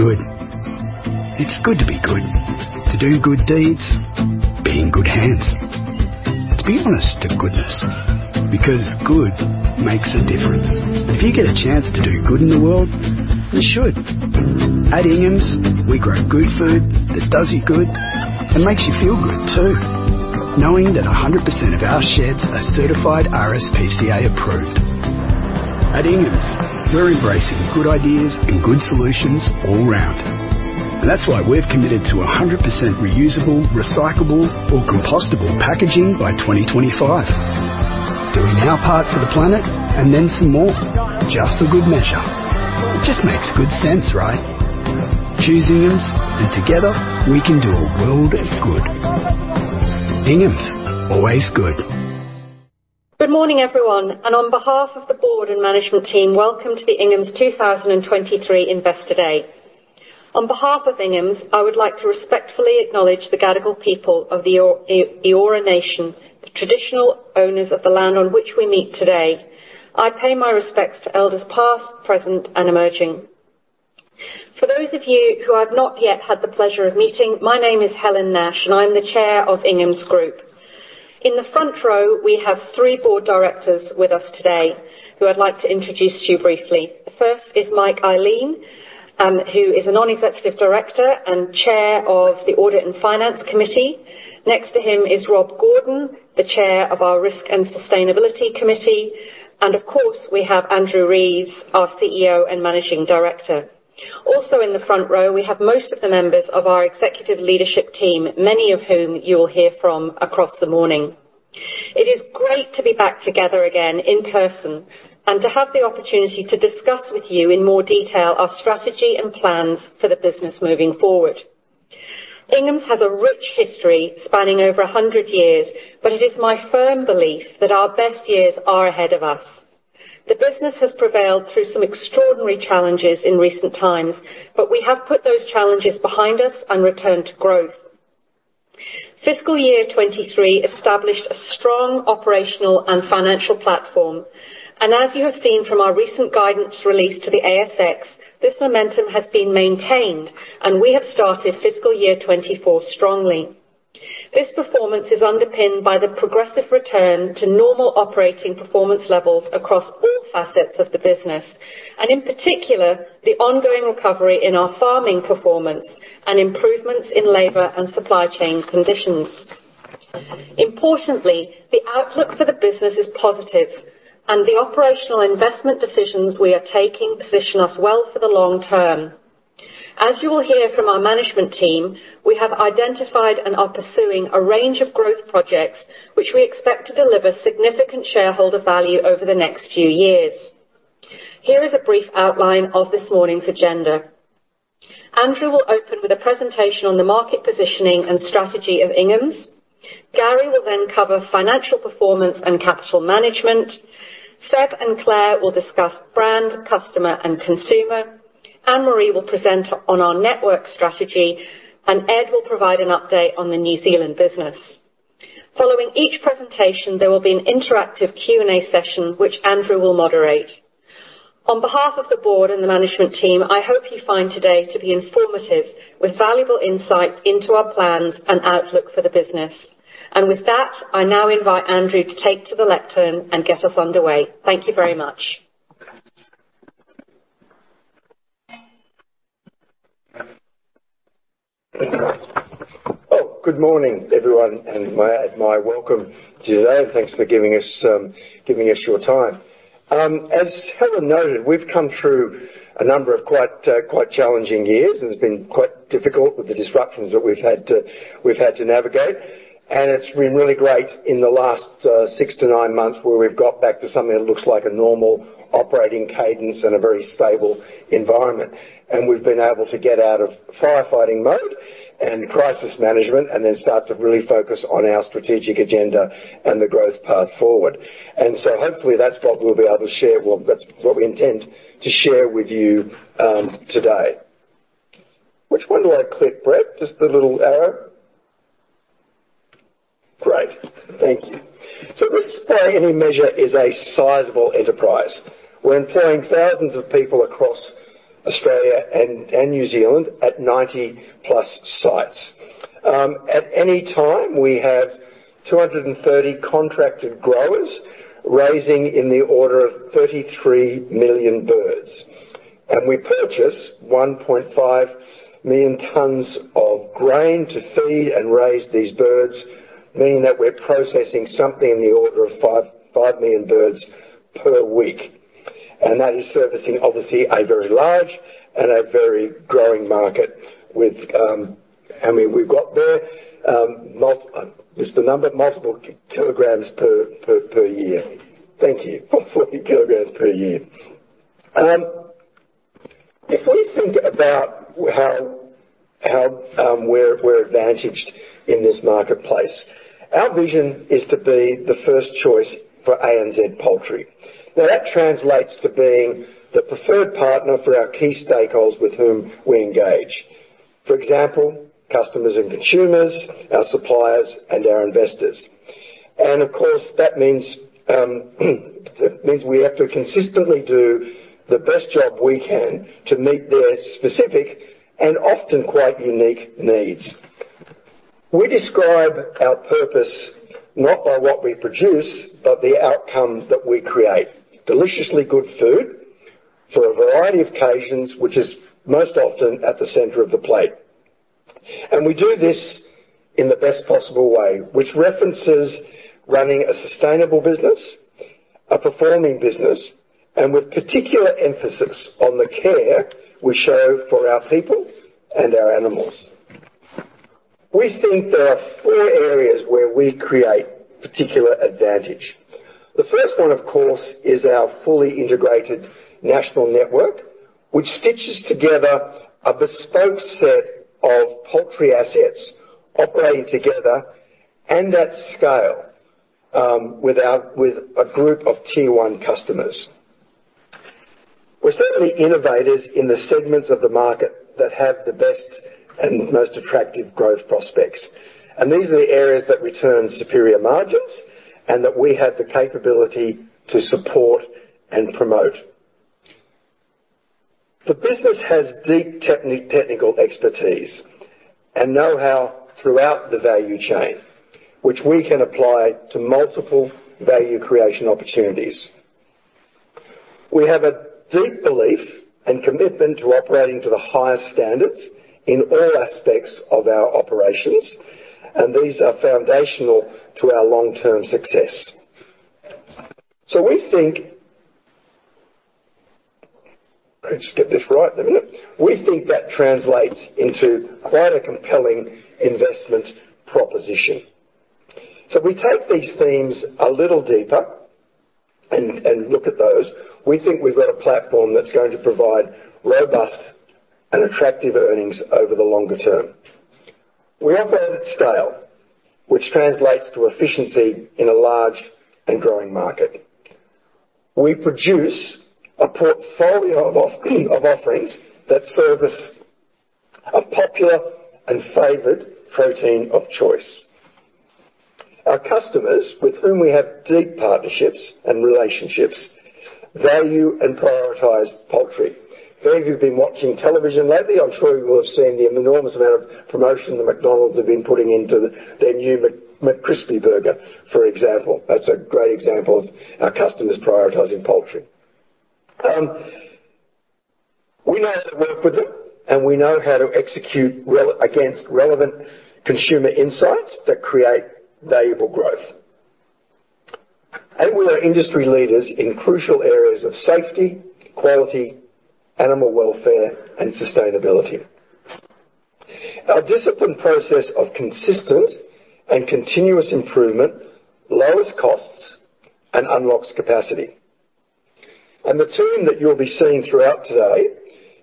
Good. It's good to be good, to do good deeds, be in good hands. Let's be honest to goodness, because good makes a difference. If you get a chance to do good in the world, you should. At Ingham's, we grow good food that does you good and makes you feel good, too, knowing that 100% of our sheds are certified RSPCA Approved. At Ingham's, we're embracing good ideas and good solutions all round. That's why we've committed to 100% reusable, recyclable, or compostable packaging by 2025. Doing our part for the planet, and then some more, just for good measure. It just makes good sense, right? Choose Ingham's, and together we can do a world of good. Ingham's, always good. Good morning, everyone, and on behalf of the Board and Management team, welcome to the Ingham's 2023 Investor Day. On behalf of Ingham's, I would like to respectfully acknowledge the Gadigal people of the Eora Nation, the traditional owners of the land on which we meet today. I pay my respects to elders, past, present, and emerging. For those of you who I've not yet had the pleasure of meeting, my name is Helen Nash, and I'm the Chair of Ingham's Group. In the front row, we have three Board Directors with us today who I'd like to introduce to you briefly. The first is Mike Ihlein, who is a Non-Executive Director and Chair of the Audit and Finance Committee. Next to him is Rob Gordon, the Chair of our Risk and Sustainability Committee. Of course, we have Andrew Reeves, our CEO and Managing Director. Also in the front row, we have most of the members of our executive leadership team, many of whom you will hear from across the morning. It is great to be back together again in person and to have the opportunity to discuss with you in more detail our strategy and plans for the business moving forward. Ingham's has a rich history spanning over 100 years, but it is my firm belief that our best years are ahead of us. The business has prevailed through some extraordinary challenges in recent times, but we have put those challenges behind us and returned to growth. Fiscal year 2023 established a strong operational and financial platform, and as you have seen from our recent guidance release to the ASX, this momentum has been maintained, and we have started fiscal year 2024 strongly. This performance is underpinned by the progressive return to normal operating performance levels across all facets of the business, and in particular, the ongoing recovery in our farming performance and improvements in labor and supply chain conditions. Importantly, the outlook for the business is positive, and the operational investment decisions we are taking position us well for the long term. As you will hear from our management team, we have identified and are pursuing a range of growth projects, which we expect to deliver significant shareholder value over the next few years. Here is a brief outline of this morning's agenda. Andrew will open with a presentation on the market positioning and strategy of Ingham's. Gary will then cover financial performance and capital management. Seb and Claire will discuss brand, customer, and consumer. Anne-Marie will present on our network strategy, and Ed will provide an update on the New Zealand business. Following each presentation, there will be an interactive Q&A session, which Andrew will moderate. On behalf of the board and the Management team, I hope you find today to be informative, with valuable insights into our plans and outlook for the business. With that, I now invite Andrew to take to the lectern and get us underway. Thank you very much. Oh, good morning, everyone, and my welcome today, and thanks for giving us your time. As Helen noted, we've come through a number of quite, quite challenging years. It's been quite difficult with the disruptions that we've had to, we've had to navigate, and it's been really great in the last 6 months-9 months, where we've got back to something that looks like a normal operating cadence and a very stable environment. We've been able to get out of firefighting moat and crisis management, and then start to really focus on our strategic agenda and the growth path forward. Hopefully, that's what we'll be able to share. Well, that's what we intend to share with you, today. Which one do I click, Brett? Just the little arrow. Great, thank you. This, by any measure, is a sizable enterprise. We're employing thousands of people across Australia and New Zealand at 90+ sites. At any time, we have 230 contracted growers, raising in the order of 33 million birds. We purchase 1.5 million tons of grain to feed and raise these birds, meaning that we're processing something in the order of 5 million birds per week. That is servicing, obviously, a very large and a very growing market with, how many we've got there? Just a number, multiple kilograms per year. Thank you. 40 kg/year. If we think about how we're advantaged in this marketplace, our vision is to be the first choice for ANZ poultry. Now, that translates to being the preferred partner for our key stakeholders with whom we engage, for example, customers and consumers, our suppliers, and our investors. Of course, that means we have to consistently do the best job we can to meet their specific and often quite unique needs. We describe our purpose not by what we produce, but the outcome that we create. Deliciously good food for a variety of occasions, which is most often at the center of the plate. We do this in the best possible way, which references running a sustainable business, a performing business, and with particular emphasis on the care we show for our people and our animals. We think there are four areas where we create particular advantage. The first one, of course, is our fully integrated national network, which stitches together a bespoke set of poultry assets operating together, and at scale, with a group of tier one customers. We're certainly innovators in the segments of the market that have the best and most attractive growth prospects, and these are the areas that return superior margins and that we have the capability to support and promote. The business has deep technical expertise and know-how throughout the value chain, which we can apply to multiple value creation opportunities. We have a deep belief and commitment to operating to the highest standards in all aspects of our operations, and these are foundational to our long-term success. We think let me just get this right in a minute. We think that translates into quite a compelling investment proposition. We take these themes a little deeper and look at those. We think we've got a platform that's going to provide robust and attractive earnings over the longer term. We have benefit scale, which translates to efficiency in a large and growing market. We produce a portfolio of offerings that service a popular and favored protein of choice. Our customers, with whom we have deep partnerships and relationships, value and prioritize poultry. If any of you have been watching television lately, I'm sure you will have seen the enormous amount of promotion that McDonald's have been putting into their new McCrispy burger, for example. That's a great example of our customers prioritizing poultry. We know how to work with them, and we know how to execute well against relevant consumer insights that create valuable growth. We are industry leaders in crucial areas of safety, quality, animal welfare, and sustainability. Our disciplined process of consistent and continuous improvement lowers costs and unlocks capacity. The team that you'll be seeing throughout today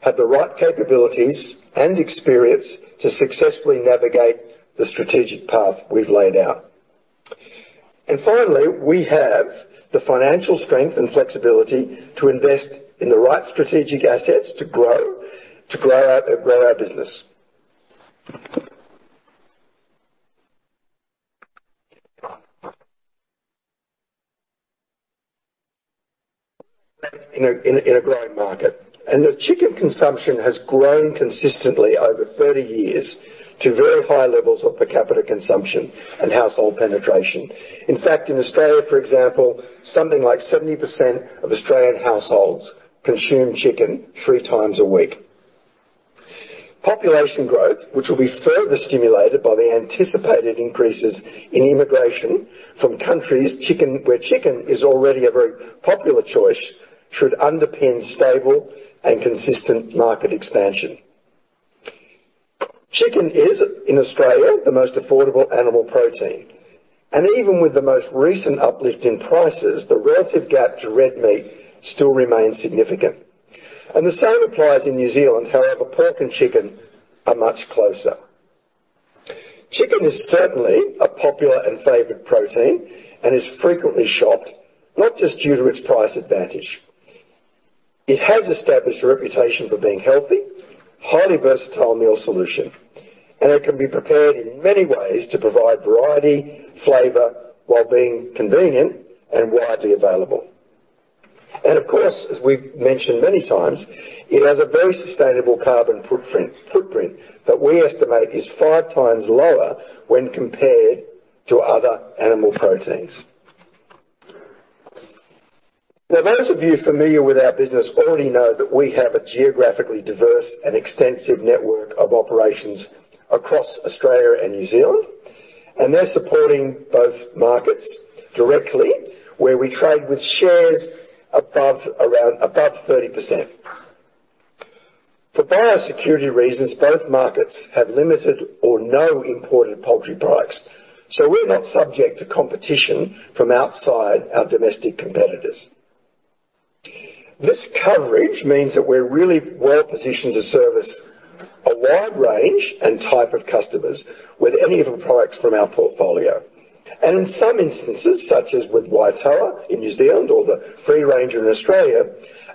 have the right capabilities and experience to successfully navigate the strategic path we've laid out. Finally, we have the financial strength and flexibility to invest in the right strategic assets to grow our business. In a growing market, chicken consumption has grown consistently over 30 years to very high levels of per capita consumption and household penetration. In fact, in Australia, for example, something like 70% of Australian households consume chicken 3x a week. Population growth, which will be further stimulated by the anticipated increases in immigration from countries where chicken is already a very popular choice, should underpin stable and consistent market expansion. Chicken is in Australia, the most affordable animal protein, and even with the most recent uplift in prices, the relative gap to red meat still remains significant. The same applies in New Zealand, however, pork and chicken are much closer. Chicken is certainly a popular and favored protein and is frequently shopped, not just due to its price advantage. It has established a reputation for being healthy, highly versatile meal solution, and it can be prepared in many ways to provide variety, flavor, while being convenient and widely available. Of course, as we've mentioned many times, it has a very sustainable carbon footprint that we estimate is 5x lower when compared to other animal proteins. Now, those of you familiar with our business already know that we have a geographically diverse and extensive network of operations across Australia and New Zealand, and they're supporting both markets directly, where we trade with shares above around, above 30%. For biosecurity reasons, both markets have limited or no imported poultry products, so we're not subject to competition from outside our domestic competitors. This coverage means that we're really well positioned to service a wide range and type of customers with any of the products from our portfolio. In some instances, such as with Waitoa in New Zealand or the Free Ranger in Australia,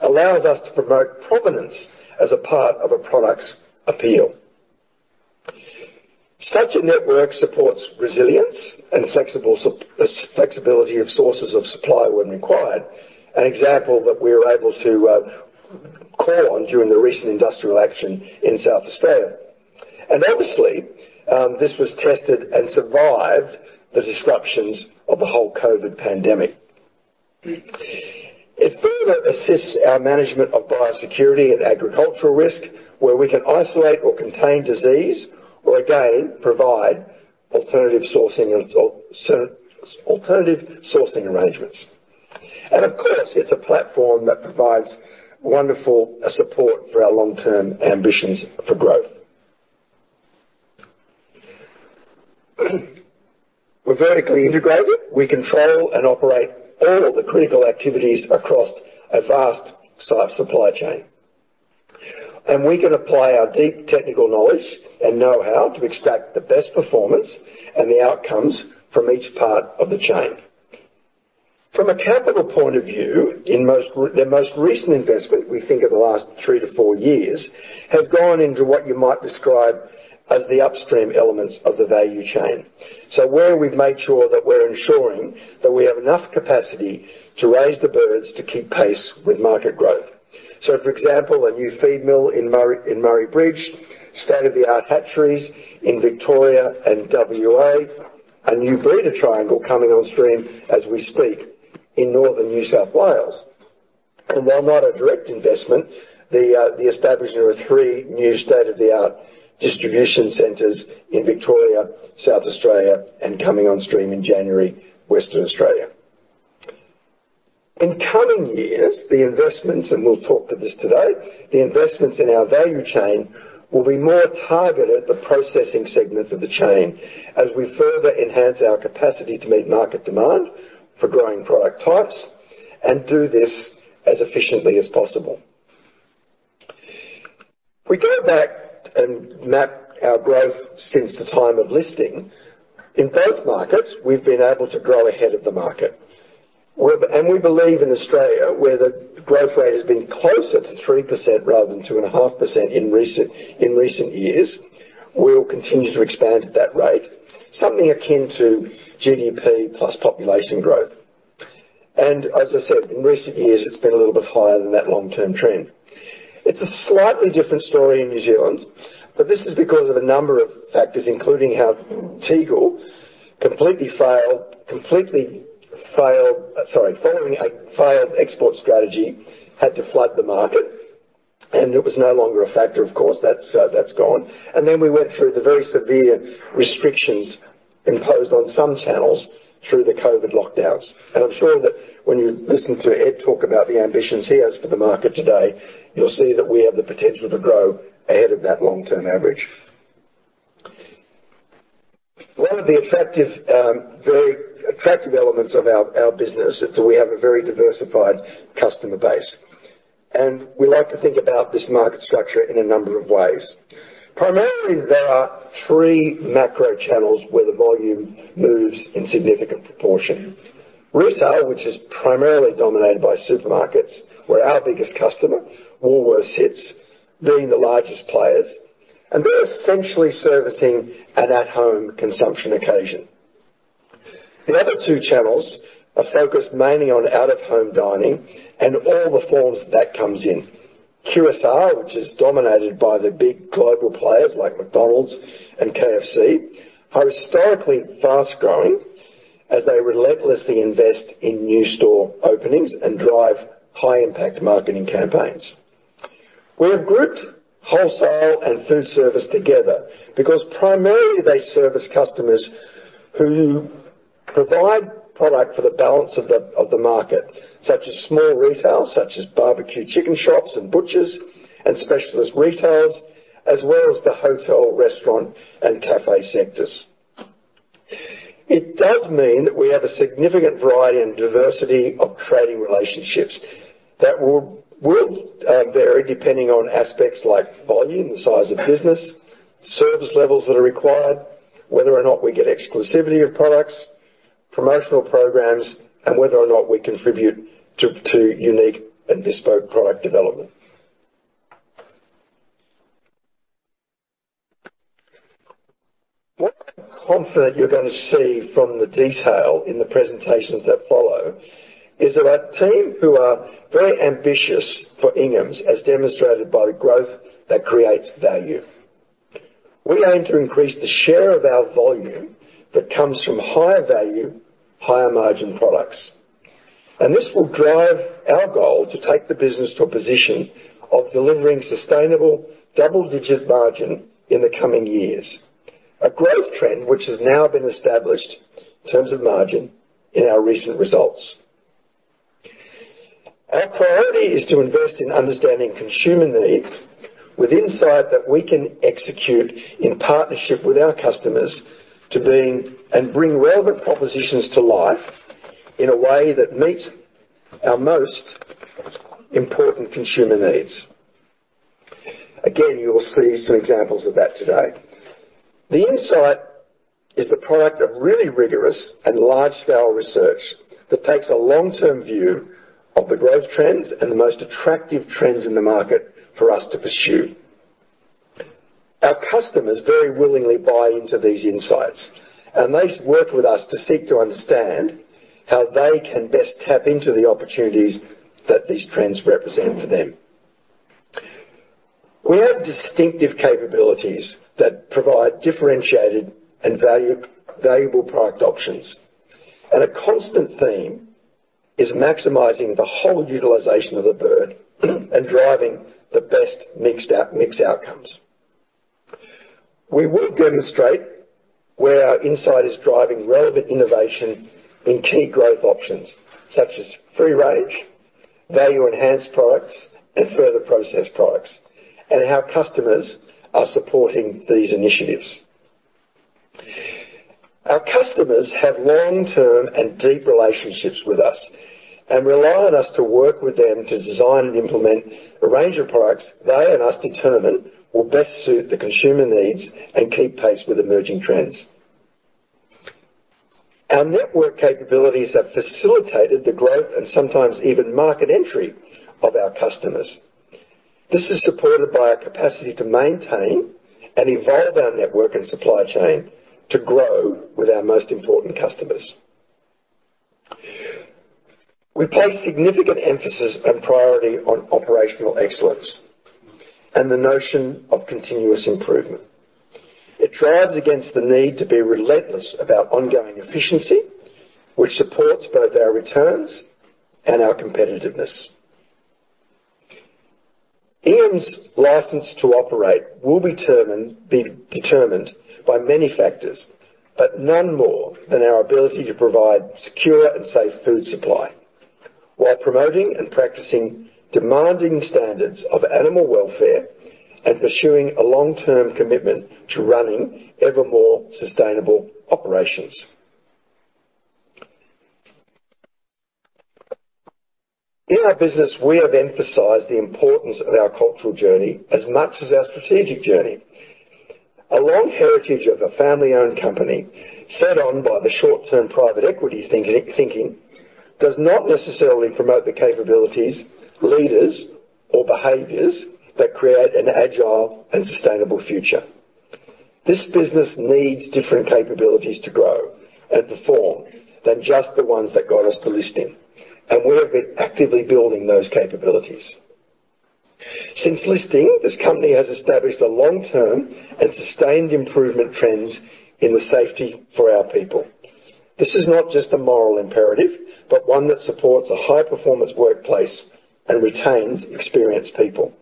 allows us to promote provenance as a part of a product's appeal. Such a network supports resilience and flexibility of sources of supply when required, an example that we were able to call on during the recent industrial action in South Australia. Obviously, this was tested and survived the disruptions of the whole COVID pandemic. It further assists our management of biosecurity and agricultural risk, where we can isolate or contain disease, or again, provide alternative sourcing and, or certain alternative sourcing arrangements. Of course, it's a platform that provides wonderful support for our long-term ambitions for growth. We're vertically integrated. We control and operate all the critical activities across a vast supply chain, and we can apply our deep technical knowledge and know-how to extract the best performance and the outcomes from each part of the chain. From a capital point of view, the most recent investment, we think of the last 3 years-4 years, has gone into what you might describe as the upstream elements of the value chain. Where we've made sure that we're ensuring that we have enough capacity to raise the birds to keep pace with market growth. For example, a new feed mill in Murray Bridge, state-of-the-art hatcheries in Victoria and WA, a new breeder triangle coming on stream as we speak in northern New South Wales. While not a direct investment, the establishment of 3 new state-of-the-art distribution centers in Victoria, South Australia, and coming on stream in January, Western Australia. In coming years, the investments, and we'll talk to this today, the investments in our value chain will be more targeted at the processing segments of the chain as we further enhance our capacity to meet market demand for growing product types and do this as efficiently as possible. If we go back and map our growth since the time of listing, in both markets, we've been able to grow ahead of the market. We believe in Australia, where the growth rate has been closer to 3% rather than 2.5% in recent years, we'll continue to expand at that rate, something akin to GDP+ population growth. As I said, in recent years, it's been a little bit higher than that long-term trend. It's a slightly different story in New Zealand, but this is because of a number of factors, including how Tegel completely failed. Sorry, following a failed export strategy, had to flood the market, and it was no longer a factor, of course, that's gone. Then we went through the very severe restrictions imposed on some channels through the COVID lockdowns. I'm sure that when you listen to Ed talk about the ambitions he has for the market today, you'll see that we have the potential to grow ahead of that long-term average. One of the attractive, very attractive elements of our business is that we have a very diversified customer base, and we like to think about this market structure in a number of ways. Primarily, there are three macro channels where the volume moves in significant proportion. Retail, which is primarily dominated by supermarkets, where our biggest customer, Woolworths, sits, being the largest players, and they're essentially servicing an at-home consumption occasion. The other two channels are focused mainly on out-of-home dining and all the forms that comes in. QSR, which is dominated by the big global players like McDonald's and KFC, are historically fast-growing as they relentlessly invest in new store openings and drive high-impact marketing campaigns. We have grouped wholesale and food service together because primarily they service customers who provide product for the balance of the market, such as small retail, such as barbecue chicken shops and butchers and specialist retailers, as well as the hotel, restaurant, and cafe sectors. It does mean that we have a significant variety and diversity of trading relationships that will vary depending on aspects like volume, the size of business, service levels that are required, whether or not we get exclusivity of products, promotional programs, and whether or not we contribute to unique and bespoke product development. What I'm confident you're going to see from the detail in the presentations that follow is that our team, who are very ambitious for Ingham's, as demonstrated by the growth, that creates value. We aim to increase the share of our volume that comes from higher value, higher margin products, and this will drive our goal to take the business to a position of delivering sustainable double-digit margin in the coming years, a growth trend which has now been established in terms of margin in our recent results. Our priority is to invest in understanding consumer needs with insight that we can execute in partnership with our customers to bring relevant propositions to life in a way that meets our most important consumer needs. Again, you will see some examples of that today. The insight is the product of really rigorous and large-scale research that takes a long-term view of the growth trends and the most attractive trends in the market for us to pursue. Our customers very willingly buy into these insights, and they work with us to seek to understand how they can best tap into the opportunities that these trends represent for them. We have distinctive capabilities that provide differentiated and valuable product options, and a constant theme is maximizing the whole utilization of the bird and driving the best mix outcomes. We will demonstrate where our insight is driving relevant innovation in key growth options such as free range, Value Enhanced products, and further processed products, and how customers are supporting these initiatives. Our customers have long-term and deep relationships with us and rely on us to work with them to design and implement a range of products they and us determine will best suit the consumer needs and keep pace with emerging trends. Our network capabilities have facilitated the growth and sometimes even market entry of our customers. This is supported by our capacity to maintain and evolve our network and supply chain to grow with our most important customers. We place significant emphasis and priority on operational excellence and the notion of continuous improvement. It drives against the need to be relentless about ongoing efficiency, which supports both our returns and our competitiveness. Ingham's license to operate will be determined by many factors, but none more than our ability to provide secure and safe food supply, while promoting and practicing demanding standards of animal welfare and pursuing a long-term commitment to running ever more sustainable operations. In our business, we have emphasized the importance of our cultural journey as much as our strategic journey. A long heritage of a family-owned company set on by the short-term private equity thinking does not necessarily promote the capabilities, leaders, or behaviors that create an agile and sustainable future. This business needs different capabilities to grow and perform than just the ones that got us to listing, and we have been actively building those capabilities. Since listing, this company has established a long-term and sustained improvement trends in the safety for our people. This is not just a moral imperative, but one that supports a high-performance workplace and retains experienced people.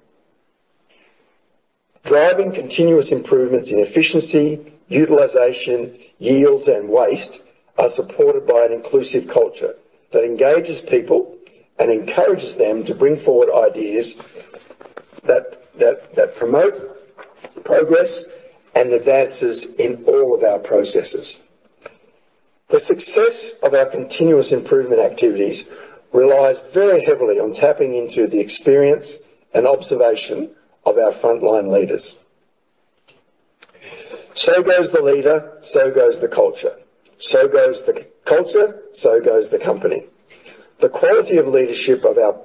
Driving continuous improvements in efficiency, utilization, yields, and waste are supported by an inclusive culture that engages people and encourages them to bring forward ideas that promote progress and advances in all of our processes. The success of our continuous improvement activities relies very heavily on tapping into the experience and observation of our frontline leaders. Goes the leader, so goes the culture. Goes the culture, so goes the company. The quality of leadership of our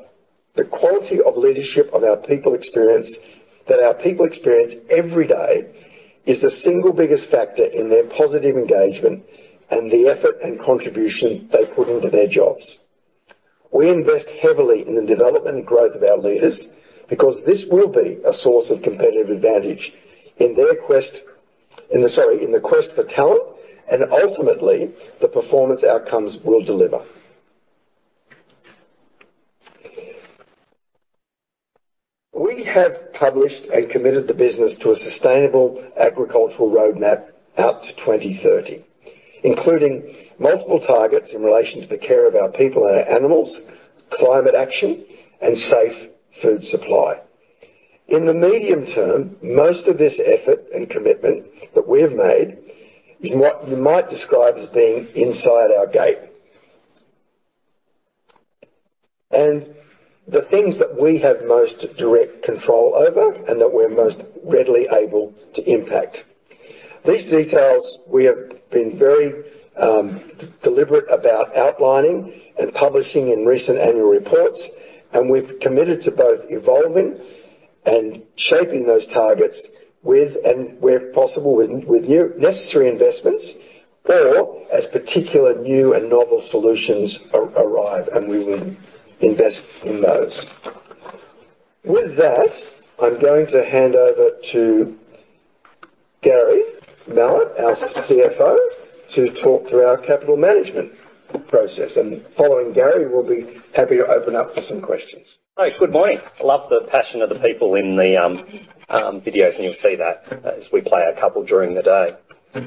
people experience, that our people experience every day, is the single biggest factor in their positive engagement and the effort and contribution they put into their jobs. We invest heavily in the development and growth of our leaders because this will be a source of competitive advantage in the quest for talent, and ultimately, the performance outcomes will deliver. We have published and committed the business to a sustainable agricultural roadmap out to 2030, including multiple targets in relation to the care of our people and our animals, climate action, and safe food supply. In the medium term, most of this effort and commitment that we have made is what you might describe as being inside our gate. The things that we have most direct control over and that we're most readily able to impact. These details, we have been very deliberate about outlining and publishing in recent annual reports, and we've committed to both evolving and shaping those targets with, and where possible, with new necessary investments or as particular new and novel solutions arrive, and we will invest in those. With that, I'm going to hand over to Gary Mallett, our CFO, to talk through our capital management process. Following Gary, we'll be happy to open up for some questions. Hi, good morning. I love the passion of the people in the videos, and you'll see that as we play a couple during the day.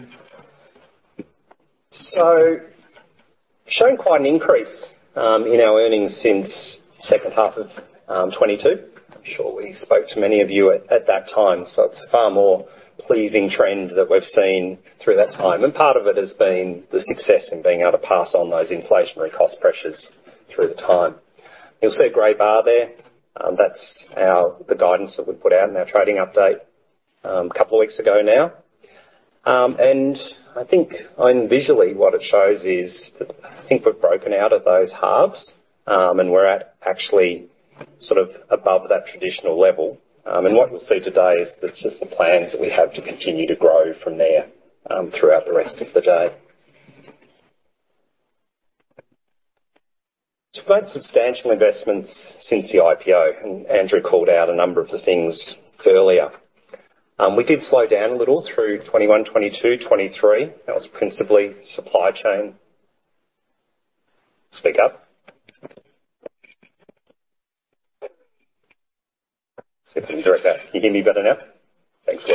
Shown quite an increase in our earnings since second half of 2022. I'm sure we spoke to many of you at, at that time, so it's a far more pleasing trend that we've seen through that time. Part of it has been the success in being able to pass on those inflationary cost pressures through the time. You'll see a gray bar there, that's our, the guidance that we put out in our trading update, a couple of weeks ago now. I think, I mean, visually, what it shows is that I think we've broken out of those halves, and we're at actually sort of above that traditional level. What we'll see today is just the plans that we have to continue to grow from there, throughout the rest of the day. We've made substantial investments since the IPO, and Andrew called out a number of the things earlier. We did slow down a little through 2021, 2022, 2023. That was principally supply chain. Speak up? See if we can direct that. Can you hear me better now? Thanks.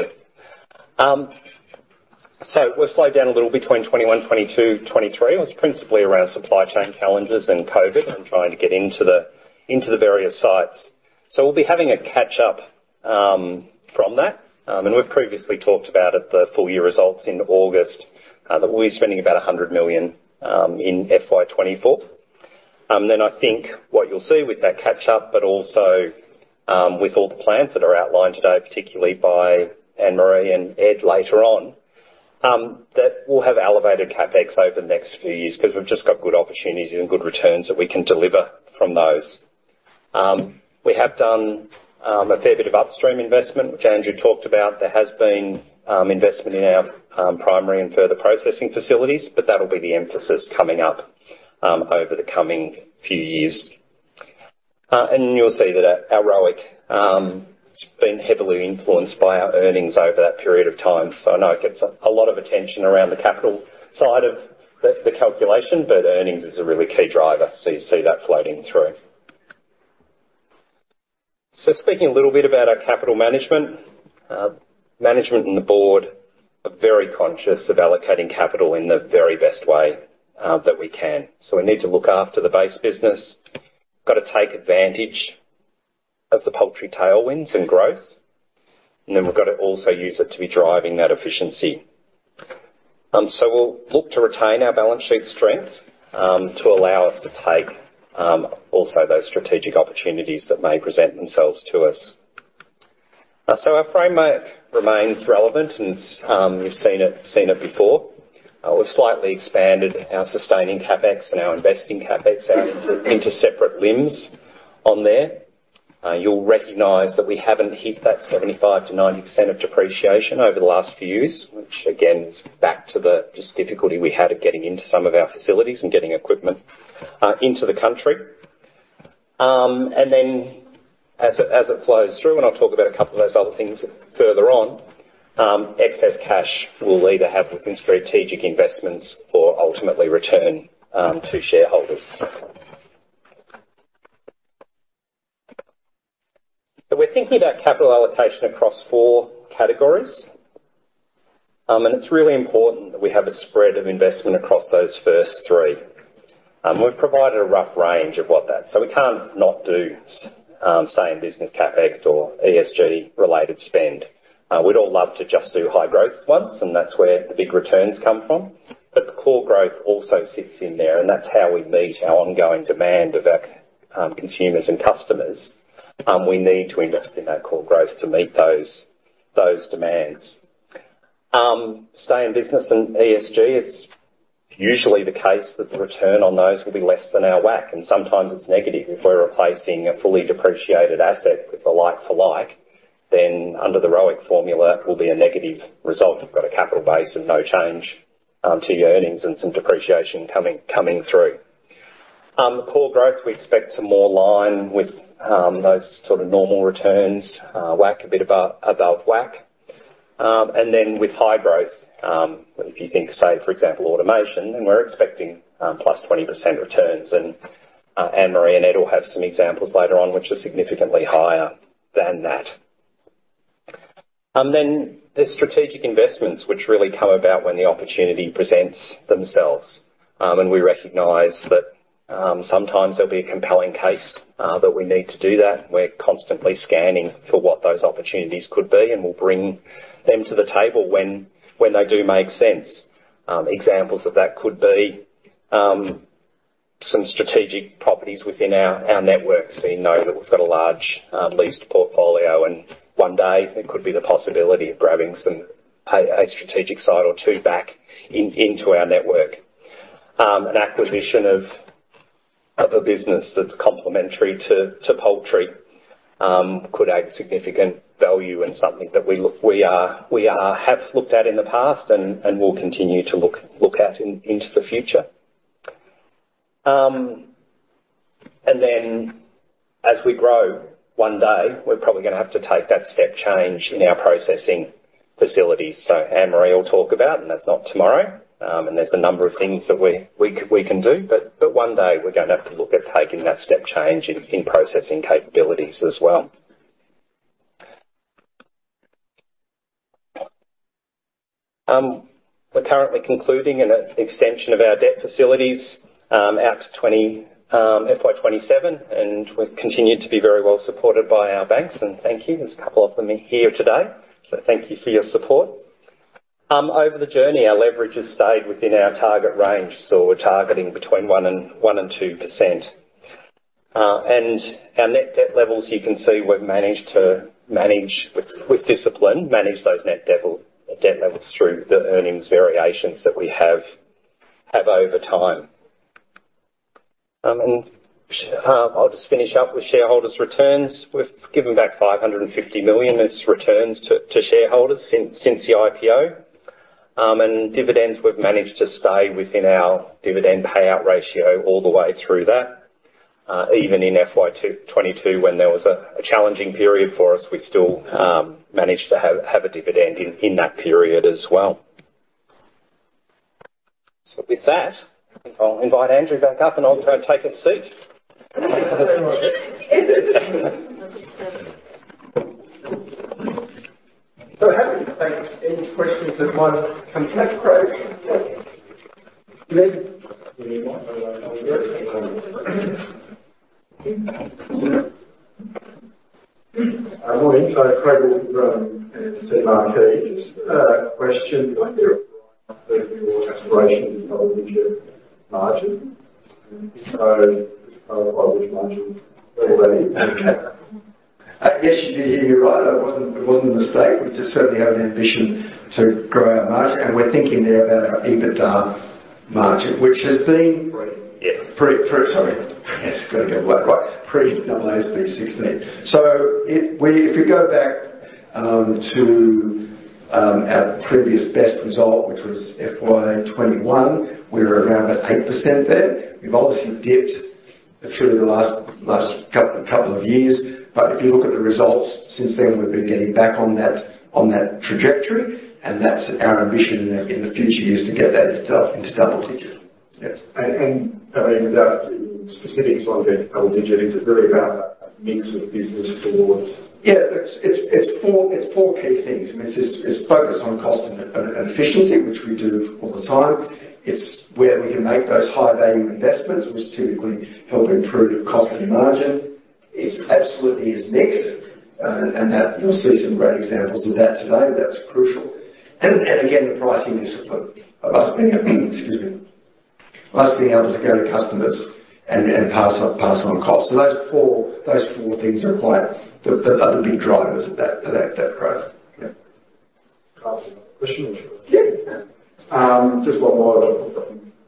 We've slowed down a little between 2021, 2022, 2023. It was principally around supply chain challenges and COVID, and trying to get into the, into the various sites. We'll be having a catch-up, from that. We've previously talked about at the full year results in August, that we'll be spending about 100 million, in FY 2024. Then I think what you'll see with that catch up, but also, with all the plans that are outlined today, particularly by Anne-Marie and Ed later on, that we'll have elevated CapEx over the next few years because we've just got good opportunities and good returns that we can deliver from those. We have done a fair bit of upstream investment, which Andrew talked about. There has been investment in our primary and further processing facilities, but that'll be the emphasis coming up over the coming few years. You'll see that our ROIC, it's been heavily influenced by our earnings over that period of time, so I know it gets a lot of attention around the capital side of the calculation, but earnings is a really key driver, so you see that floating through. Speaking a little bit about our capital management. Management and the Board are very conscious of allocating capital in the very best way that we can. We need to look after the base business. Got to take advantage of the poultry tailwinds and growth, and then we've got to also use it to be driving that efficiency. We'll look to retain our balance sheet strength to allow us to take also those strategic opportunities that may present themselves to us. Or framework remains relevant, and we've seen it before. We've slightly expanded our sustaining CapEx and our investing CapEx out into separate limbs on there. You'll recognize that we haven't hit that 75%-90% of depreciation over the last few years, which again, is back to the just difficulty we had of getting into some of our facilities and getting equipment into the country. Then as it flows through, and I'll talk about a couple of those other things further on, excess cash will either have strategic investments or ultimately return to shareholders. We're thinking about capital allocation across four categories, and it's really important that we have a spread of investment across those first three. We've provided a rough range of what that, we can't not do stay in business CapEx or ESG-related spend. We'd all love to just do high growth ones, and that's where the big returns come from. The core growth also sits in there, and that's how we meet our ongoing demand of our consumers and customers. We need to invest in that core growth to meet those demands. Stay in business and ESG, it's usually the case that the return on those will be less than our WACC, and sometimes it's negative. If we're replacing a fully depreciated asset with a like-for-like, then under the ROIC formula, it will be a negative result. You've got a capital base and no change to your earnings and some depreciation coming through. The core growth, we expect to more align with those sort of normal returns, WACC, a bit above WACC. Then with high growth, if you think, say, for example, automation, then we're expecting +20% returns, and Anne-Marie and Ed will have some examples later on, which are significantly higher than that. Then there's strategic investments which really come about when the opportunity presents themselves. We recognize that, sometimes there'll be a compelling case that we need to do that. We're constantly scanning for what those opportunities could be, and we'll bring them to the table when they do make sense. Examples of that could be some strategic properties within our network. You know that we've got a large leased portfolio, and one day there could be the possibility of grabbing some strategic site or two back into our network. An acquisition of a business that's complementary to poultry could add significant value and something that we have looked at in the past and will continue to look into the future. Then as we grow, one day, we're probably gonna have to take that step change in our processing facilities. Anne-Marie will talk about, and that's not tomorrow. There's a number of things that we can do, but one day we're gonna have to look at taking that step change in processing capabilities as well. We're currently concluding an extension of our debt facilities out to FY 2027, and we've continued to be very well supported by our banks. Thank you. There's a couple of them here today, so thank you for your support. Over the journey, our leverage has stayed within our target range, so we're targeting between 1%-2%. Our net debt levels, you can see we've managed to manage with discipline, manage those net debt levels through the earnings variations that we have over time. I'll just finish up with shareholders' returns. We've given back 550 million as returns to shareholders since the IPO. Dividends, we've managed to stay within our dividend payout ratio all the way through that. Even in FY 2022, when there was a challenging period for us, we still managed to have a dividend in that period as well. With that, I'll invite Andrew back up, and I'll go take a seat. Thanks very much. Happy to take any questions that might come through. Good morning. Craig Woolford from MST Marquee. Just a question, your aspirations in double-digit margin. Just clarify which margin that is? Okay. Yes, you did hear me right. It wasn't, it wasn't a mistake. We just certainly have an ambition to grow our margin, and we're thinking there about our EBITDA margin, which has been- Pre. Yes. Sorry. Yes, got to get that right. Pre-AASB 16. If we go back to our previous best result, which was FY 2021, we were around about 8% there. We've obviously dipped through the last couple of years, but if you look at the results since then, we've been getting back on that trajectory, and that's our ambition in the future years, to get that into double digits. Yes, I mean, without getting specific to on double digits, is it really about a mix of business forward? Yeah, it's four key things. I mean, it's focused on cost and efficiency, which we do all the time. It's where we can make those high-value investments, which typically help improve cost and margin. It absolutely is mix, and that you'll see some great examples of that today. That's crucial. Again, pricing discipline. Us being, excuse me, us being able to go to customers and pass on costs. Those four things are the big drivers of that growth. Yeah. Awesome. Additional question. Yeah. Just one more,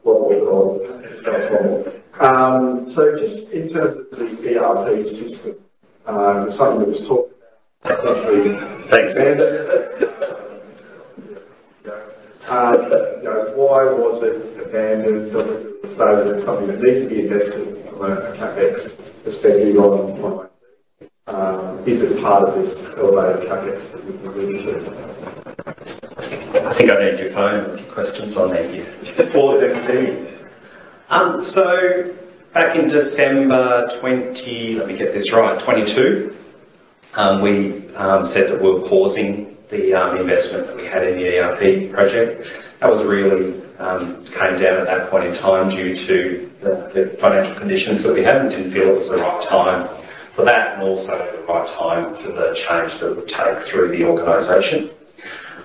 one more. Just in terms of the ERP system, something that was talked about. Why was it abandoned? Something that needs to be invested from a CapEx perspective on, is it part of this elevated CapEx that you've committed to? I think I need your phone with your questions on there here. For the feed. Back in December 2022, we said that we were pausing the investment that we had in the ERP project. That really came down at that point in time due to the financial conditions that we had and didn't feel it was the right time for that and also the right time for the change that it would take through the organization.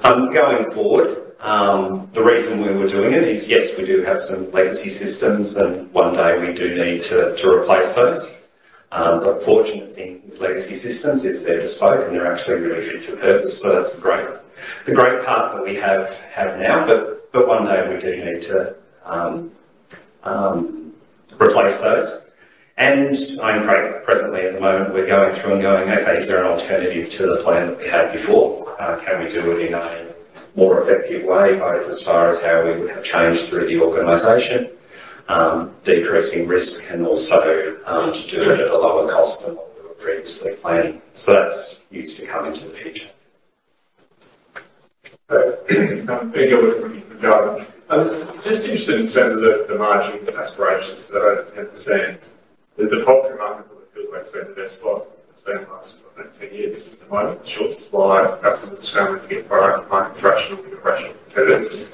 Going forward, the reason we were doing it is, yes, we do have some legacy systems, and one day we do need to replace those. Fortunate thing with legacy systems is they're bespoke, and they're actually really fit for purpose, so that's the great part that we have now, but one day we do need to replace those. I am quite presently, at the moment, we're going through and going, "Okay, is there an alternative to the plan that we had before? Can we do it in a more effective way, both as far as how we would have changed through the organization, decreasing risk and also, to do it at a lower cost than what we were previously planning?" That's yet to come into the future. Just interested in terms of the margin aspirations, that over 10%. The property market feels like it's been the best lot it's been in the last, I don't know, 10 years. At the moment, short supply, customers are starting to get rational, rational competitors.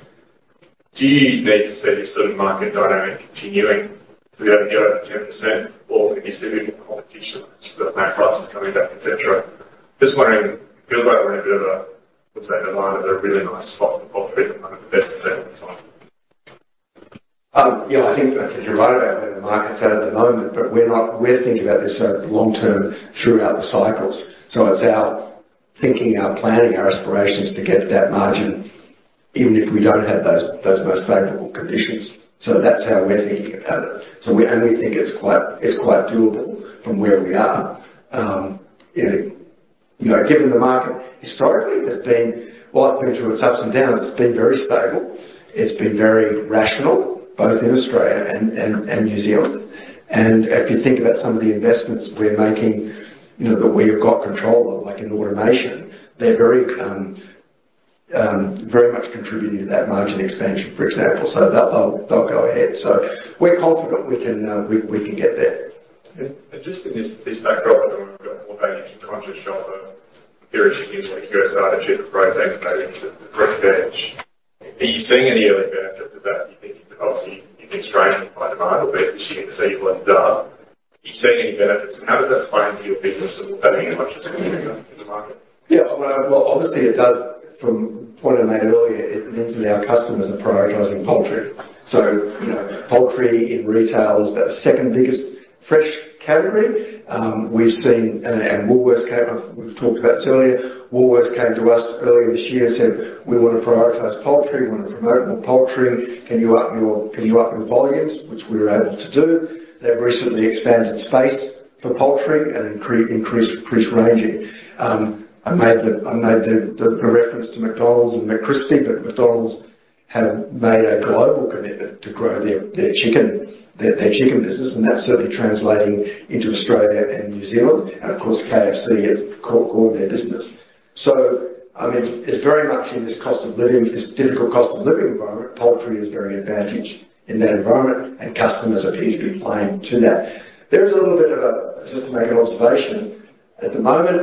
Do you need to see this sort of market dynamic continuing to be over 10%, or do you see the competition, the prices coming back, et cetera? Just wondering, feels like we're in a bit of a, let's say, the line of a really nice spot for the moment, best sale on time. Yeah, I think, I think you're right about where the market's at, at the moment, but we're thinking about this over the long term, throughout the cycles. It's our thinking, our planning, our aspirations to get to that margin, even if we don't have those, those most favorable conditions. That's how we're thinking about it. We only think it's quite, it's quite doable from where we are. You know, given the market historically has been, while it's been through its ups and downs, it's been very stable, it's been very rational, both in Australia and, and, and New Zealand. If you think about some of the investments we're making, you know, that we have got control of, like in automation, they're very, very much contributing to that margin expansion, for example. They'll, they'll, they'll go ahead. We're confident we can get there. Just in this, this backdrop, we've got more value-conscious shopper. Theoretically, U.S. side, cheaper protein values at the front edge. Are you seeing any early benefits of that? Do you think, obviously, you've been strained by demand a bit this year, so you've learned, You see any benefits, and how does that play into your business and earning conscious in the market? Yeah, well, obviously it does. From the point I made earlier, it means that our customers are prioritizing poultry. You know, poultry in retail is about the second biggest fresh category. We've seen, and Woolworths came up. We've talked about this earlier. Woolworths came to us earlier this year, said, "We want to prioritize poultry. We want to promote more poultry. Can you up your, can you up your volumes?" Which we were able to do. They've recently expanded space for poultry and increased ranging. I made the reference to McDonald's and McCrispy, but McDonald's have made a global commitment to grow their chicken business, and that's certainly translating into Australia and New Zealand. And of course, KFC is the core of their business. I mean, it's very much in this cost of living, this difficult cost of living environment, poultry is very advantaged in that environment, and customers appear to be playing to that. There is a little bit of a, just to make an observation, at the moment,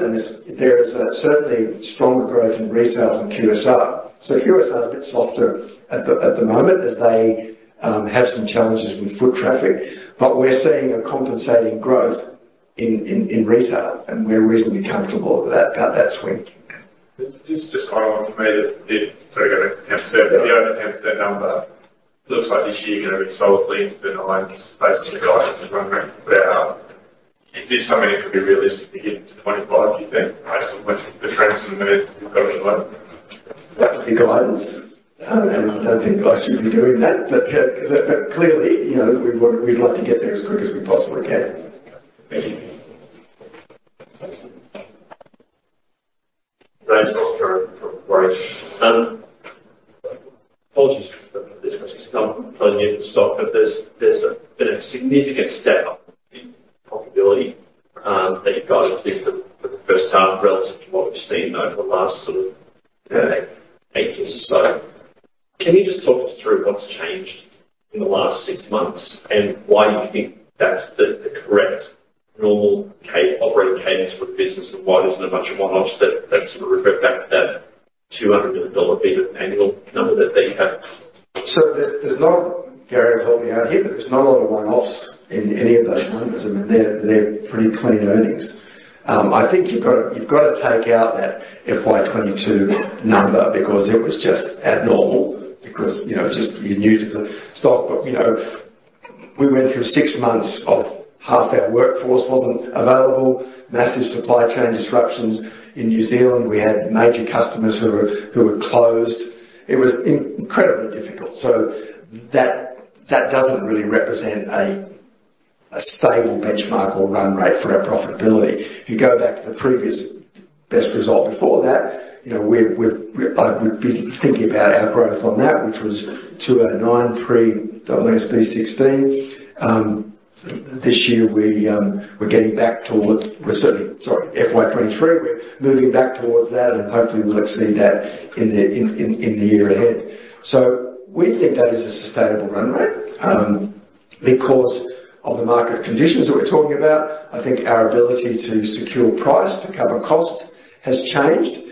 there is certainly stronger growth in retail than QSR. QSR is a bit softer at the moment as they have some challenges with foot traffic, but we're seeing a compensating growth in retail, and we're reasonably comfortable with that, about that swing. This is just kind of on for me, the, sorry, going back to 10%, the over 10% number. Looks like this year you're going to be solidly into the 9s, basically. I'm just wondering where is this something that could be realistic to get into 25, do you think, based on the trends and the development? That would be guidance, and I don't think I should be doing that. Clearly, you know, we'd like to get there as quick as we possibly can. Thanks. Apologies for this question, because I'm fairly new to the stock, but there's been a significant step up in profitability that you guys have seen for the first half relative to what we've seen over the last sort of eight years or so. Can you just talk us through what's changed in the last six months, and why you think that's the correct normal operating cadence for the business and why there isn't a bunch of one-offs that sort of refer back to that 200 million EBIT annual number that they have? There's not. Gary will help me out here, but there's not a lot of one-offs in any of those numbers. I mean, they're pretty clean earnings. I think you've got to take out that FY 2022 number because it was just abnormal because, you know, just you're new to the stock. You know, we went through six months of half our workforce wasn't available, massive supply chain disruptions in New Zealand. We had major customers who were closed. It was incredibly difficult. That doesn't really represent a stable benchmark or run rate for our profitability. If you go back to the previous best result before that, you know, we're, I would be thinking about our growth on that, which was 209 pre-AASB 16. This year, we're getting back towards, we're certainly sorry, FY 2023, we're moving back towards that, and hopefully, we'll exceed that in the year ahead. We think that is a sustainable run rate. Because of the market conditions that we're talking about, I think our ability to secure price, to cover costs has changed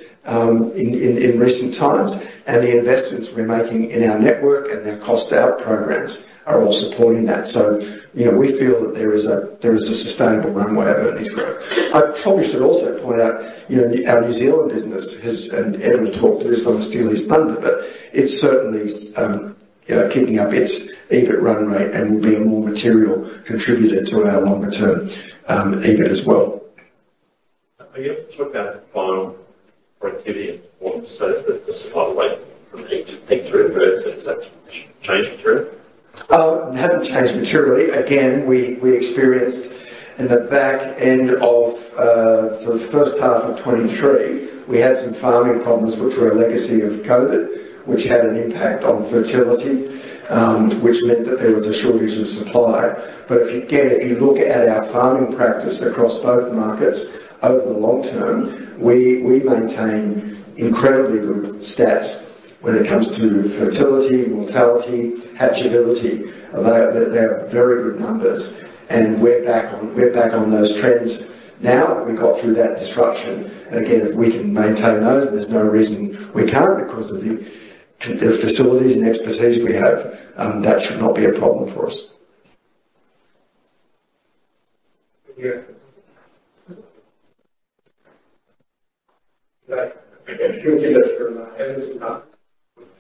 in recent times, and the investments we're making in our network and their cost out programs are all supporting that. You know, we feel that there is a sustainable runway of earnings growth. I probably should also point out, you know, our New Zealand business has, and Edward talked to this on the Tegel's blunder, but it's certainly, you know, keeping up its EBIT run rate and will be a more material contributor to our longer-term EBIT as well. Are you able to talk about farm productivity and performance? This is quite a way from H to birds, has that changed materially? It hasn't changed materially. Again, we, we experienced in the back end of the first half of 2023, we had some farming problems, which were a legacy of COVID, which had an impact on fertility, which meant that there was a shortage of supply. If you, again, if you look at our farming practice across both markets over the long term, we, we maintain incredibly good stats when it comes to fertility, mortality, hatchability. They are, they are very good numbers, and we're back on, we're back on those trends now that we got through that disruption. Again, if we can maintain those, and there's no reason we can't because of the, the facilities and expertise we have, that should not be a problem for us. Yeah. Great. Thank you, Edward.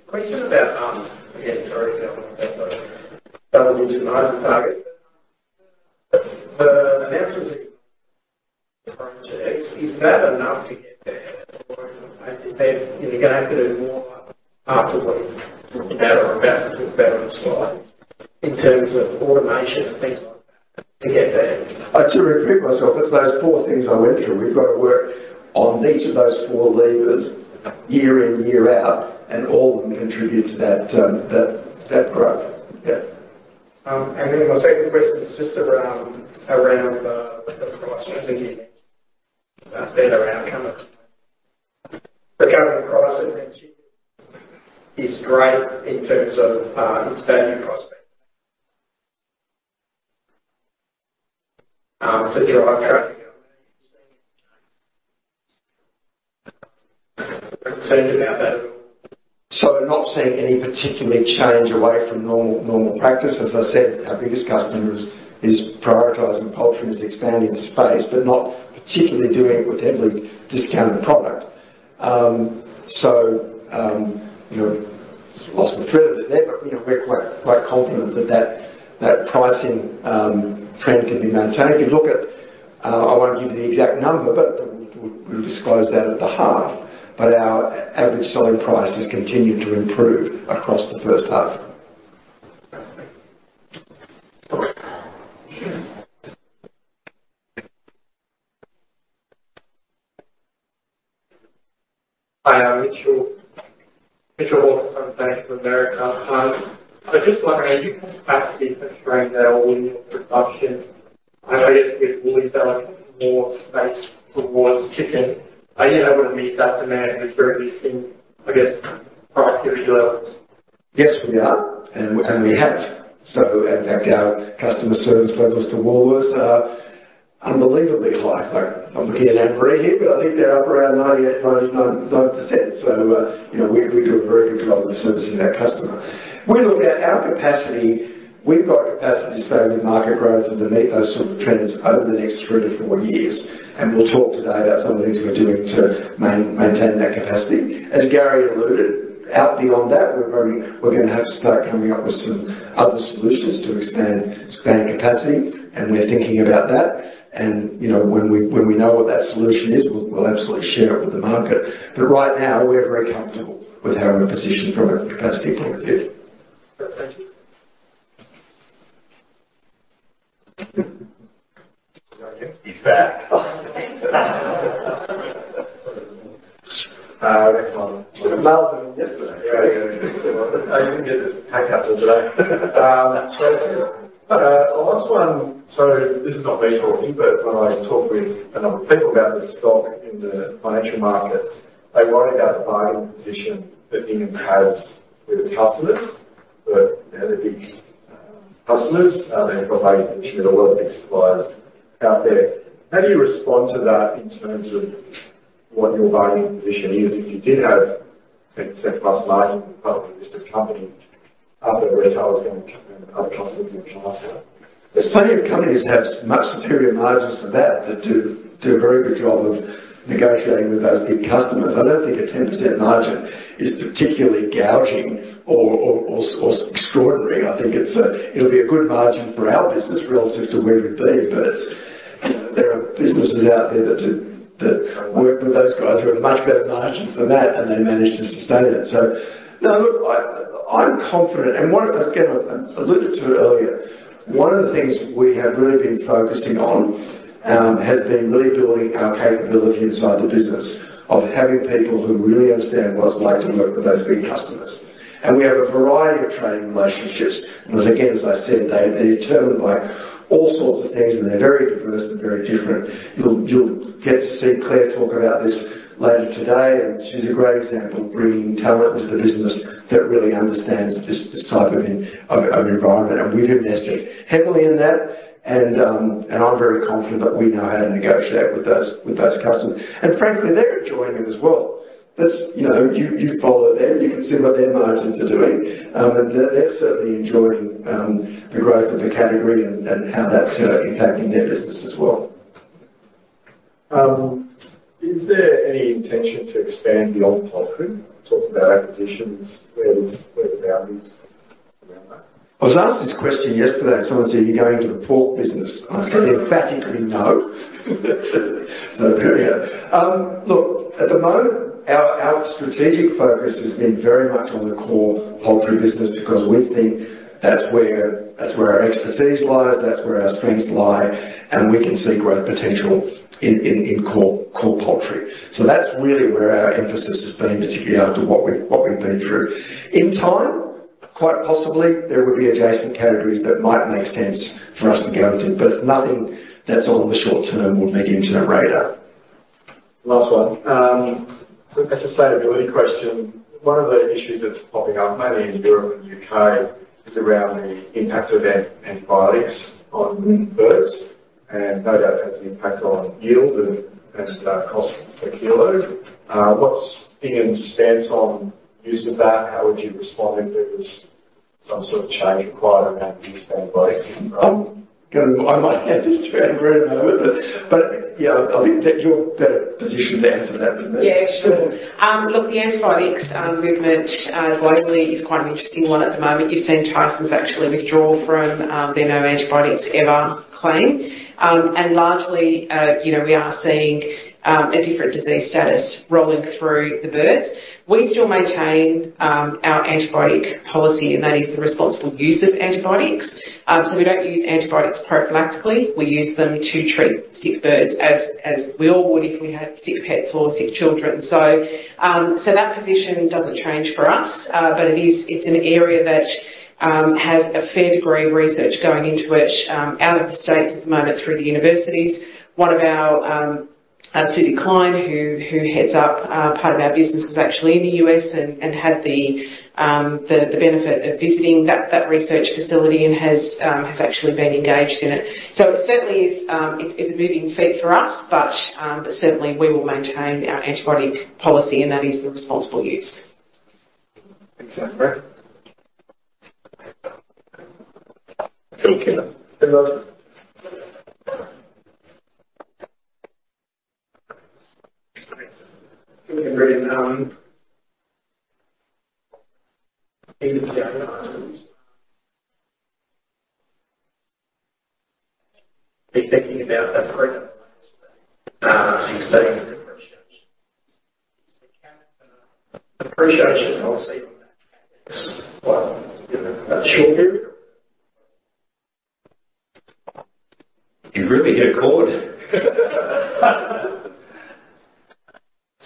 Question about again, sorry for that, but I want to dive into the target. The announcements, projects, is that enough to get there? Is there, you know, going to have to do more after what you know or about to do better on the slides in terms of automation and things like that to get there? I'll just repeat myself. It's those four things I went through. We've got to work on each of those four levers year in, year out, and all of them contribute to that growth. Yeah. Then my second question is just around the price and the better outcome. The current price is great in terms of its value prospect to drive traffic. We're not seeing any particular change away from normal, normal practice. As I said, our biggest customer is prioritizing poultry and is expanding space, but not particularly doing it with heavily discounted product. You know, lost my thread there, but, you know, we're quite confident that that pricing trend can be maintained. If you look at, I won't give you the exact number, but we'll disclose that at the half. But our average selling price has continued to improve across the first half. Thanks. Sure. Hi. Mitchell Hawker from Bank of America. I'd just like to know, do you have capacity constraints there or in your production? I guess with Woolies selling more space towards chicken, are you able to meet that demand with your existing, I guess, productivity levels? Yes, we are, and we have. I fact, our customer service levels to Woolworths are unbelievably high. Like, I'm looking at Anne-Marie here, but I think they're up around 98%-99.9%. You know, we do a very good job of servicing our customer. We look at our capacity, we've got capacity to stay with market growth and to meet those sort of trends over the next 3 years-4 years, and we'll talk today about some of the things we're doing to maintain that capacity. As Gary alluded, out beyond that, we're probably going to have to start coming up with some other solutions to expand capacity, and we're thinking about that. You know, when we know what that solution is, we'll absolutely share it with the market. Right now, we're very comfortable with our position from a capacity point of view. He's back. Thanks. I didn't get the today. The last one, so this is not me talking, but when I talk with a lot of people about this stock in the financial markets, they worry about the buying position that Ingham's has with its customers. They're the big customers, and they provide a lot of big suppliers out there. How do you respond to that in terms of what your buying position is? If you did have 10% plus margin, publicly listed company, other retailers and other customers would apply for that. There's plenty of companies that have much superior margins than that, that do a very good job of negotiating with those big customers. I don't think a 10% margin is particularly gouging or extraordinary. I think it's. It'll be a good margin for our business relative to where we've been. There are businesses out there that do, that work with those guys who have much better margins than that, and they manage to sustain it. Now, look, I, I'm confident, and one, again, I alluded to it earlier, one of the things we have really been focusing on has been really building our capability inside the business of having people who really understand what it's like to work with those big customers. We have a variety of trading relationships. Again, as I said, they, they're determined by all sorts of things, and they're very diverse and very different. You'll, you'll get to see Claire talk about this later today, and she's a great example of bringing talent into the business that really understands this type of environment, and we've invested heavily in that. I'm very confident that we know how to negotiate with those, with those customers. Frankly, they're enjoying it as well. That's, you know, you, you follow them, you can see what their margins are doing. They're, they're certainly enjoying the growth of the category and, and how that's impacting their business as well. Is there any intention to expand beyond poultry? Talk about acquisitions, where is, where are the boundaries around that? I was asked this question yesterday, and someone said, "Are you going to the pork business?" I said, "Emphatically, no!" Yeah. Look, at the moment, our strategic focus has been very much on the core poultry business because we think that's where our expertise lies, that's where our strengths lie, and we can see growth potential in core poultry. That's really where our emphasis has been, particularly after what we've been through. In time, quite possibly, there will be adjacent categories that might make sense for us to go into, but nothing that's on the short-term or medium-term radar. Last one. A sustainability question. One of the issues that's popping up, mainly in Europe and the UK, is around the impact of antibiotics on birds, and no doubt has an impact on yield and cost per kilo. What's Ingham's' stance on use of that? How would you respond if there was some sort of change required around the use of antibiotics? I'm gonna. I might hand this to Anne-Marie in a moment, but, but yeah, I think that you're better positioned to answer that than me. Yeah, sure. Look, the antibiotics movement globally is quite an interesting one at the moment. You've seen Tyson actually withdraw from their no antibiotics ever claim. Largely, you know, we are seeing a different disease status rolling through the birds. We still maintain our antibiotic policy, and that is the responsible use of antibiotics. We don't use antibiotics prophylactically. We use them to treat sick birds, as we all would if we had sick pets or sick children. That position doesn't change for us. It is, it's an area that has a fair degree of research going into it out of the States at the moment through the universities. One of our Susie Klein, who heads up part of our business, is actually in the U.S. and had the benefit of visiting that research facility and has actually been engaged in it. It certainly is a moving feast for us, but certainly, we will maintain our antibiotic policy, and that is the responsible use. Thanks, Anne-Marie. Thank you. Be thinking about that appreciation, obviously, on that short period. You really get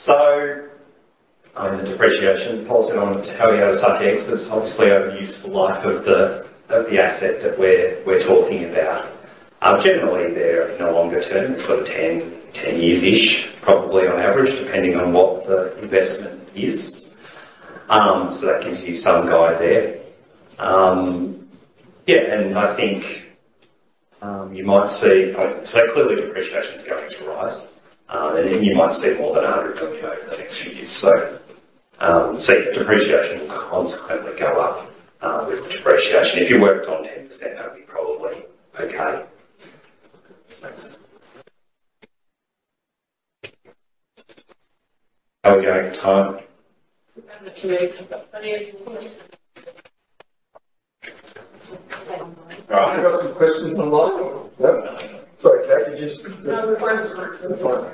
called. On the depreciation policy on how we have such experts, obviously, over the useful life of the asset that we're talking about. Generally, they're in a longer term. It's sort of 10, 10 years-ish, probably on average, depending on what the investment is. That gives you some guide there. Yeah, and I think you might see so clearly, depreciation is going to rise, and you might see more than 100 over the next few years. Depreciation will consequently go up, with the depreciation. If you worked on 10%, that would be probably okay. Thanks. How are we going with time? We've got about 2 minutes. We've got plenty of more questions. All right. We've got some questions online? Yep. Sorry, Cate, you just- No, the phone is not so good. The phone.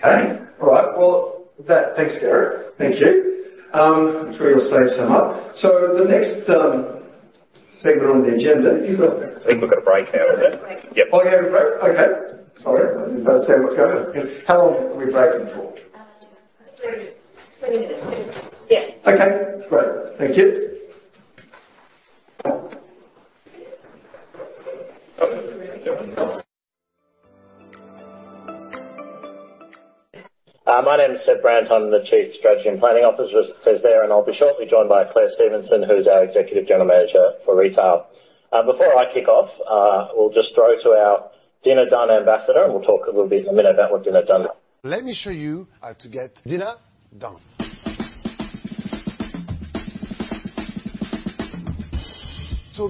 Okay. All right. Well, with that, thanks, Gary. Thank you. I'm sure you'll save some up. The next segment on the agenda, you've got- I think we've got a break now, is it? We've got a break. Yep. Oh, yeah, a break. Okay. Sorry. I understand what's going on. How long are we breaking for? 20 minutes. 20 minutes. Yeah. Okay, great. Thank you. My name is Seb Brandt. I'm the Chief Strategy and Planning Officer, as it says there, and I'll be shortly joined by Claire Stevenson, who's our Executive General Manager for Retail. Before I kick off, we'll just throw to our Dinner Done ambassador, and we'll talk a little bit in a minute about what Dinner Done is. Let me show you how to get dinner done.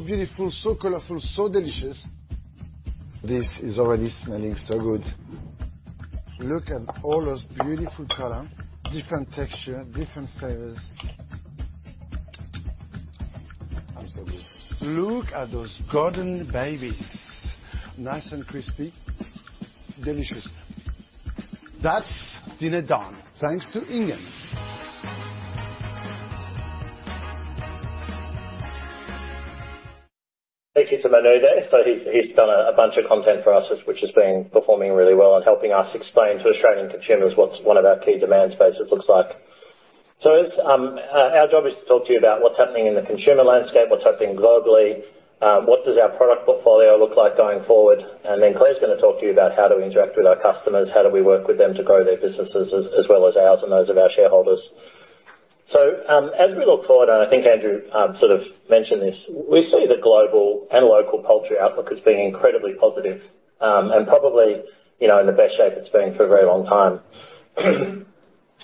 Beautiful, so colorful, so delicious. This is already smelling so good. Look at all those beautiful color, different texture, different flavors. Absolutely. Look at those golden babies. Nice and crispy. Delicious. That's Dinner Done, thanks to Ingham's. Thank you to Manu there. He's done a bunch of content for us, which has been performing really well and helping us explain to Australian consumers what's one of our key demand spaces looks like. It's our job is to talk to you about what's happening in the consumer landscape, what's happening globally, what does our product portfolio look like going forward? Then Claire is going to talk to you about how do we interact with our customers, how do we work with them to grow their businesses as well as ours and those of our shareholders. As we look forward, and I think Andrew sort of mentioned this, we see the global and local poultry outlook as being incredibly positive, and probably, you know, in the best shape it's been for a very long time.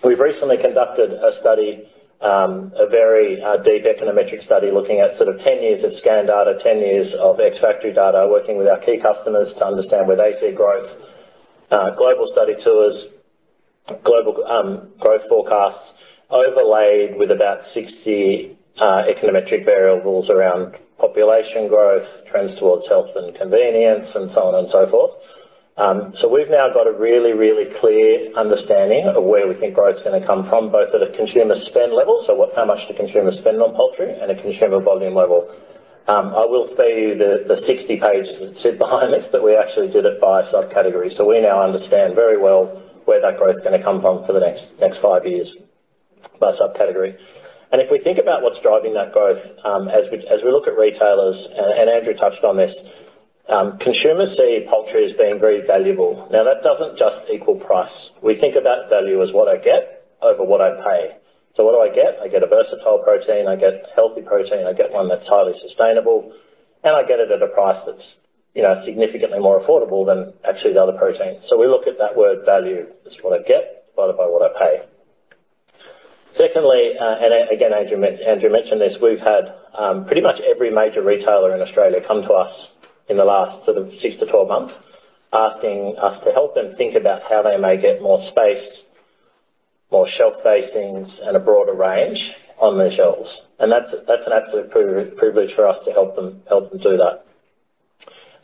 We've recently conducted a study, a very deep econometric study, looking at sort of 10 years of scan data, 10 years of ex-factory data, working with our key customers to understand where they see growth. Global study tours, global growth forecasts, overlaid with about 60 econometric variables around population growth, trends towards health and convenience, and so on and so forth. We've now got a really, really clear understanding of where we think growth is going to come from, both at a consumer spend level, so what, how much do consumers spend on poultry, and a consumer volume level. I will spare you the 60 pages that sit behind this, but we actually did it by subcategory. We now understand very well where that growth is going to come from for the next 5 years by subcategory. If we think about what's driving that growth, as we look at retailers, and Andrew touched on this, consumers see poultry as being very valuable. Now, that doesn't just equal price. We think about value as what I get over what I pay. What do I get? I get a versatile protein, I get healthy protein, I get one that's highly sustainable, and I get it at a price that's, you know, significantly more affordable than actually the other proteins. We look at that word value as what I get, divided by what I pay. Secondly, and again, Andrew mentioned this, we've had pretty much every major retailer in Australia come to us in the last sort of 6 months-12 months, asking us to help them think about how they may get more space, more shelf facings, and a broader range on their shelves. That's an absolute privilege for us to help them do that.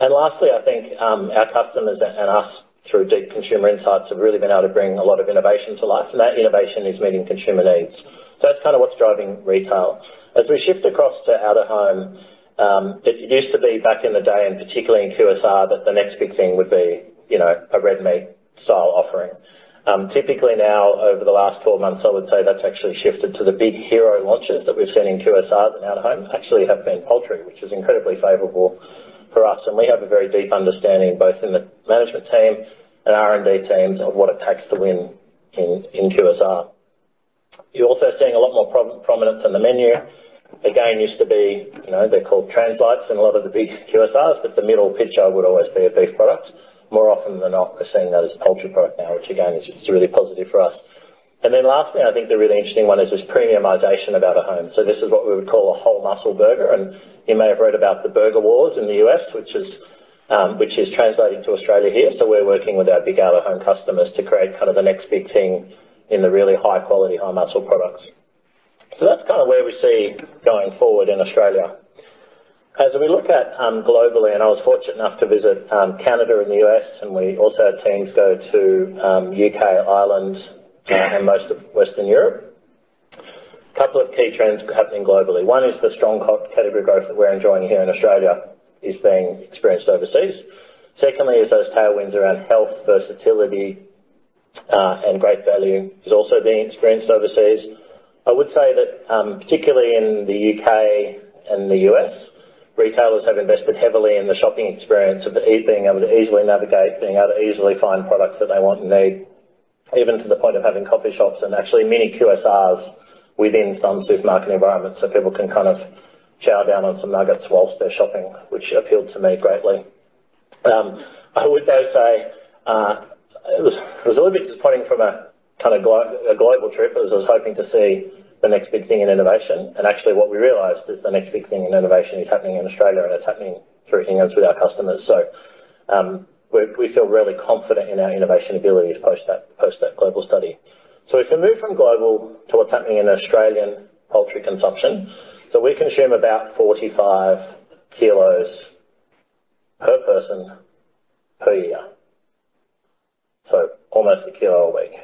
Lastly, I think our customers and us, through deep consumer insights, have really been able to bring a lot of innovation to life, and that innovation is meeting consumer needs. That's kind of what's driving retail. As we shift across to out-of-home, it used to be back in the day, and particularly in QSR, that the next big thing would be, you know, a red meat style offering. Typically now, over the last 12 months, I would say that's actually shifted to the big hero launches that we've seen in QSR and out-of-home actually have been poultry, which is incredibly favorable for us, and we have a very deep understanding, both in the management team and R&D teams, of what it takes to win in QSR. You're also seeing a lot more prominence on the menu. Again, used to be, you know, they're called Translites in a lot of the big QSRs, but the middle picture would always be a beef product. More often than not, we're seeing that as a poultry product now, which again, is really positive for us. Then lastly, I think the really interesting one is this premiumization at home. This is what we would call a whole muscle burger, and you may have read about the burger wars in the U.S., which is, which is translating to Australia here. We're working with our big out-of-home customers to create kind of the next big thing in the really high-quality, whole muscle products. That's kind of where we see going forward in Australia. As we look at, globally, and I was fortunate enough to visit, Canada and the U.S., and we also had teams go to, U.K., Ireland, and most of Western Europe. A couple of key trends happening globally. One is the strong core category growth that we're enjoying here in Australia is being experienced overseas. Secondly, is those tailwinds around health, versatility, and great value is also being experienced overseas. I would say that, particularly in the U.K. and the U.S., retailers have invested heavily in the shopping experience of being able to easily navigate, being able to easily find products that they want and need, even to the point of having coffee shops and actually mini QSRs within some supermarket environments, so people can kind of chow down on some nuggets while they're shopping, which appealed to me greatly. I would though say, it was a little bit disappointing from a kind of global trip, as I was hoping to see the next big thing in innovation. Actually, what we realized is the next big thing in innovation is happening in Australia, and it's happening through Ingham's with our customers. We feel really confident in our innovation ability to post that global study. If we move from global to what's happening in Australian poultry consumption, so we consume about 45 kg/person/year, so almost a kilo a week.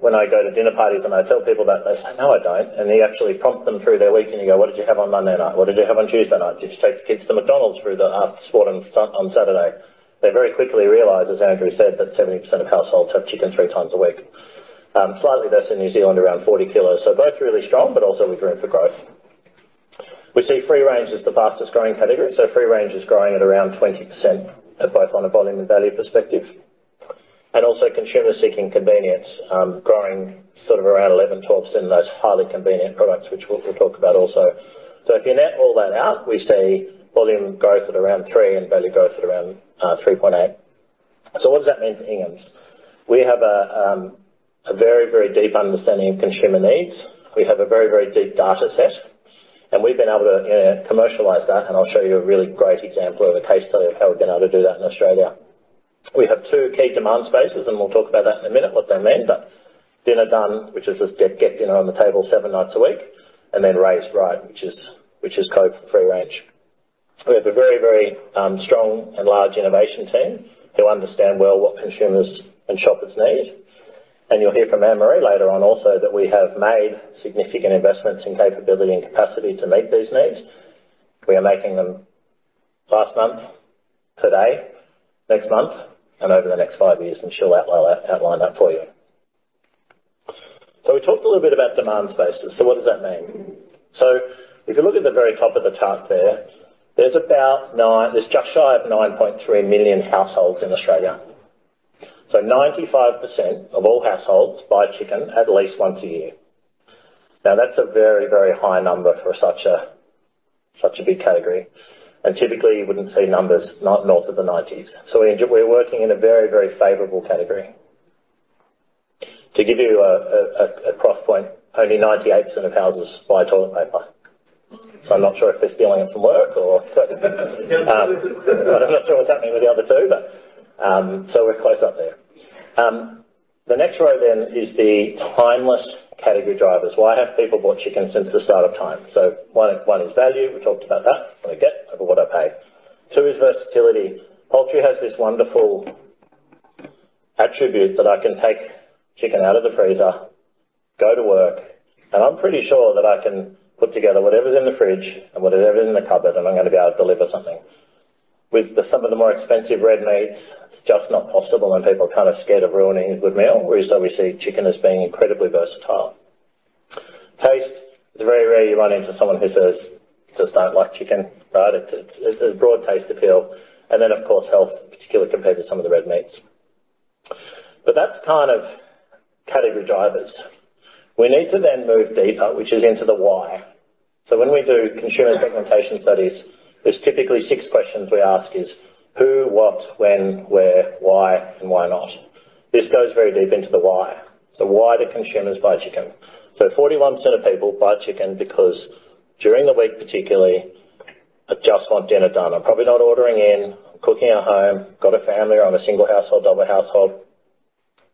When I go to dinner parties and I tell people that, they say, "No, I don't." You actually prompt them through their week, and you go: What did you have on Monday night? What did you have on Tuesday night? Did you take the kids to McDonald's for the after sport on Saturday? They very quickly realize, as Andrew said, that 70% of households have chicken three times a week. Slightly less in New Zealand, around 40 kg. Both really strong, but also with room for growth. We see free range as the fastest growing category, so free range is growing at around 20%, both on a volume and value perspective. Also consumer seeking convenience, growing sort of around 11%-12% in those highly convenient products, which we'll, we'll talk about also. If you net all that out, we see volume growth at around 3% and value growth at around 3.8%. What does that mean for Ingham's? We have a, a very, very deep understanding of consumer needs. We have a very, very deep data set, and we've been able to, you know, commercialize that, and I'll show you a really great example of a case study of how we've been able to do that in Australia. We have two key demand spaces, and we'll talk about that in a minute, what they mean, but Dinner Done, which is just get, get dinner on the table seven nights a week, and then Raised Right, which is, which is code for free range. We have a very, very strong and large innovation team who understand well what consumers and shoppers need. You'll hear from Anne-Marie later on, also, that we have made significant investments in capability and capacity to meet these needs. We are making them last month, today, next month, and over the next 5 years, and she'll outline that for you. We talked a little bit about demand spaces. What does that mean? If you look at the very top of the chart there, there's just shy of 9.3 million households in Australia. 95% of all households buy chicken at least once a year. Now, that's a very, very high number for such a, such a big category, and typically, you wouldn't see numbers not north of the 90s. We're working in a very, very favorable category. To give you a cross point, only 98% of houses buy toilet paper. I'm not sure if they're stealing it from work or I'm not sure what's happening with the other two, but, so we're close up there. The next row then is the timeless category drivers. Why have people bought chicken since the start of time? One is value. We talked about that, what I get over what I pay. Two is versatility. Poultry has this wonderful attribute that I can take chicken out of the freezer, go to work, and I'm pretty sure that I can put together whatever's in the fridge and whatever's in the cupboard, and I'm going to be able to deliver something. With some of the more expensive red meats, it's just not possible, and people are kind of scared of ruining a good meal, whereas obviously, chicken being incredibly versatile. Taste, it's very rare you run into someone who says, "Just don't like chicken," right? It's, it's a broad taste appeal, and then, of course, health, particularly compared to some of the red meats. That's kind of category drivers. We need to then move deeper, which is into the why. When we do consumer segmentation studies, there's typically six questions we ask is: Who, what, when, where, why, and why not? This goes very deep into the why. Why do consumers buy chicken? 41% of people buy chicken because during the week, particularly, I just want Dinner Done. I'm probably not ordering in, I'm cooking at home, got a family, or I'm a single household, double household,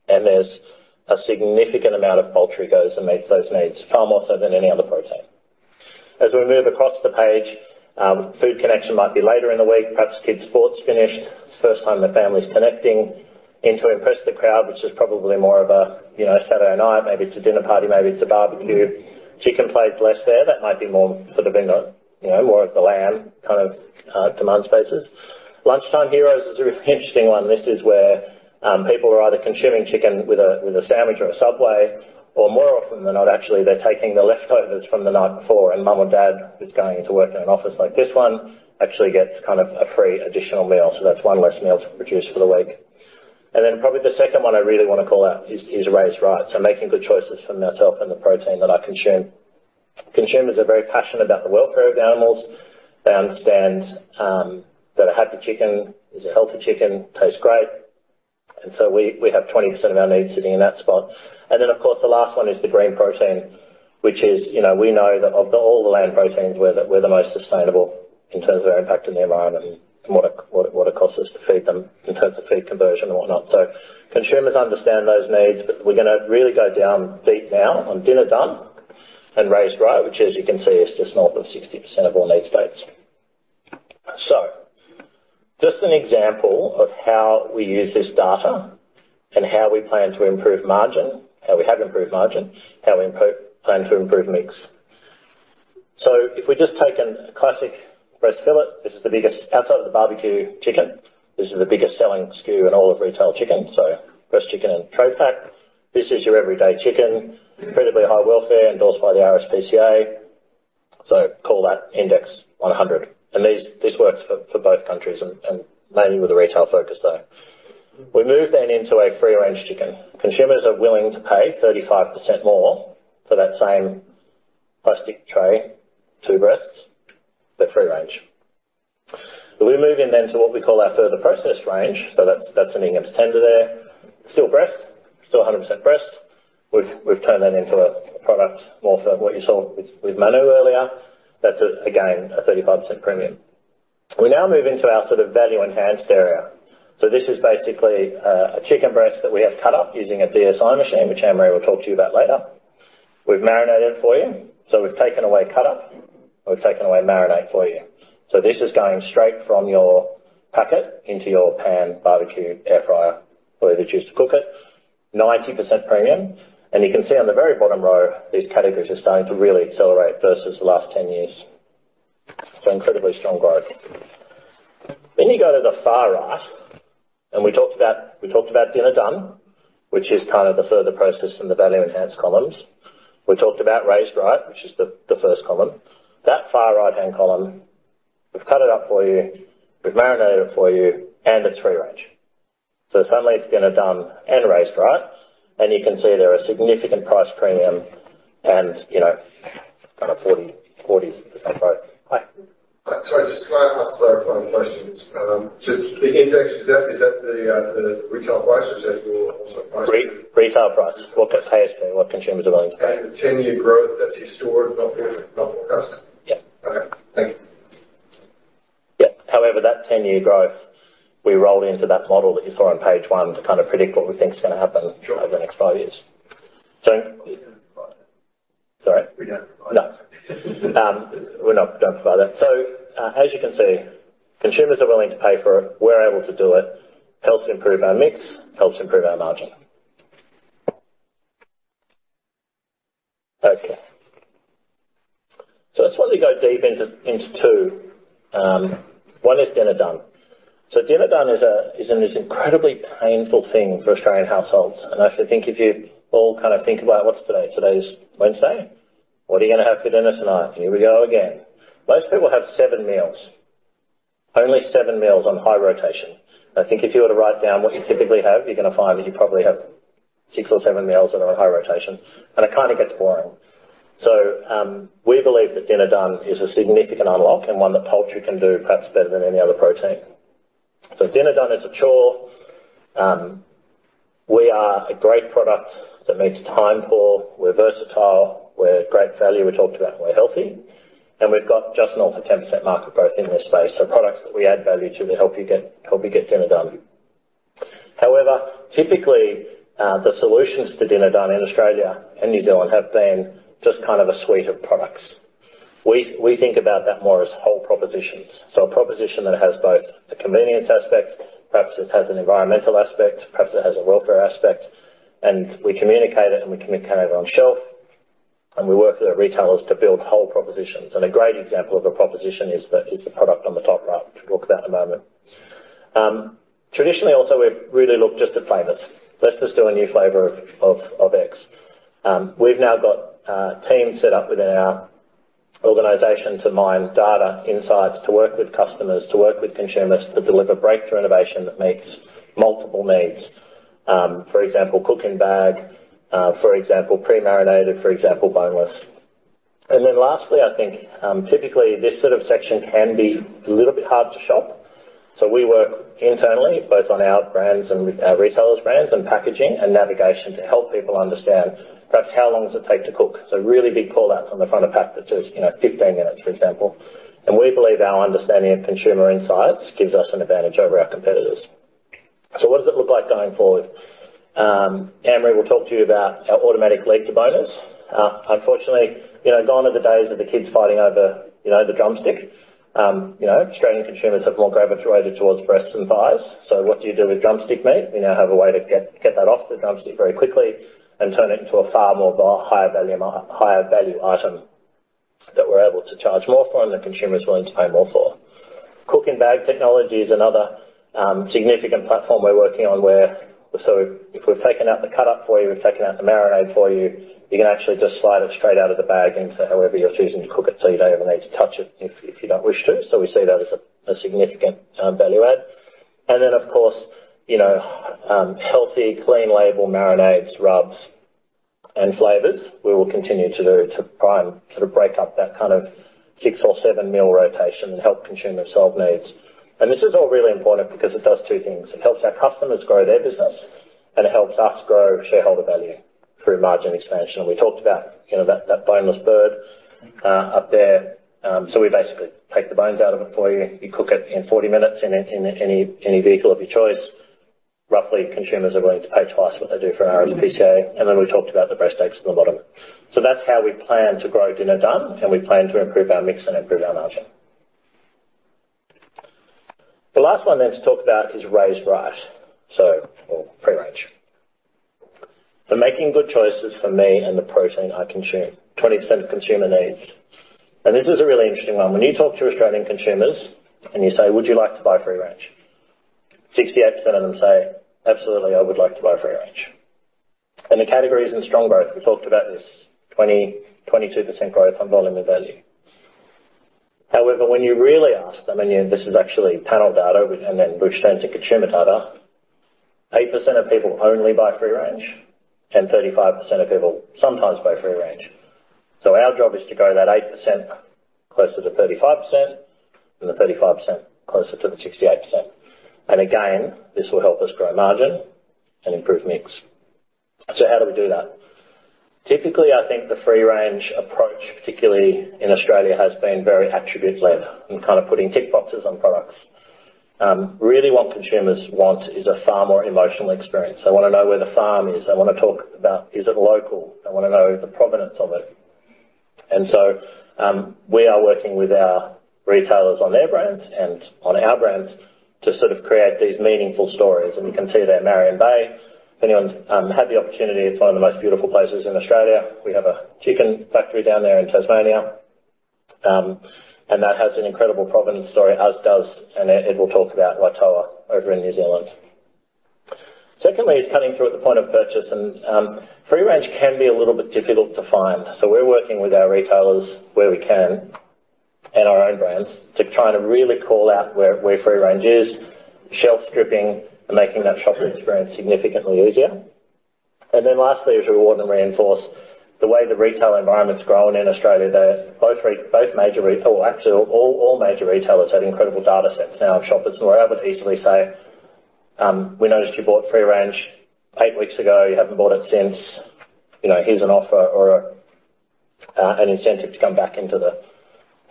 and there's a significant amount of poultry goes and meets those needs, far more so than any other protein. As we move across the page, Food Connection might be later in the week, perhaps kids sports finished. It's the first time the family's connecting into Impress the Crowd, which is probably more of a, you know, Saturday night. Maybe it's a dinner party, maybe it's a barbecue. Chicken plays less there. That might be more sort of in the, you know, more of the lamb kind of, demand spaces. Lunchtime Heroes is a interesting one. This is where people are either consuming chicken with a, with a sandwich or a subway, or more often than not, actually, they're taking the leftovers from the night before, and mom or dad, who's going into work in an office like this one, actually gets kind of a free additional meal. That's one less meal to produce for the week. Then probably the second one I really want to call out is, is Raised Right, so making good choices for myself and the protein that I consume. Consumers are very passionate about the welfare of the animals. They understand that a happy chicken is a healthy chicken, tastes great, and so we, we have 20% of our needs sitting in that spot. Then, of course, the last one is the Green Protein, which is, you know, we know that of all the land proteins, we're the most sustainable in terms of our impact on the environment and what it costs us to feed them in terms of feed conversion and whatnot. Consumers understand those needs, but we're gonna really go down deep now on Dinner Done and Raised Right, which, as you can see, is just north of 60% of all need states. Just an example of how we use this data and how we plan to improve margin, how we have improved margin, how we plan to improve mix. If we've just taken a classic breast fillet, this is the biggest outside of the barbecue chicken. This is the biggest selling SKU in all of retail chicken, so breast chicken and tray pack. This is your everyday chicken, incredibly high welfare, endorsed by the SPCA, so call that index 100. These, this works for, for both countries and, and mainly with a retail focus, though. We move then into a free range chicken. Consumers are willing to pay 35% more for that same plastic tray, 2 breasts, but free range. We move in then to what we call our further processed range. That's, that's an Ingham's tender there. Still breast, still a 100% breast. We've, we've turned that into a, a product more for what you saw with, with Manu earlier. That's again, a 35% premium. We now move into our sort of value-enhanced area. This is basically a chicken breast that we have cut up using a DSI machine, which Anne-Marie will talk to you about later. We've marinated it for you, so we've taken away cut up, and we've taken away marinade for you. This is going straight from your packet into your pan, barbecue, air fryer, whatever you choose to cook it, 90% premium. You can see on the very bottom row, these categories are starting to really accelerate versus the last 10 years. Incredibly strong growth. Then you go to the far right, and we talked about, we talked about Dinner Done, which is kind of the further process and the value-enhanced columns. We talked about Raised Right, which is the, the first column, that far right-hand column. We've cut it up for you, we've marinated it for you, and it's free range. Suddenly it's Dinner Done and Raised Right, and you can see there a significant price premium, and, you know, kind of 40, 40% growth. Hi. Sorry, just can I ask a clarifying question? Just the index, is that the retail price, or is that your price? Retail price, what pay is, what consumers are willing to pay. The 10-year growth, that's historic, not for, not for us? Yeah. Okay, thank you. Yeah. However, that 10-year growth, we roll into that model that you saw on page 1 to kind of predict what we think is going to happen-Sure. Over the next five years. Sorry? We don't provide that. No. We're not, don't provide that. As you can see, consumers are willing to pay for it. We're able to do it. Helps improve our mix, helps improve our margin. Okay. I just want to go deep into, into two. One is Dinner Done. So Dinner Done is a, is an incredibly painful thing for Australian households. I think if you all kind of think about what's today, today is Wednesday. What are you going to have for dinner tonight? Here we go again. Most people have seven meals, only seven meals on high rotation. I think if you were to write down what you typically have, you're going to find that you probably have six or seven meals that are on high rotation, and it kind of gets boring. We believe that Dinner Done is a significant unlock and one that poultry can do, perhaps better than any other protein. Dinner Done is a chore. We are a great product that meets time poor. We're versatile, we're great value, we talked about, and we're healthy, and we've got just an ultimate 10% market growth in this space. Products that we add value to that help you get Dinner Done. However, typically, the solutions to Dinner Done in Australia and New Zealand have been just kind of a suite of products. We think about that more as whole propositions. A proposition that has both a convenience aspect, perhaps it has an environmental aspect, perhaps it has a welfare aspect, and we communicate it, and we communicate it on shelf, and we work with our retailers to build whole propositions. A great example of a proposition is the product on the top right, which we'll talk about in a moment. Traditionally, also, we've really looked just at flavors. Let's just do a new flavor of X. We've now got a team set up within our organization to mine data, insights, to work with customers, to work with consumers, to deliver breakthrough innovation that meets multiple needs. For example, cooking bag, for example, pre-marinated, for example, boneless. Then lastly, I think, typically this sort of section can be a little bit hard to shop. We work internally, both on our brands and with our retailers' brands and packaging and navigation, to help people understand perhaps how long does it take to cook. Really big call-outs on the front of pack that says, you know, 15 minutes, for example. We believe our understanding of consumer insights gives us an advantage over our competitors. What does it look like going forward? Anne-Marie will talk to you about our automatic leg deboners. Unfortunately, you know, gone are the days of the kids fighting over, you know, the drumstick. You know, Australian consumers have more gravitated towards breasts and thighs. What do you do with drumstick meat? We now have a way to get that off the drumstick very quickly and turn it into a far more higher value item that we're able to charge more for and the consumer is willing to pay more for. Cooking bag technology is another significant platform we're working on where. If we've taken out the cut-up for you, we've taken out the marinade for you, you can actually just slide it straight out of the bag into however you're choosing to cook it, so you don't even need to touch it if you don't wish to. We see that as a significant value add. Then, of course, you know, healthy, clean label marinades, rubs, and flavors, we will continue to do to try and sort of break up that kind of 6 or 7 meal rotation and help consumers solve needs. This is all really important because it does two things: It helps our customers grow their business, and it helps us grow shareholder value through margin expansion. We talked about, you know, that boneless bird up there. We basically take the bones out of it for you. You cook it in 40 minutes, in any vehicle of your choice. Roughly, consumers are willing to pay twice what they do for an RSPCA, and then we talked about the breast steaks on the bottom. That's how we plan to grow Dinner Done, and we plan to improve our mix and improve our margin. The last one then to talk about is Raised Right, so, or free range. Making good choices for me and the protein I consume, 20% of consumer needs. This is a really interesting one. When you talk to Australian consumers, and you say: Would you like to buy free range? 68% of them say: Absolutely, I would like to buy free range. The category is in strong growth. We talked about this 22% growth on volume and value. However, when you really ask them, and you this is actually panel data, and then which turns to consumer data. 8% of people only buy free range, and 35% of people sometimes buy free range. Our job is to grow that 8% closer to 35% and the 35% closer to the 68%. Again, this will help us grow margin and improve mix. How do we do that? Typically, I think the free range approach, particularly in Australia, has been very attribute-led and kind of putting tick boxes on products. Really, what consumers want is a far more emotional experience. They want to know where the farm is. They want to talk about, is it local? They want to know the provenance of it. We are working with our retailers on their brands and on our brands to sort of create these meaningful stories. You can see that Marion Bay, if anyone's had the opportunity, it's one of the most beautiful places in Australia. We have a chicken factory down there in Tasmania, and that has an incredible provenance story, as does, and Ed will talk about Waitoa over in New Zealand. Secondly, is cutting through at the point of purchase, and, free range can be a little bit difficult to find. We're working with our retailers where we can, and our own brands, to try to really call out where, where free range is, shelf stripping, and making that shopping experience significantly easier. Then lastly, is reward and reinforce the way the retail environment's grown in Australia, that both major retail, actually, all, all major retailers have incredible data sets now of shoppers, and we're able to easily say: "We noticed you bought free range eight weeks ago. You haven't bought it since. You know, here's an offer or an incentive to come back into the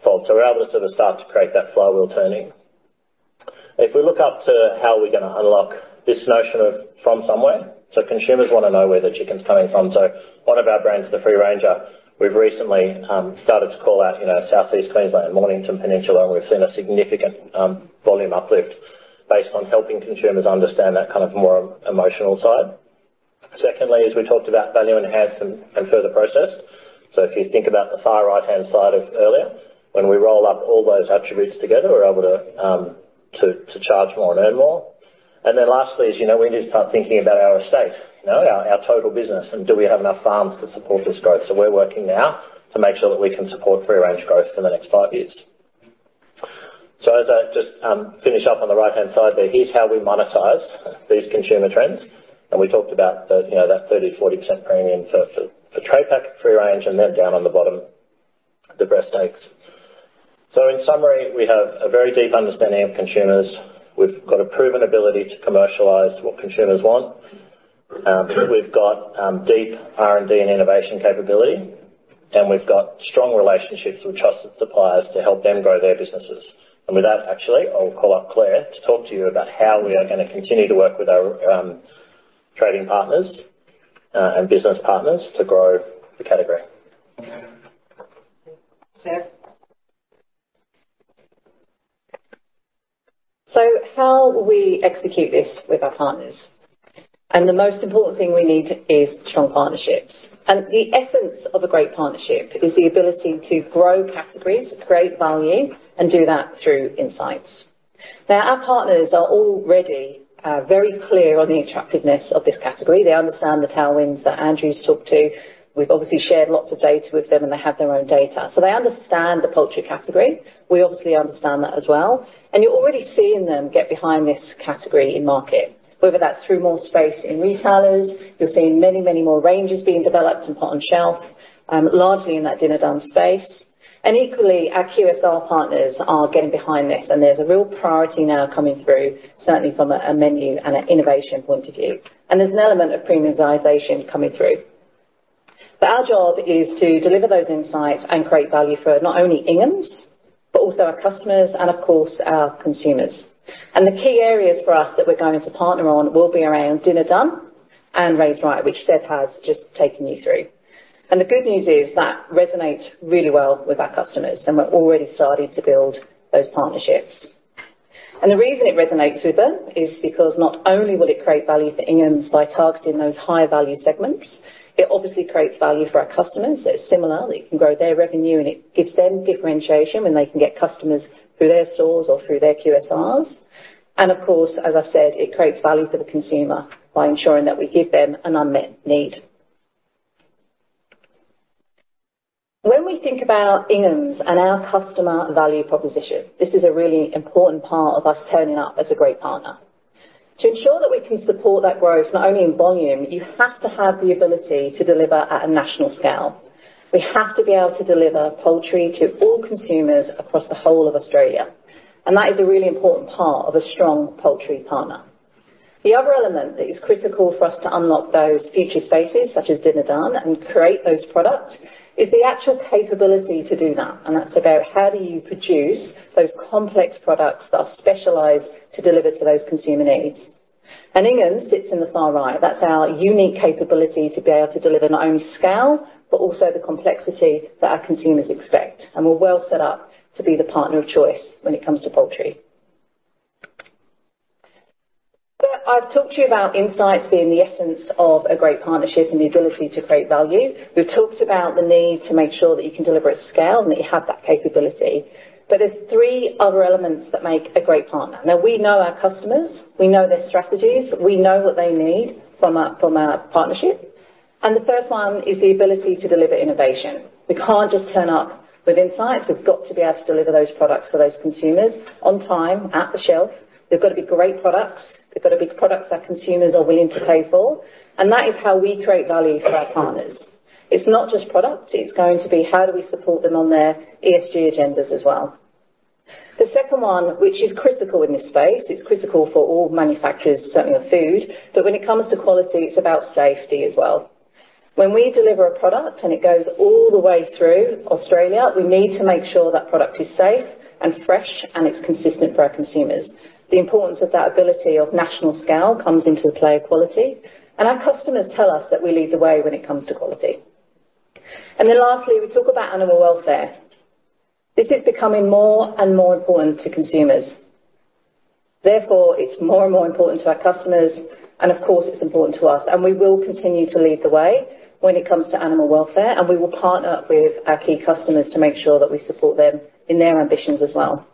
fold." We're able to sort of start to create that flywheel turning. If we look up to how we're going to unlock this notion of from somewhere, so consumers want to know where the chicken's coming from. One of our brands, The Free Ranger, we've recently started to call out, you know, Southeast Queensland and Mornington Peninsula, and we've seen a significant volume uplift based on helping consumers understand that kind of more emotional side. Secondly, we talked about value-enhanced and further processed. If you think about the far right-hand side of earlier, when we roll up all those attributes together, we're able to to charge more and earn more. Then lastly, you know, we need to start thinking about our estate, you know, our total business, and do we have enough farms to support this growth? We're working now to make sure that we can support free range growth for the next five years. As I just finish up on the right-hand side there, here's how we monetize these consumer trends. We talked about the, you know, that 30%-40% premium for tray pack free range, and then down on the bottom, the breast steaks. In summary, we have a very deep understanding of consumers. We've got a proven ability to commercialize what consumers want. We've got deep R&D and innovation capability, and we've got strong relationships with trusted suppliers to help them grow their businesses. With that, actually, I'll call up Claire to talk to you about how we are going to continue to work with our trading partners and business partners to grow the category. How we execute this with our partners, and the most important thing we need is strong partnerships. The essence of a great partnership is the ability to grow categories, create value, and do that through insights. Now, our partners are already very clear on the attractiveness of this category. They understand the tailwinds that Andrew's talked to. We've obviously shared lots of data with them, and they have their own data, so they understand the poultry category. We obviously understand that as well, and you're already seeing them get behind this category in market. Whether that's through more space in retailers, you're seeing many, many more ranges being developed and put on shelf, largely in that Dinner Done space. Equally, our QSR partners are getting behind this, and there's a real priority now coming through, certainly from a menu and an innovation point of view. There's an element of premiumization coming through. Our job is to deliver those insights and create value for not only Ingham's, but also our customers and, of course, our consumers. The key areas for us that we're going to partner on will be around Dinner Done and Raised Right, which Seb has just taken you through. The good news is, that resonates really well with our customers, and we're already starting to build those partnerships. The reason it resonates with them is because not only will it create value for Ingham's by targeting those higher value segments, it obviously creates value for our customers. Similarly, it can grow their revenue, and it gives them differentiation when they can get customers through their stores or through their QSRs. Of course, as I said, it creates value for the consumer by ensuring that we give them an unmet need. When we think about Ingham's and our customer value proposition, this is a really important part of us turning up as a great partner. To ensure that we can support that growth, not only in volume, you have to have the ability to deliver at a national scale. We have to be able to deliver poultry to all consumers across the whole of Australia, and that is a really important part of a strong poultry partner. The other element that is critical for us to unlock those future spaces, such as Dinner Done, and create those products, is the actual capability to do that, and that's about how do you produce those complex products that are specialized to deliver to those consumer needs? Ingham's sits in the far right. That's our unique capability to be able to deliver not only scale, but also the complexity that our consumers expect. We're well set up to be the partner of choice when it comes to poultry. I've talked to you about insights being the essence of a great partnership and the ability to create value. We've talked about the need to make sure that you can deliver at scale, and that you have that capability. There's three other elements that make a great partner. Now, we know our customers, we know their strategies, we know what they need from our, from our partnership, and the first one is the ability to deliver innovation. We can't just turn up with insights. We've got to be able to deliver those products for those consumers on time, at the shelf. They've got to be great products. They've got to be products that consumers are willing to pay for, and that is how we create value for our partners. It's not just product, it's going to be how do we support them on their ESG agendas as well. The second one, which is critical in this space, it's critical for all manufacturers, certainly of food, but when it comes to quality, it's about safety as well. When we deliver a product, and it goes all the way through Australia, we need to make sure that product is safe and fresh, and it's consistent for our consumers. The importance of that ability of national scale comes into play, quality, and our customers tell us that we lead the way when it comes to quality. Then lastly, we talk about animal welfare. This is becoming more and more important to consumers. Therefore, it's more and more important to our customers, and of course, it's important to us, and we will continue to lead the way when it comes to animal welfare, and we will partner up with our key customers to make sure that we support them in their ambitions as well.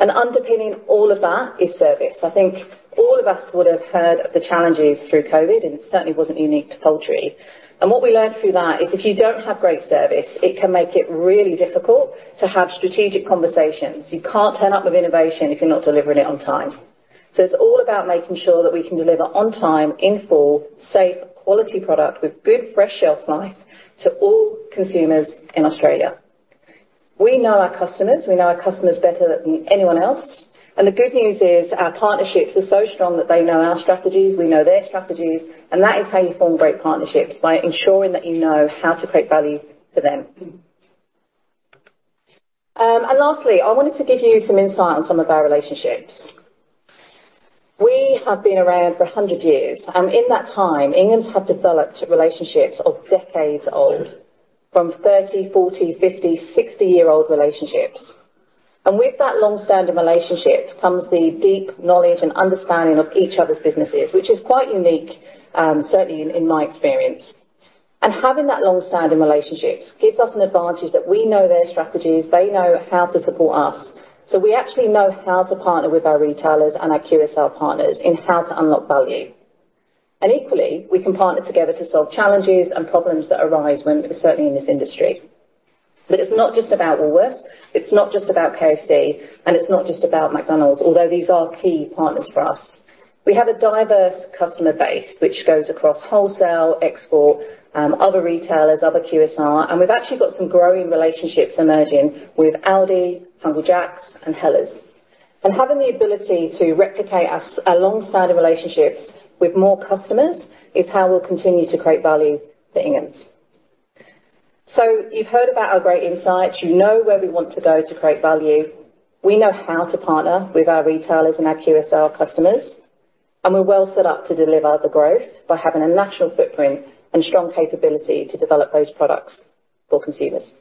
Underpinning all of that is service. I think all of us would have heard of the challenges through COVID, and it certainly wasn't unique to poultry. AWhat we learned through that is if you don't have great service, it can make it really difficult to have strategic conversations. You can't turn up with innovation if you're not delivering it on time. It's all about making sure that we can deliver on time, in full, safe, quality product with good, fresh shelf life to all consumers in Australia. We know our customers. We know our customers better than anyone else, and the good news is our partnerships are so strong that they know our strategies, we know their strategies, and that is how you form great partnerships, by ensuring that you know how to create value for them. Lastly, I wanted to give you some insight on some of our relationships. We have been around for 100 years, and in that time, Ingham's have developed relationships of decades old, from 30-, 40-, 50-, 60-year-old relationships. With that long-standing relationships comes the deep knowledge and understanding of each other's businesses, which is quite unique, certainly in my experience. Having that long-standing relationships gives us an advantage that we know their strategies, they know how to support us. We actually know how to partner with our retailers and our QSR partners in how to unlock value. Equally, we can partner together to solve challenges and problems that arise when certainly in this industry. Iit's not just about Woolworths, it's not just about KFC, and it's not just about McDonald's, although these are key partners for us. We have a diverse customer base, which goes across wholesale, export, other retailers, other QSR, and we've actually got some growing relationships emerging with Aldi, Hungry Jack's, and Hellers. Having the ability to replicate our, our long-standing relationships with more customers is how we'll continue to create value for Ingham's. So you've heard about our great insights. You know where we want to go to create value. We know how to partner with our retailers and our QSR customers, and we're well set up to deliver the growth by having a national footprint and strong capability to develop those products for consumers.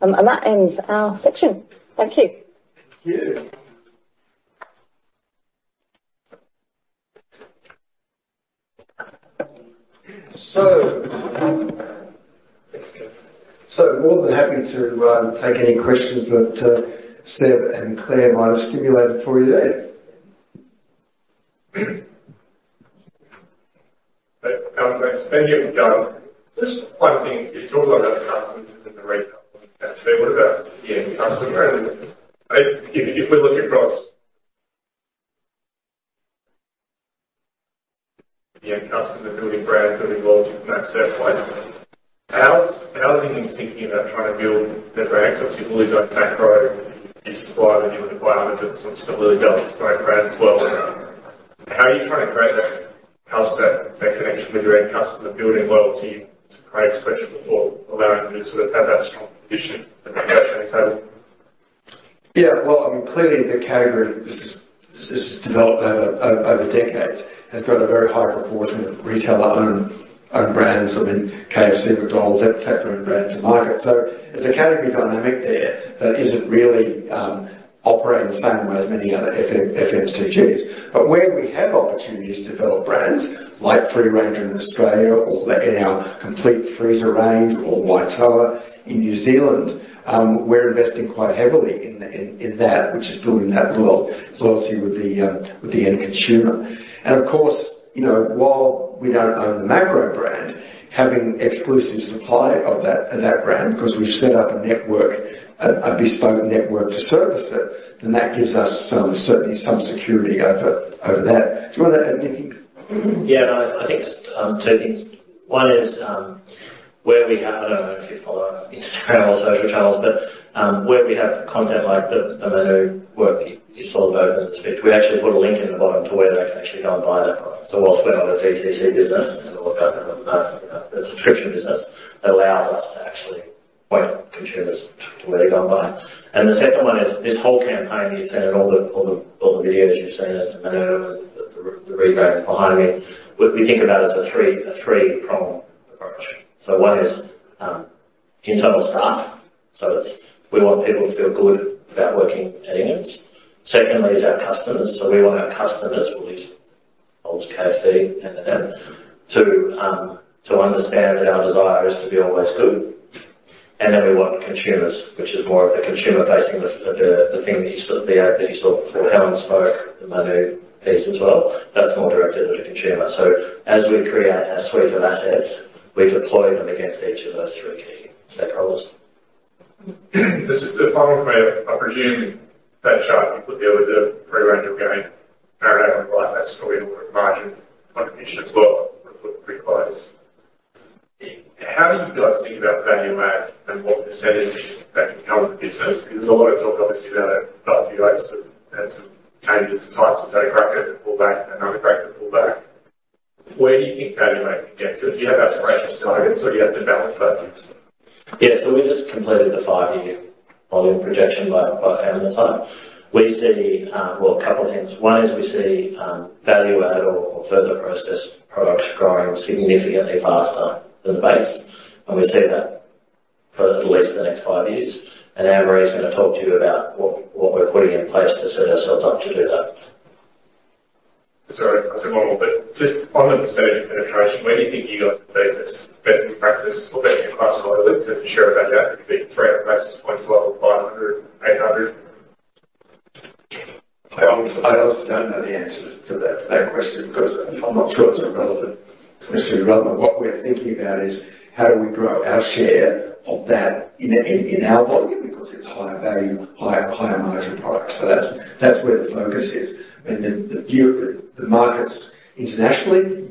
That ends our section. Thank you. Thank you. More than happy to take any questions that Seb and Claire might have stimulated for you there. Thank you. Just one thing, you talked about the customers and the retailers, and so what about the end customer? If we look across the end customer, building brands, building loyalty from that standpoint, how is Ingham's thinking about trying to build the brands? Obviously, Woolies, like Macro, you supply the new environment that some similarly built strong brands as well. How are you trying to create that, house that, that connection with your end customer, building loyalty to create special or allowing you to sort of have that strong position in the table? Yeah, well, I mean, clearly, the category this has developed over decades has got a very high proportion of retailer-owned brands. I mean, KFC, McDonald's, that type of brands in market. There's a category dynamic there that isn't really operating the same way as many other FMCGs. But where we have opportunities to develop brands like Free Ranger in Australia or in our complete freezer range or Waitoa in New Zealand, we're investing quite heavily in that, which is building that loyalty with the end consumer. Of course, you know, we don't own the Macro brand, having exclusive supply of that brand, because we've set up a network, a bespoke network to service it, then that gives us some certainly some security over that. Do you want to add anything? Yeah, I think just two things. One is, where we have, I don't know if you follow Instagram or social channels, but where we have content like the Manu work you saw the opening speech, we actually put a link in the bottom to where they can actually go and buy that product. Whilst we're not a DTC business and we're more about a subscription business, it allows us to actually point consumers to where to go and buy. The second one is this whole campaign you've seen in all the videos you've seen at Manu, the rebrand behind me. We think about it as a three-prong approach. One is, internal staff, so it's we want people to feel good about working at Ingham's. Secondly, is our customers, so we want our customers, well, at least ALDI, KFC and them, to understand our desire is to be always good. Then we want consumers, which is more of the consumer-facing, the thing that you saw, the ad that you saw before, Helen spoke, the Manu piece as well. That's more directed at the consumer. As we create our suite of assets, we deploy them against each of those three key stakeholders. This is the final one for me. I presume that chart you put there with the free range of gain, right, that's still a margin contribution as well for quick close. How do you guys think about value add and what percentage that can come to the business? Because there's a lot of talk, obviously, about the sort of changes in types of bracket pullback and another bracket pullback. Where do you think value add can get to? Do you have aspirational targets, or do you have to balance that use? Yeah. We just completed the five-year volume projection by product line. We see. Well, a couple of things. One is we see value add or further processed products growing significantly faster than the base, and we see that for at least the next five years. Anne-Marie is going to talk to you about what we're putting in place to set ourselves up to do that. Sorry, I said one more, but just on the percentage of penetration, where do you think you guys are doing this best in practice or best in class, rather, to ensure that you have 300 basis points level, 500, 800? I honestly, I honestly don't know the answer to that, to that question because I'm not sure it's irrelevant, especially relevant. What we're thinking about is how do we grow our share of that in, in, in our volume? Because it's higher value, higher, higher margin products. That's where the focus is. Then the view of the, the markets internationally,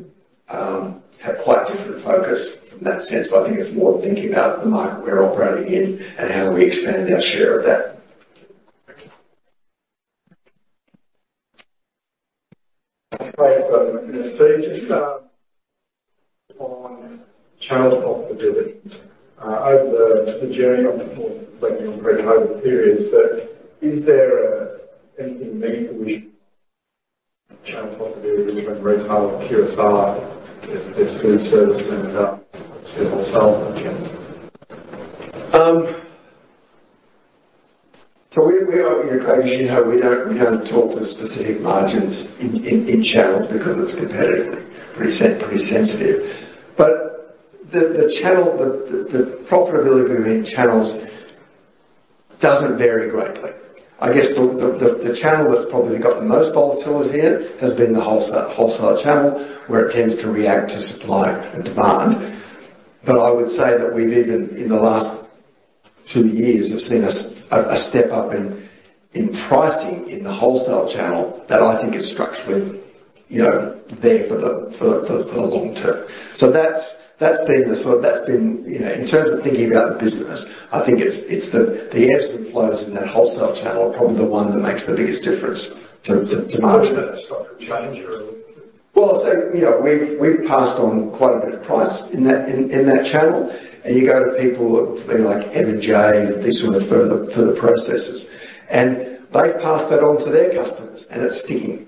have quite different focus in that sense, but I think it's more thinking about the market we're operating in and how do we expand our share of that. Thank you. Great. Just on channel profitability over the journey on reflecting on pre-COVID periods, but is there anything meaningful which channel profitability between retail and QSR? There's food service and wholesale. We are, as you know, we don't talk to specific margins in channels because it's competitively pretty sensitive. The profitability between channels doesn't vary greatly. I guess the channel that's probably got the most volatility here has been the wholesale channel, where it tends to react to supply and demand. I would say that we've even in the last two years have seen a step up in pricing in the wholesale channel that I think is structurally, you know, there for the long term. That's been, you know, in terms of thinking about the business, I think it's the ebbs and flows in that wholesale channel are probably the one that makes the biggest difference to margin. Is that a structural change or? Well, so, you know, we've passed on quite a bit of price in that channel, and you go to people like M&J, these sort of further processors, and they pass that on to their customers, and it's sticking.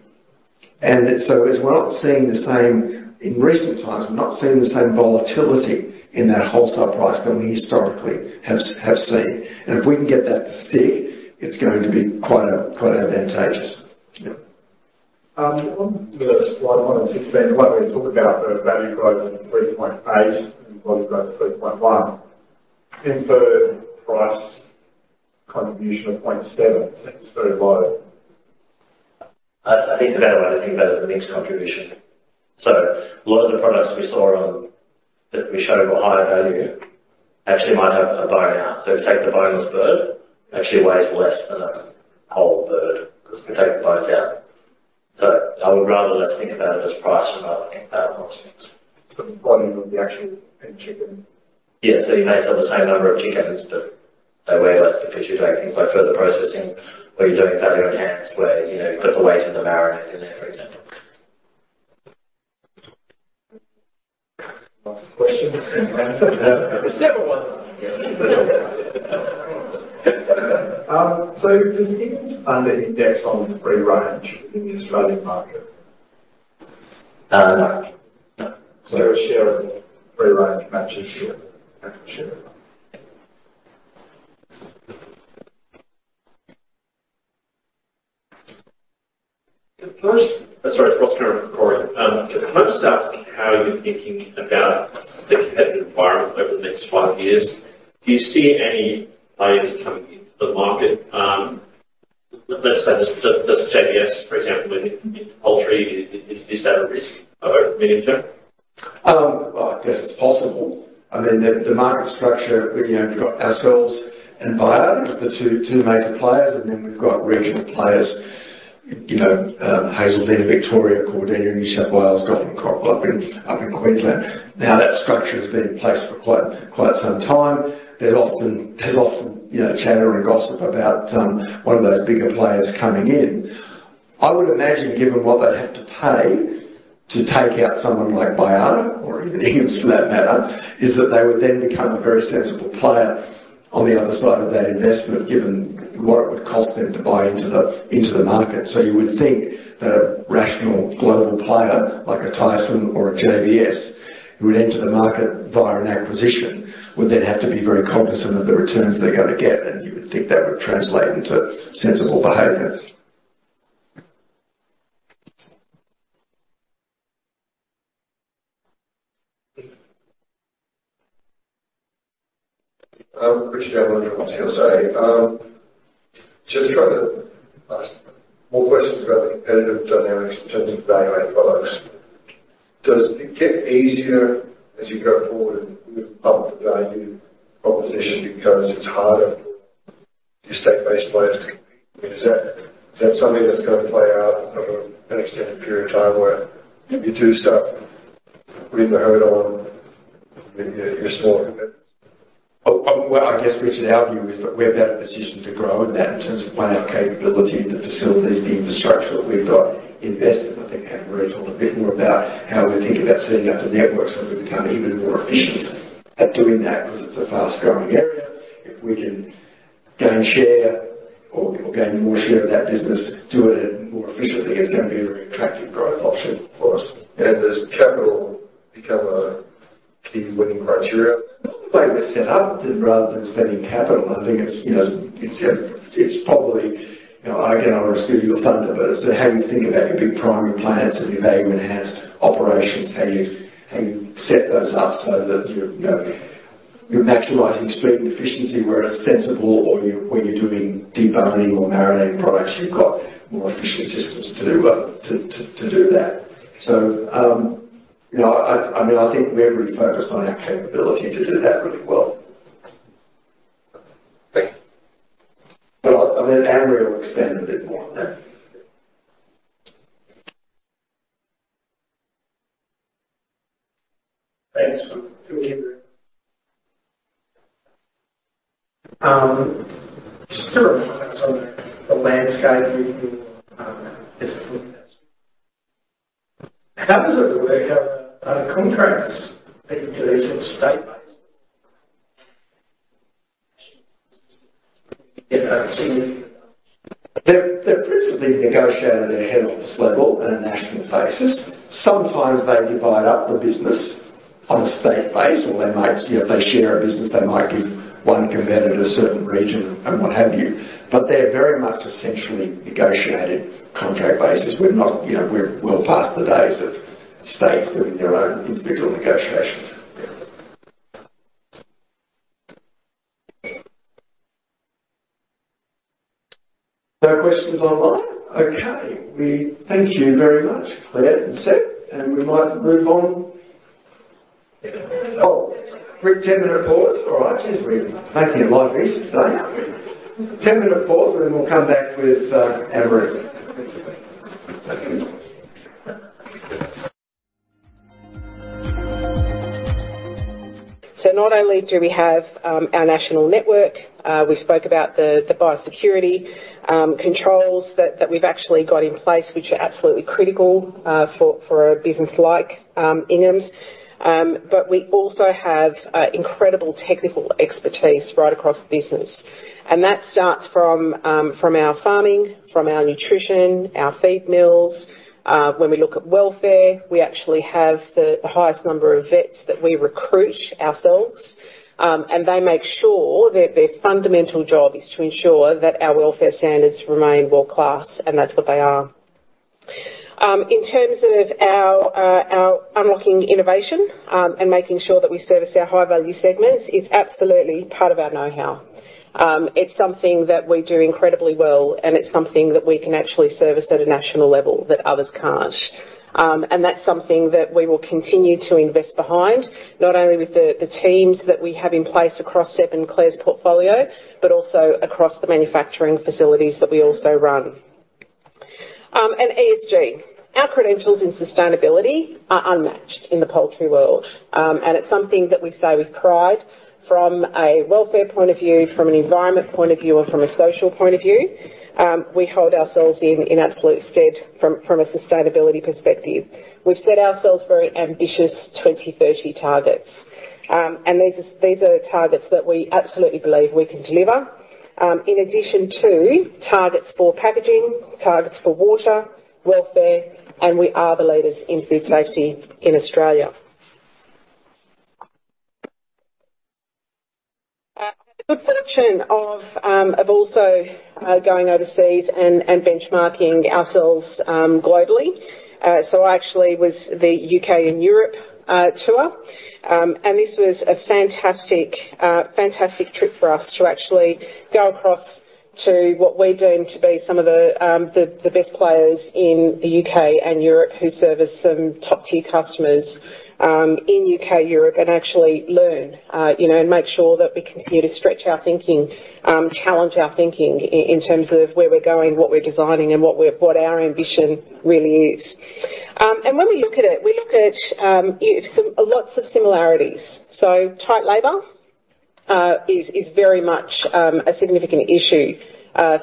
We're not seeing the same. In recent times, we're not seeing the same volatility in that wholesale price that we historically have seen. If we can get that to stick, it's going to be quite advantageous. Yeah. On the slide 1 and 16, what we talked about, the value growth of 3.8 and volume growth of 3.1, inferred price contribution of 0.7 seems very low? I think that is a mixed contribution. A lot of the products that we showed were higher value actually might have a bone out. Take the boneless bird, actually weighs less than a whole bird 'cause we take the bones out. I would rather let's think about it as price rather than think about- The volume of the actual chicken. Yes, so you may sell the same number of chickens, but they weigh less because you're doing things like further processing, where you're doing value-enhanced, where, you know, you put the weight of the marinade in there, for example. Last question. There's never one last question. Does Ingham's under-index on free range in the Australian market? Uh, no. A share of free range matches here? Sure. Sorry, cross-country recording. Can I just ask how you're thinking about the competitive environment over the next five years? Do you see any players coming into the market? Let's say, does JBS, for example, in poultry, is that a risk over the medium term? Well, I guess it's possible. I mean, the market structure, you know, we've got ourselves and Baiada, the two major players, and then we've got regional players, you know, Hazeldene, Victoria, Cordina, New South Wales, Golden Cockerel up in Queensland. Now, that structure has been in place for quite some time. There's often, you know, chatter and gossip about one of those bigger players coming in. I would imagine, given what they'd have to pay to take out someone like Baiada or even Ingham's, for that matter, is that they would then become a very sensible player on the other side of that investment, given what it would cost them to buy into the market. You would think that a rational global player, like a Tyson or a JBS, who would enter the market via an acquisition, would then have to be very cognizant of the returns they're going to get, and you would think that would translate into sensible behavior. Richard Barwick from CLSA. Just got to ask more questions about the competitive dynamics in terms of value-add products. Does it get easier as you go forward and move up the value proposition because it's harder for the state-based players to compete? Is that, is that something that's going to play out over an extended period of time where you do start putting the hurt on your, your smaller competitors? Well, I guess, Richard, our view is that we're better positioned to grow in that in terms of planning capability, the facilities, the infrastructure that we've got invested. I think Anne-Marie talked a bit more about how we think about setting up the network, so we become even more efficient at doing that because it's a fast-growing area. If we can gain share or gain more share of that business, do it more efficiently, it's going to be a very attractive growth option for us. Does capital become a key winning criteria? The way we're set up, rather than spending capital, I think it's, you know, it's, it's probably, you know, again, I'm a steward of capital, but it's how you think about your big primary plants and your value-enhanced operations, how you, how you set those up so that you're, you know, you're maximizing speed and efficiency where it's sensible, or you're, when you're doing deboning or marinade products, you've got more efficient systems to, to, to do that. You know, I mean, I think we're really focused on our capability to do that really well. Thank you. Well, I mean, Anne-Marie will expand a bit more on that. Thanks. Just a reminder on the landscape review, how does it work, how contracts with each state-based? They're principally negotiated at a head office level on a national basis. Sometimes they divide up the business on a state basis, or they might, you know, if they share a business, they might give one competitor a certain region and what have you, but they're very much essentially negotiated contract basis. We're not, you know, we're well past the days of states doing their own individual negotiations. No questions online? Okay. We thank you very much, Claire and Seb, and we might move on. Oh, quick 10-minute pause. All right. Jeez, we're making it like this today. 10-minute pause, and then we'll come back with Anne-Marie. Not only do we have our national network, we spoke about the biosecurity controls that we've actually got in place, which are absolutely critical for a business like Ingham's. We also have incredible technical expertise right across the business, and that starts from our farming, from our nutrition, our feed mills. When we look at welfare, we actually have the highest number of vets that we recruit ourselves, and they make sure that their fundamental job is to ensure that our welfare standards remain world-class, and that's what they are. In terms of our unlocking innovation, and making sure that we service our high-value segments, it's absolutely part of our know-how. It's something that we do incredibly well, and it's something that we can actually service at a national level that others can't. That's something that we will continue to invest behind, not only with the teams that we have in place across Seb and Claire's portfolio, but also across the manufacturing facilities that we also run. ESG, our credentials in sustainability are unmatched in the poultry world. It's something that we say with pride, from a welfare point of view, from an environment point of view, or from a social point of view, we hold ourselves in absolute stead from a sustainability perspective. We've set ourselves very ambitious 2030 targets, and these are the targets that we absolutely believe we can deliver. In addition to targets for packaging, targets for water, welfare, and we are the leaders in food safety in Australia. The good fortune of also going overseas and benchmarking ourselves globally. I actually was the U.K. and Europe tour. This was a fantastic fantastic trip for us to actually go to what we deem to be some of the the best players in the U.K. and Europe, who service some top-tier customers in U.K., Europe, and actually learn, you know, and make sure that we continue to stretch our thinking, challenge our thinking in terms of where we're going, what we're designing, and what we're, what our ambition really is. When we look at it, we look at some lots of similarities. Tight labor is very much a significant issue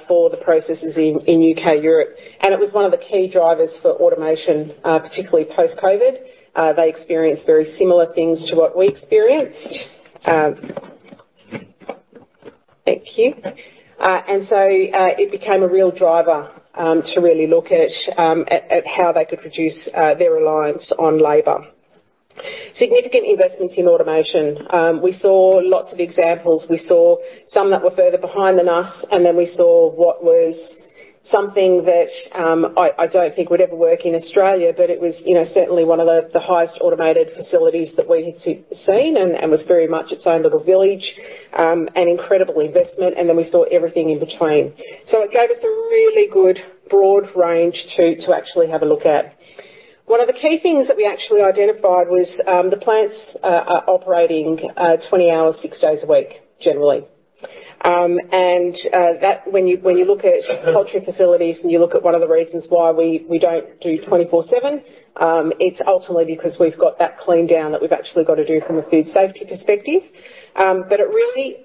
for the processes in U.K., Europe, and it was one of the key drivers for automation, particularly post-COVID. They experienced very similar things to what we experienced. Thank you. It became a real driver to really look at how they could reduce their reliance on labor. Significant investments in automation. We saw lots of examples. We saw some that were further behind than us, and then we saw what was something that I don't think would ever work in Australia, but it was, you know, certainly one of the highest automated facilities that we'd seen and was very much its own little village. An incredible investment, and then we saw everything in between. It gave us a really good, broad range to actually have a look at. One of the key things that we actually identified was the plants are operating 20 hours, 6 days a week, generally. That when you look at poultry facilities, and you look at one of the reasons why we don't do 24/7, it's ultimately because we've got that clean down that we've actually got to do from a food safety perspective. It really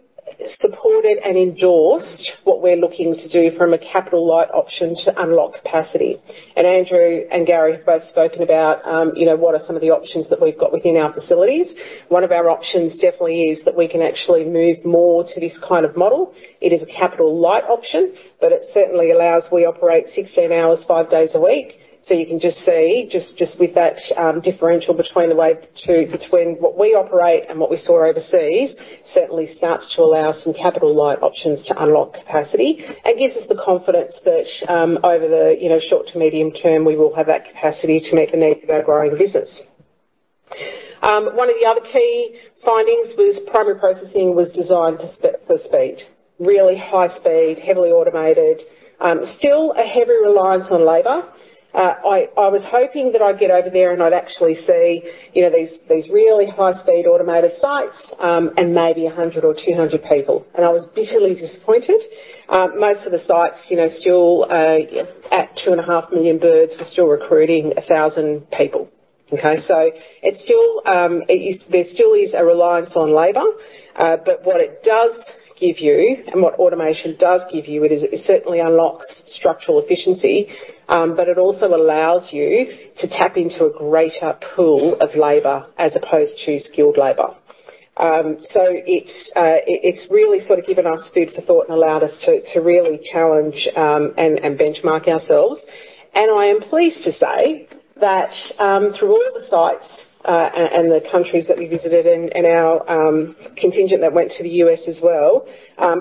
supported and endorsed what we're looking to do from a capital light option to unlock capacity. Andrew and Gary have both spoken about, you know, what are some of the options that we've got within our facilities. One of our options definitely is that we can actually move more to this kind of model. It is a capital light option, but it certainly allows. We operate 16 hours, 5 days a week, so you can just see just with that differential between the way between what we operate and what we saw overseas, certainly starts to allow some capital light options to unlock capacity and gives us the confidence that, over the, you know, short to medium term, we will have that capacity to meet the needs of our growing business. One of the other key findings was primary processing was designed for speed, really high speed, heavily automated, still a heavy reliance on labor. I was hoping that I'd get over there, and I'd actually see, you know, these really high-speed automated sites, and maybe 100 or 200 people, and I was bitterly disappointed. Most of the sites, you know, still, at 2.5 million birds, were still recruiting 1,000 people. Okay, so it's still, it is there still is a reliance on labor, but what it does give you, and what automation does give you, it is, it certainly unlocks structural efficiency, but it also allows you to tap into a greater pool of labor as opposed to skilled labor. It's really sort of given us food for thought and allowed us to, to really challenge, and, and benchmark ourselves. I am pleased to say that, through all the sites, and the countries that we visited and our contingent that went to the U.S. as well,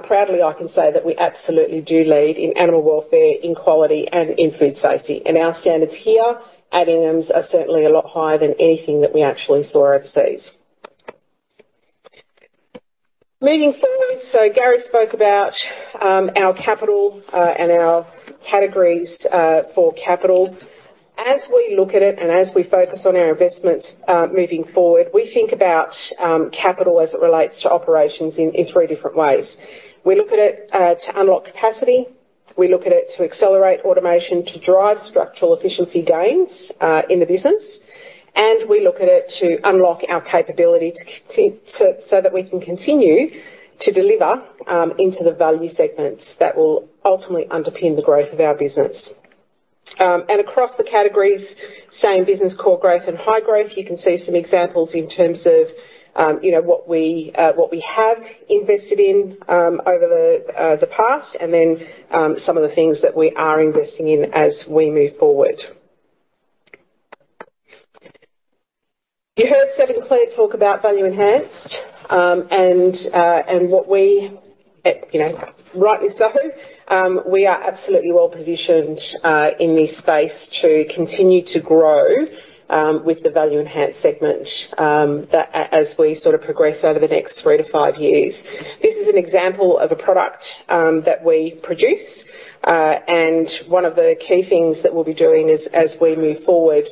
proudly, I can say that we absolutely do lead in animal welfare, in quality, and in food safety. Our standards here at Ingham's are certainly a lot higher than anything that we actually saw overseas. Moving forward, Gary spoke about our capital and our categories for capital. As we look at it, and as we focus on our investments moving forward, we think about capital as it relates to operations in three different ways. We look at it to unlock capacity, we look at it to accelerate automation, to drive structural efficiency gains in the business, and we look at it to unlock our capabilities, so, so that we can continue to deliver into the value segments that will ultimately underpin the growth of our business. Across the categories, same business, core growth and high growth, you can see some examples in terms of, you know, what we have invested in over the past, and then, some of the things that we are investing in as we move forward. You heard Seb and Claire talk about value-enhanced, and what we, you know, rightly so, we are absolutely well-positioned in this space to continue to grow with the value-enhanced segment that as we sort of progress over the next three to five years. This is an example of a product that we produce, and one of the key things that we'll be doing is, as we move forward,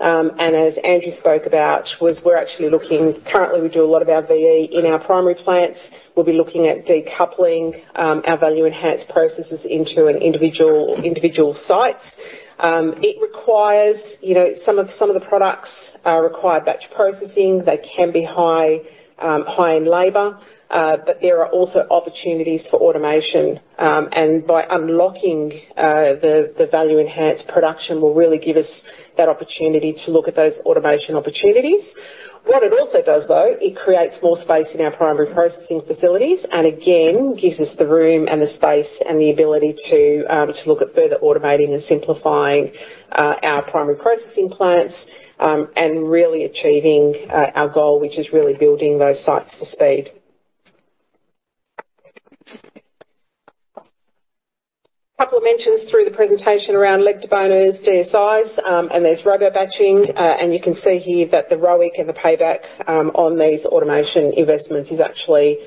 and as Andrew spoke about, was we're actually looking, currently, we do a lot of our VE in our primary plants. We'll be looking at decoupling our value-enhanced processes into an individual, individual sites. It requires, you know, some of, some of the products require batch processing. They can be high in labor, but there are also opportunities for automation. By unlocking the Value Enhanced production, will really give us that opportunity to look at those automation opportunities. What it also does, though, it creates more space in our primary processing facilities and again, gives us the room and the space and the ability to look at further automating and simplifying our primary processing plants. Really achieving our goal, which is really building those sites for speed. A couple of mentions through the presentation around leg deboners, DSIs, and there's robo batching. You can see here that the ROIC and the payback on these automation investments is actually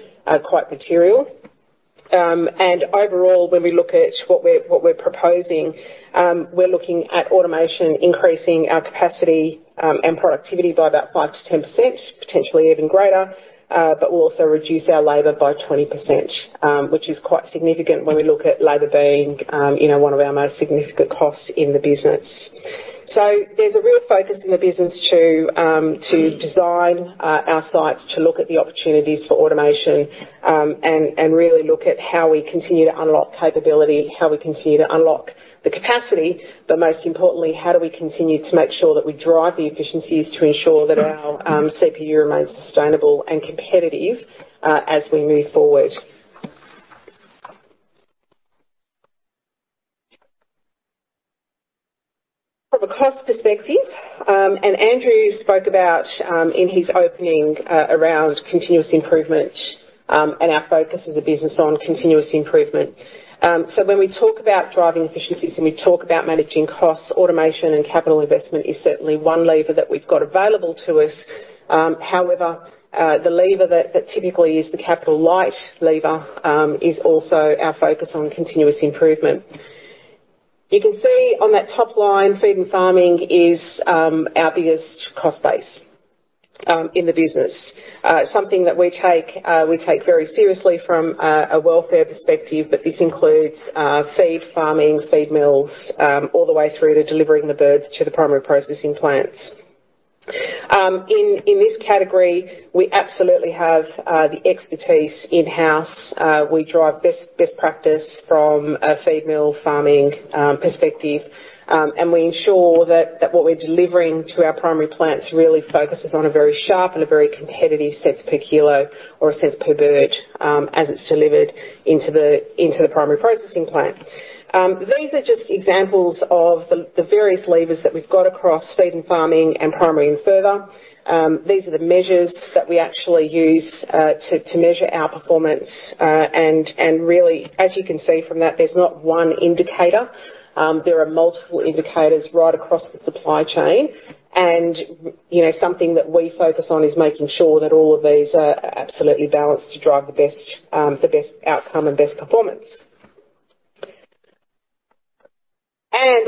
quite material. Overall, when we look at what we're proposing, we're looking at automation increasing our capacity and productivity by about 5%-10%, potentially even greater. We'll also reduce our labor by 20%, which is quite significant when we look at labor being, you know, one of our most significant costs in the business. There's a real focus in the business to design our sites, to look at the opportunities for automation, and really look at how we continue to unlock capability, how we continue to unlock the capacity. Most importantly, how do we continue to make sure that we drive the efficiencies to ensure that our CPU remains sustainable and competitive as we move forward? From a cost perspective, and Andrew spoke about in his opening around continuous improvement, and our focus as a business on continuous improvement. When we talk about driving efficiencies, and we talk about managing costs, automation and capital investment is certainly one lever that we've got available to us. However, the lever that typically is the capital light lever is also our focus on continuous improvement. You can see on that top line, feed and farming is our biggest cost base in the business. Something that we take very seriously from a welfare perspective, but this includes feed, farming, feed mills, all the way through to delivering the birds to the primary processing plants. In this category, we absolutely have the expertise in-house. We drive best practice from a feed mill farming perspective. We ensure that what we're delivering to our primary plants really focuses on a very sharp and a very competitive cents per kilo or cents per bird, as it's delivered into the primary processing plant. These are just examples of the various levers that we've got across feed and farming and primary and further. These are the measures that we actually use to measure our performance. Really, as you can see from that, there's not one indicator. There are multiple indicators right across the supply chain. You know, something that we focus on is making sure that all of these are absolutely balanced to drive the best, the best outcome and best performance.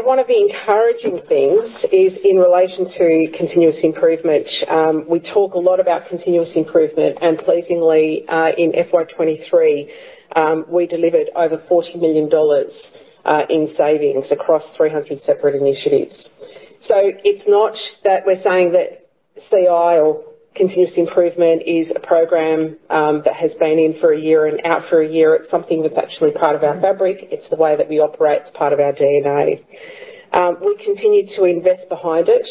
One of the encouraging things is in relation to continuous improvement. We talk a lot about continuous improvement, and pleasingly, in FY 2023, we delivered over 40 million dollars in savings across 300 separate initiatives. It's not that we're saying that CI or continuous improvement is a program that has been in for a year and out for a year. It's something that's actually part of our fabric. It's the way that we operate. It's part of our DNA. We continue to invest behind it.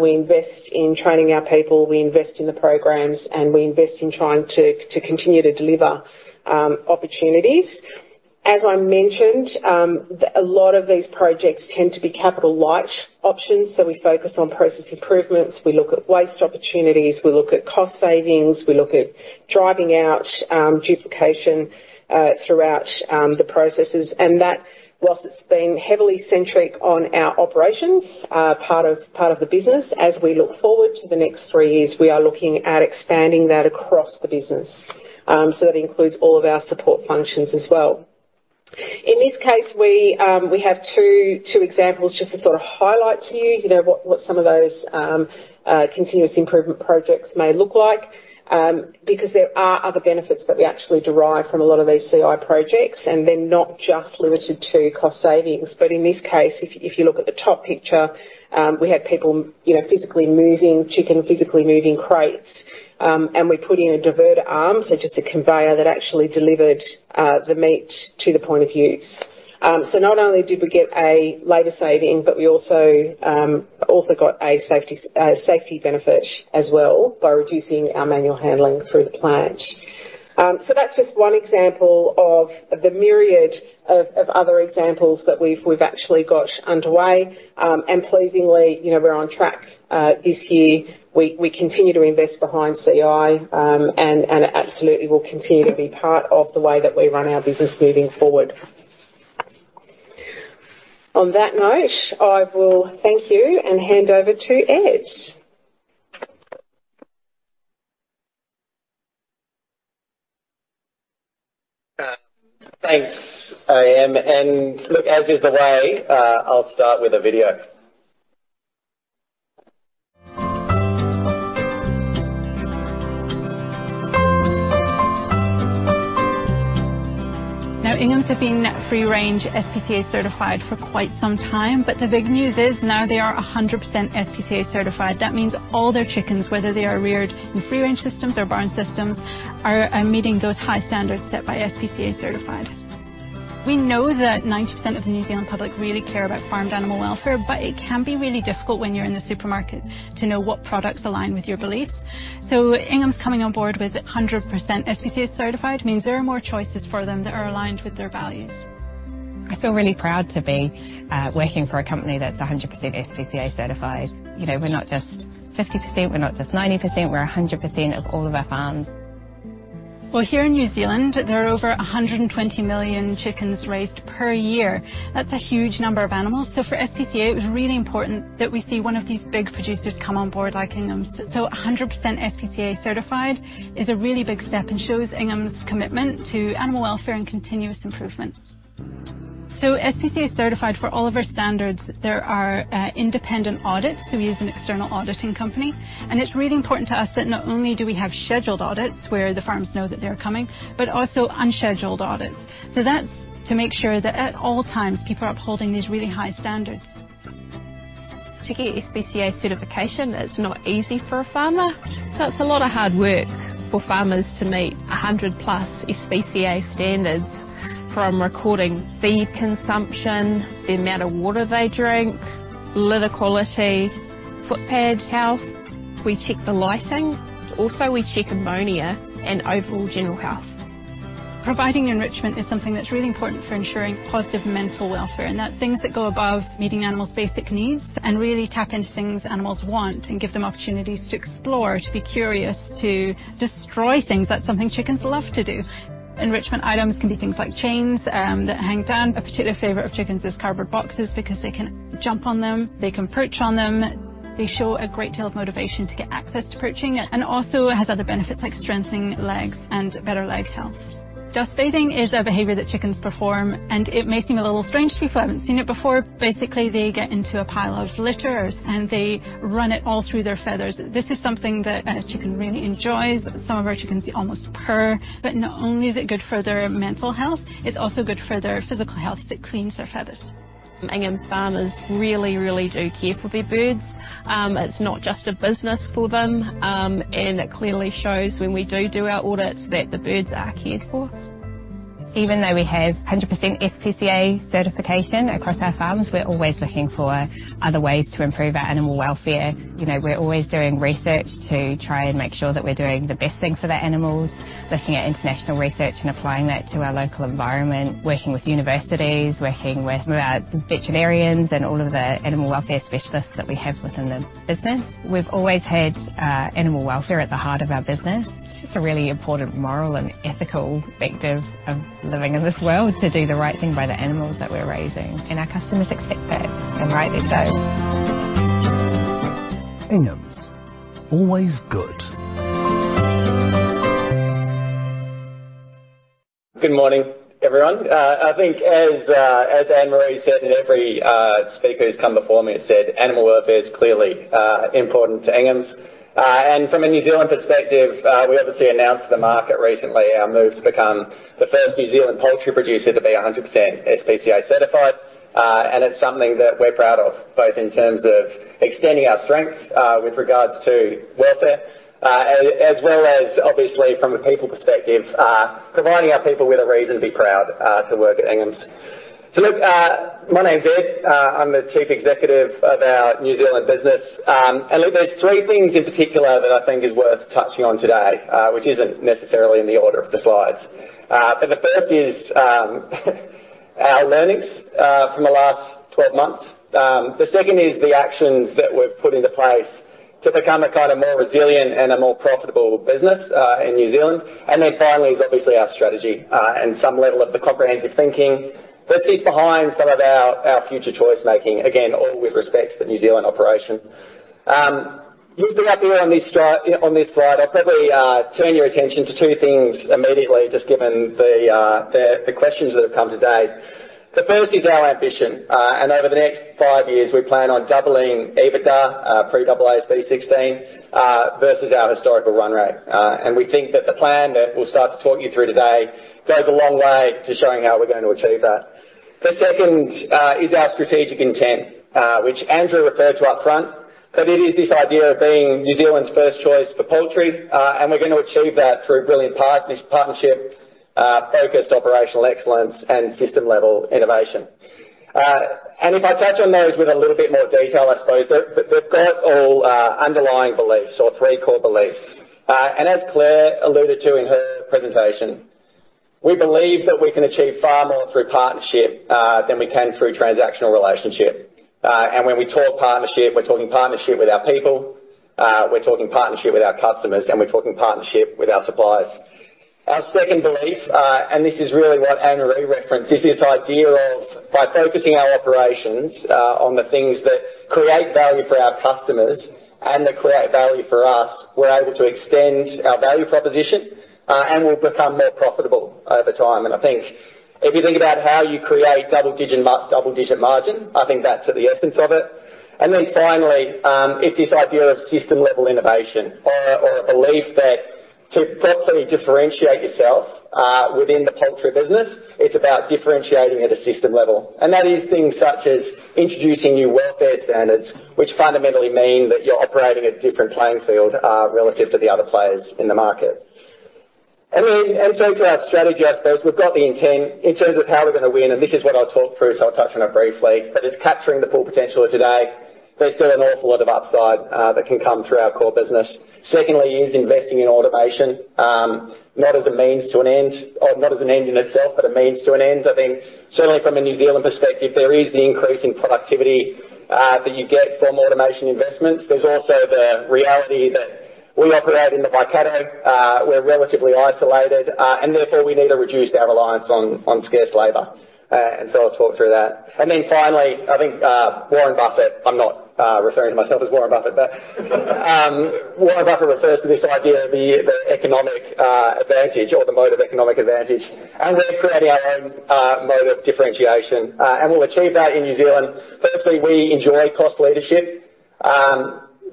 We invest in training our people, we invest in the programs, and we invest in trying to continue to deliver opportunities. As I mentioned, a lot of these projects tend to be capital light options, so we focus on process improvements, we look at waste opportunities, we look at cost savings, we look at driving out duplication throughout the processes. That, while it's been heavily centric on our operations, part of the business, as we look forward to the next three years, we are looking at expanding that across the business. That includes all of our support functions as well. In this case, we have two examples just to sort of highlight to you, you know, what some of those continuous improvement projects may look like, because there are other benefits that we actually derive from a lot of these CI projects, and they're not just limited to cost savings. In this case, if you look at the top picture, we had people, you know, physically moving chicken, physically moving crates, and we put in a diverter arm, so just a conveyor that actually delivered the meat to the point of use. Not only did we get a labor saving, but we also got a safety benefit as well by reducing our manual handling through the plant. That's just one example of the myriad of other examples that we've actually got underway. Pleasingly, you know, we're on track this year. We continue to invest behind CI, and it absolutely will continue to be part of the way that we run our business moving forward. On that note, I will thank you and hand over to Ed. Thanks, A-M. Look, as is the way, I'll start with a video. Now, Ingham's have been free range SPCA Certified for quite some time, but the big news is now they are 100% SPCA Certified. That means all their chickens, whether they are reared in free range systems or barn systems, are meeting those high standards set by SPCA Certified. We know that 90% of the New Zealand public really care about farmed animal welfare, but it can be really difficult when you're in the supermarket to know what products align with your beliefs. Ingham's coming on board with 100% SPCA Certified means there are more choices for them that are aligned with their values. I feel really proud to be working for a company that's 100% SPCA Certified. You know, we're not just 50%, we're not just 90%, we're 100% of all of our farms. Well, here in New Zealand, there are over 120 million chickens raised per year. That's a huge number of animals. For SPCA, it was really important that we see one of these big producers come on board, like Ingham's. 100% SPCA Certified is a really big step and shows Ingham's' commitment to animal welfare and continuous improvement. SPCA Certified for all of our standards, there are independent audits, so we use an external auditing company. It's really important to us that not only do we have scheduled audits, where the farms know that they're coming, but also unscheduled audits. That's to make sure that at all times, people are upholding these really high standards. To get SPCA certification, it's not easy for a farmer, so it's a lot of hard work for farmers to meet 100+ SPCA standards: from recording feed consumption, the amount of water they drink, litter quality, foot pad health. We check the lighting. Also, we check ammonia and overall general health. Providing enrichment is something that's really important for ensuring positive mental welfare, and that things that go above meeting animals' basic needs and really tap into things animals want and give them opportunities to explore, to be curious, to destroy things. That's something chickens love to do. Enrichment items can be things like chains that hang down. A particular favorite of chickens is cardboard boxes because they can jump on them, they can perch on them. They show a great deal of motivation to get access to perching, and also it has other benefits, like strengthening legs and better leg health. Dust bathing is a behavior that chickens perform, and it may seem a little strange to people who haven't seen it before. Basically, they get into a pile of litter, and they run it all through their feathers. This is something that a chicken really enjoys. Some of our chickens almost purr. Not only is it good for their mental health, it's also good for their physical health. It cleans their feathers. Ingham's farmers really, really do care for their birds. It's not just a business for them, and it clearly shows when we do our audits, that the birds are cared for. Even though we have 100% SPCA certification across our farms, we're always looking for other ways to improve our animal welfare. You know, we're always doing research to try and make sure that we're doing the best thing for the animals, looking at international research and applying that to our local environment, working with universities, working with our veterinarians and all of the animal welfare specialists that we have within the business. We've always had animal welfare at the heart of our business. It's just a really important moral and ethical perspective of living in this world to do the right thing by the animals that we're raising, and our customers expect that, and rightly so. Ingham's, always good. Good morning, everyone. I think as, as Anne-Marie said, and every speaker who's come before me has said, animal welfare is clearly important to Ingham's. From a New Zealand perspective, we obviously announced to the market recently our move to become the first New Zealand poultry producer to be 100% SPCA Certified. It's something that we're proud of, both in terms of extending our strengths with regards to welfare, as well as obviously from a people perspective, providing our people with a reason to be proud to work at Ingham's. Look, my name's Ed. I'm the Chief Executive of our New Zealand business. Look, there's three things in particular that I think is worth touching on today, which isn't necessarily in the order of the slides. The first is our learnings from the last 12 months. The second is the actions that we've put into place to become a kind of more resilient and a more profitable business in New Zealand. Then finally is obviously our strategy and some level of the comprehensive thinking that sits behind some of our future choice making. Again, all with respect to the New Zealand operation. Moving up here on this slide, on this slide, I'll probably turn your attention to two things immediately, just given the questions that have come today. The first is our ambition. Over the next five years, we plan on doubling EBITDA pre-AASB 16 versus our historical run rate. We think that the plan that we'll start to talk you through today goes a long way to showing how we're going to achieve that. The second is our strategic intent, which Andrew referred to up front, that it is this idea of being New Zealand's first choice for poultry. We're going to achieve that through brilliant partnership, focused operational excellence and system-level innovation. If I touch on those with a little bit more detail, I suppose, but they've got all underlying beliefs or three core beliefs. As Claire alluded to in her presentation, we believe that we can achieve far more through partnership than we can through transactional relationship. When we talk partnership, we're talking partnership with our people, we're talking partnership with our customers, and we're talking partnership with our suppliers. Our second belief, and this is really what Anne-Marie referenced, is this idea of by focusing our operations on the things that create value for our customers and that create value for us, we're able to extend our value proposition, and we'll become more profitable over time. I think if you think about how you create double digit margin, I think that's at the essence of it. Then finally, it's this idea of system-level innovation or a belief that to properly differentiate yourself within the poultry business, it's about differentiating at a system level. That is things such as introducing new welfare standards, which fundamentally mean that you're operating a different playing field, relative to the other players in the market. Then in terms of our strategy, I suppose we've got the intent in terms of how we're going to win, and this is what I'll talk through, so I'll touch on it briefly, but it's capturing the full potential of today. There's still an awful lot of upside, that can come through our core business. Secondly, is investing in automation, not as a means to an end or not as an end in itself, but a means to an end. I think certainly from a New Zealand perspective, there is the increase in productivity, that you get from automation investments. There's also the reality that. We operate in the Waikato. We're relatively isolated, and therefore we need to reduce our reliance on scarce labor. I'll talk through that. Then finally, I think, Warren Buffett, I'm not referring to myself as Warren Buffett, but Warren Buffett refers to this idea of the economic advantage or the moat of economic advantage, and we're creating our own moat of differentiation, and we'll achieve that in New Zealand. Firstly, we enjoy cost leadership.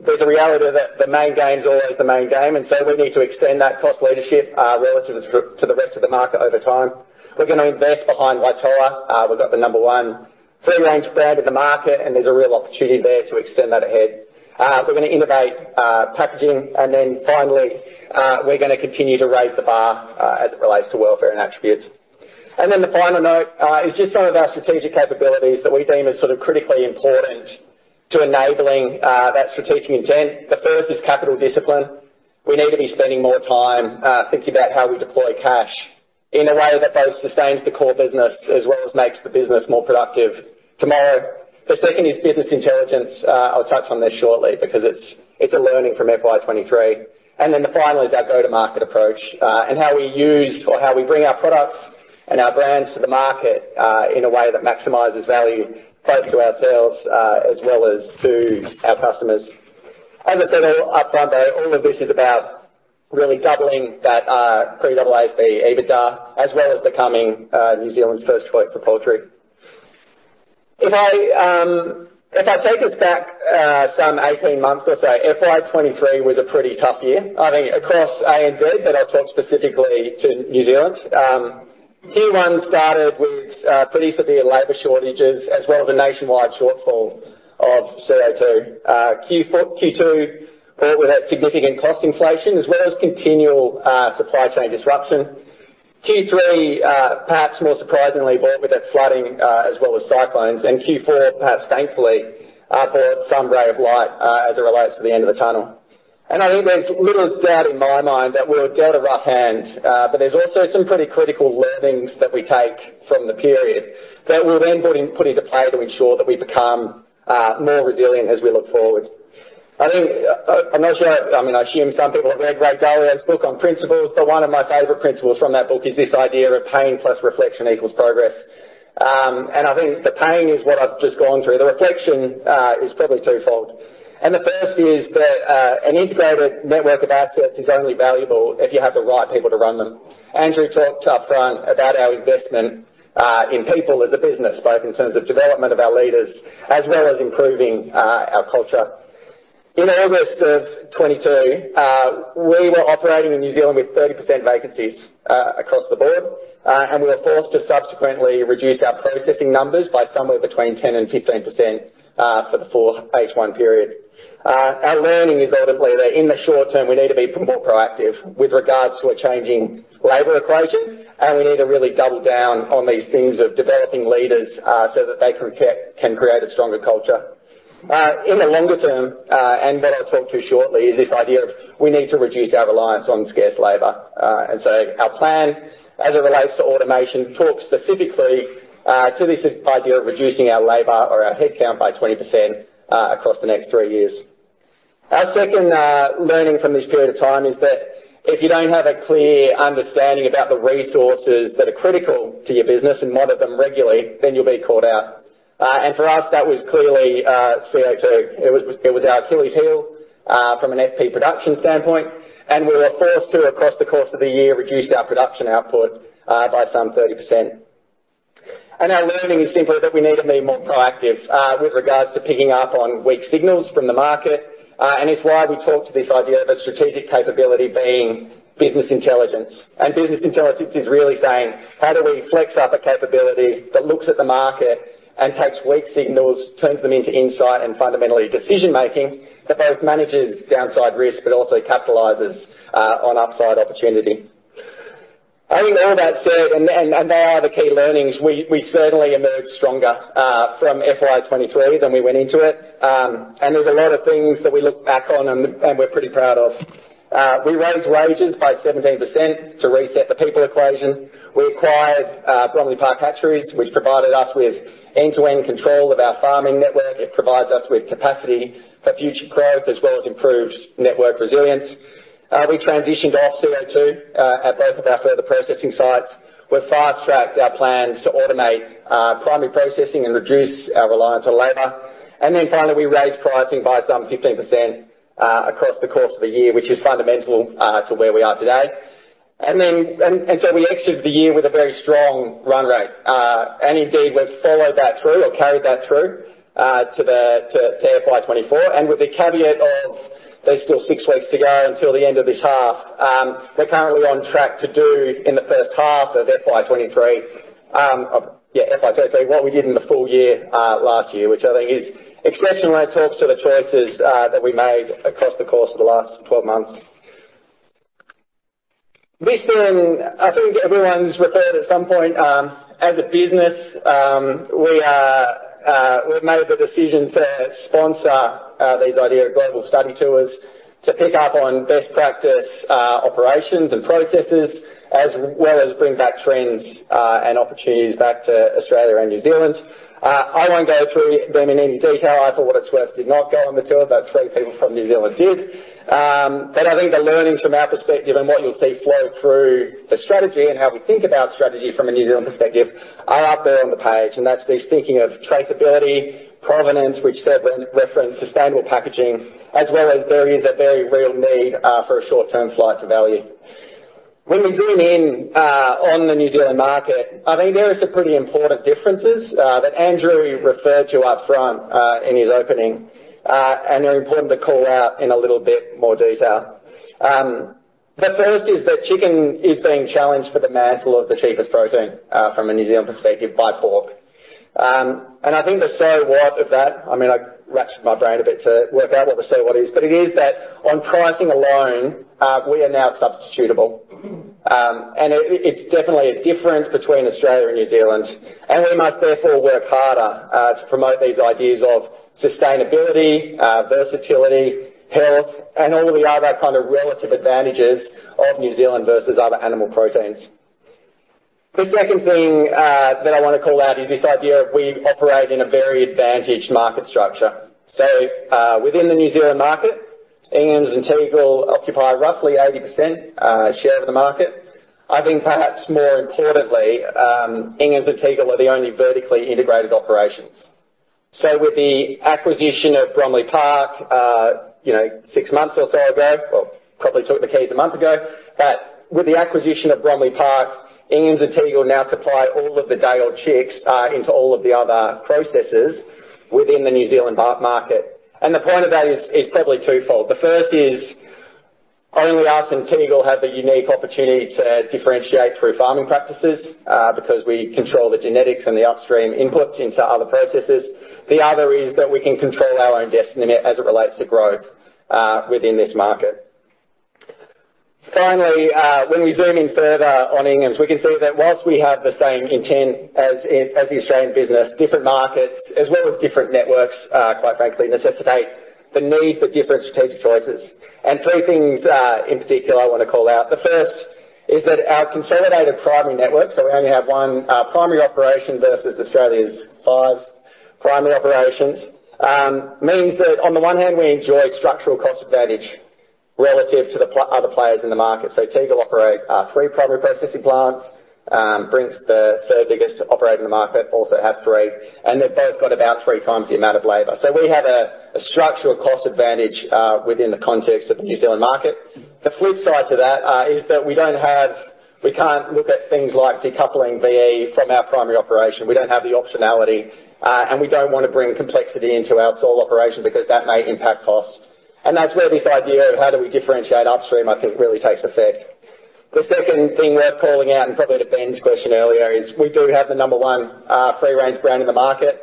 There's a reality that the main game's always the main game, and so we need to extend that cost leadership relative to the rest of the market over time. We're gonna invest behind Waitoa. We've got the number one free range brand in the market, and there's a real opportunity there to extend that ahead. We're gonna innovate packaging, and then finally, we're gonna continue to raise the bar as it relates to welfare and attributes. Then the final note is just some of our strategic capabilities that we deem as sort of critically important to enabling that strategic intent. The first is capital discipline. We need to be spending more time thinking about how we deploy cash in a way that both sustains the core business as well as makes the business more productive tomorrow. The second is business intelligence. I'll touch on this shortly because it's a learning from FY 2023. Then the final is our go-to-market approach and how we use or how we bring our products and our brands to the market in a way that maximizes value, both to ourselves as well as to our customers. As I said up front, though, all of this is about really doubling that pre-AASB EBITDA, as well as becoming New Zealand's first choice for poultry. If I take us back some 18 months or so, FY 2023 was a pretty tough year. I think across ANZ, but I'll talk specifically to New Zealand. Q1 started with pretty severe labor shortages as well as a nationwide shortfall of CO2. Q2, well, we had significant cost inflation as well as continual supply chain disruption. Q3, perhaps more surprisingly, well, we had flooding as well as cyclones, and Q4, perhaps thankfully, brought some ray of light as it relates to the end of the tunnel. I think there's little doubt in my mind that we were dealt a rough hand, but there's also some pretty critical learnings that we take from the period that we'll then put in, put into play to ensure that we become more resilient as we look forward. I think, I'm not sure, I mean, I assume some people have read Ray Dalio's book on Principles, but one of my favorite principles from that book is this idea of pain plus reflection equals progress. I think the pain is what I've just gone through. The reflection is probably twofold, and the first is that an integrated network of assets is only valuable if you have the right people to run them. Andrew talked upfront about our investment in people as a business, both in terms of development of our leaders as well as improving our culture. In August of 2022, we were operating in New Zealand with 30% vacancies across the board, and we were forced to subsequently reduce our processing numbers by somewhere between 10%-15% for the full H1 period. Our learning is ultimately that in the short term, we need to be more proactive with regards to a changing labor equation, and we need to really double down on these themes of developing leaders so that they can create a stronger culture. In the longer term, and that I'll talk to shortly, is this idea of we need to reduce our reliance on scarce labor, and so our plan, as it relates to automation, talks specifically, to this idea of reducing our labor or our headcount by 20%, across the next three years. Our second learning from this period of time is that if you don't have a clear understanding about the resources that are critical to your business and monitor them regularly, then you'll be caught out. For us, that was clearly, CO2. It was our Achilles heel, from an FP production standpoint, and we were forced to, across the course of the year, reduce our production output, by some 30%. Our learning is simply that we need to be more proactive with regards to picking up on weak signals from the market, and it's why we talk to this idea of a strategic capability being business intelligence. Business intelligence is really saying: How do we flex up a capability that looks at the market and takes weak signals, turns them into insight and fundamentally decision-making, that both manages downside risk, but also capitalizes on upside opportunity? I think all that said, and they are the key learnings, we certainly emerged stronger from FY 2023 than we went into it. There's a lot of things that we look back on and we're pretty proud of. We raised wages by 17% to reset the people equation. We acquired Bromley Park Hatcheries, which provided us with end-to-end control of our farming network. It provides us with capacity for future growth as well as improved network resilience. We transitioned off CO2 at both of our further processing sites. We've fast-tracked our plans to automate primary processing and reduce our reliance on labor. Then finally, we raised pricing by some 15% across the course of the year, which is fundamental to where we are today. Then, and so we exited the year with a very strong run rate. Indeed, we've followed that through or carried that through to FY 2024. With the caveat that there's still six weeks to go until the end of this half, we're currently on track to do in the first half of FY 2023, yeah, FY 2023, what we did in the full year last year, which I think is exceptional and it talks to the choices that we made across the course of the last 12 months. Listen, I think everyone's referred at some point, as a business, we've made the decision to sponsor this idea of global study tours to pick up on best practice operations and processes, as well as bring back trends and opportunities back to Australia and New Zealand. I won't go through them in any detail. I, for what it's worth, did not go on the tour, but three people from New Zealand did. I think the learnings from our perspective and what you'll see flow through the strategy and how we think about strategy from a New Zealand perspective are up there on the page, and that's this thinking of traceability, provenance, which Seb referenced, sustainable packaging, as well as there is a very real need for a short-term flight to value. When we zoom in on the New Zealand market, I think there are some pretty important differences that Andrew referred to up front in his opening, and they're important to call out in a little bit more detail. The first is that chicken is being challenged for the mantle of the cheapest protein from a New Zealand perspective, by pork. I think the so what of that, I mean, I racked my brain a bit to work out what the so what is, but it is that on pricing alone, we are now substitutable. It's definitely a difference between Australia and New Zealand, and we must therefore work harder, to promote these ideas of sustainability, versatility, health, and all the other kind of relative advantages of New Zealand versus other animal proteins. The second thing, that I want to call out is this idea of we operate in a very advantaged market structure. Within the New Zealand market, Ingham's and Tegel occupy roughly 80% share of the market. I think perhaps more importantly, Ingham's and Tegel are the only vertically integrated operations. With the acquisition of Bromley Park, you know, six months or so ago, well, probably took the keys a month ago. With the acquisition of Bromley Park, Ingham's and Tegel now supply all of the day-old chicks into all of the other processes within the New Zealand poultry market. The point of that is probably twofold. The first is, only us and Tegel have the unique opportunity to differentiate through farming practices, because we control the genetics and the upstream inputs into other processes. The other is that we can control our own destiny as it relates to growth within this market. Finally, when we zoom in further on Ingham's, we can see that while we have the same intent as in, as the Australian business, different markets, as well as different networks, quite frankly, necessitate the need for different strategic choices. Three things, in particular, I want to call out. The first is that our consolidated primary network, so we only have one primary operation versus Australia's five primary operations, means that on the one hand, we enjoy structural cost advantage relative to the other players in the market. Tegel operate three primary processing plants, Brinks, the third biggest operator in the market, also have three, and they've both got about three times the amount of labor. We have a structural cost advantage within the context of the New Zealand market. The flip side to that is that we can't look at things like decoupling VE from our primary operation. We don't have the optionality, and we don't want to bring complexity into our sole operation because that may impact costs. That's where this idea of how do we differentiate upstream, I think, really takes effect. The second thing worth calling out, and probably to Ben's question earlier, is we do have the number one free range brand in the market.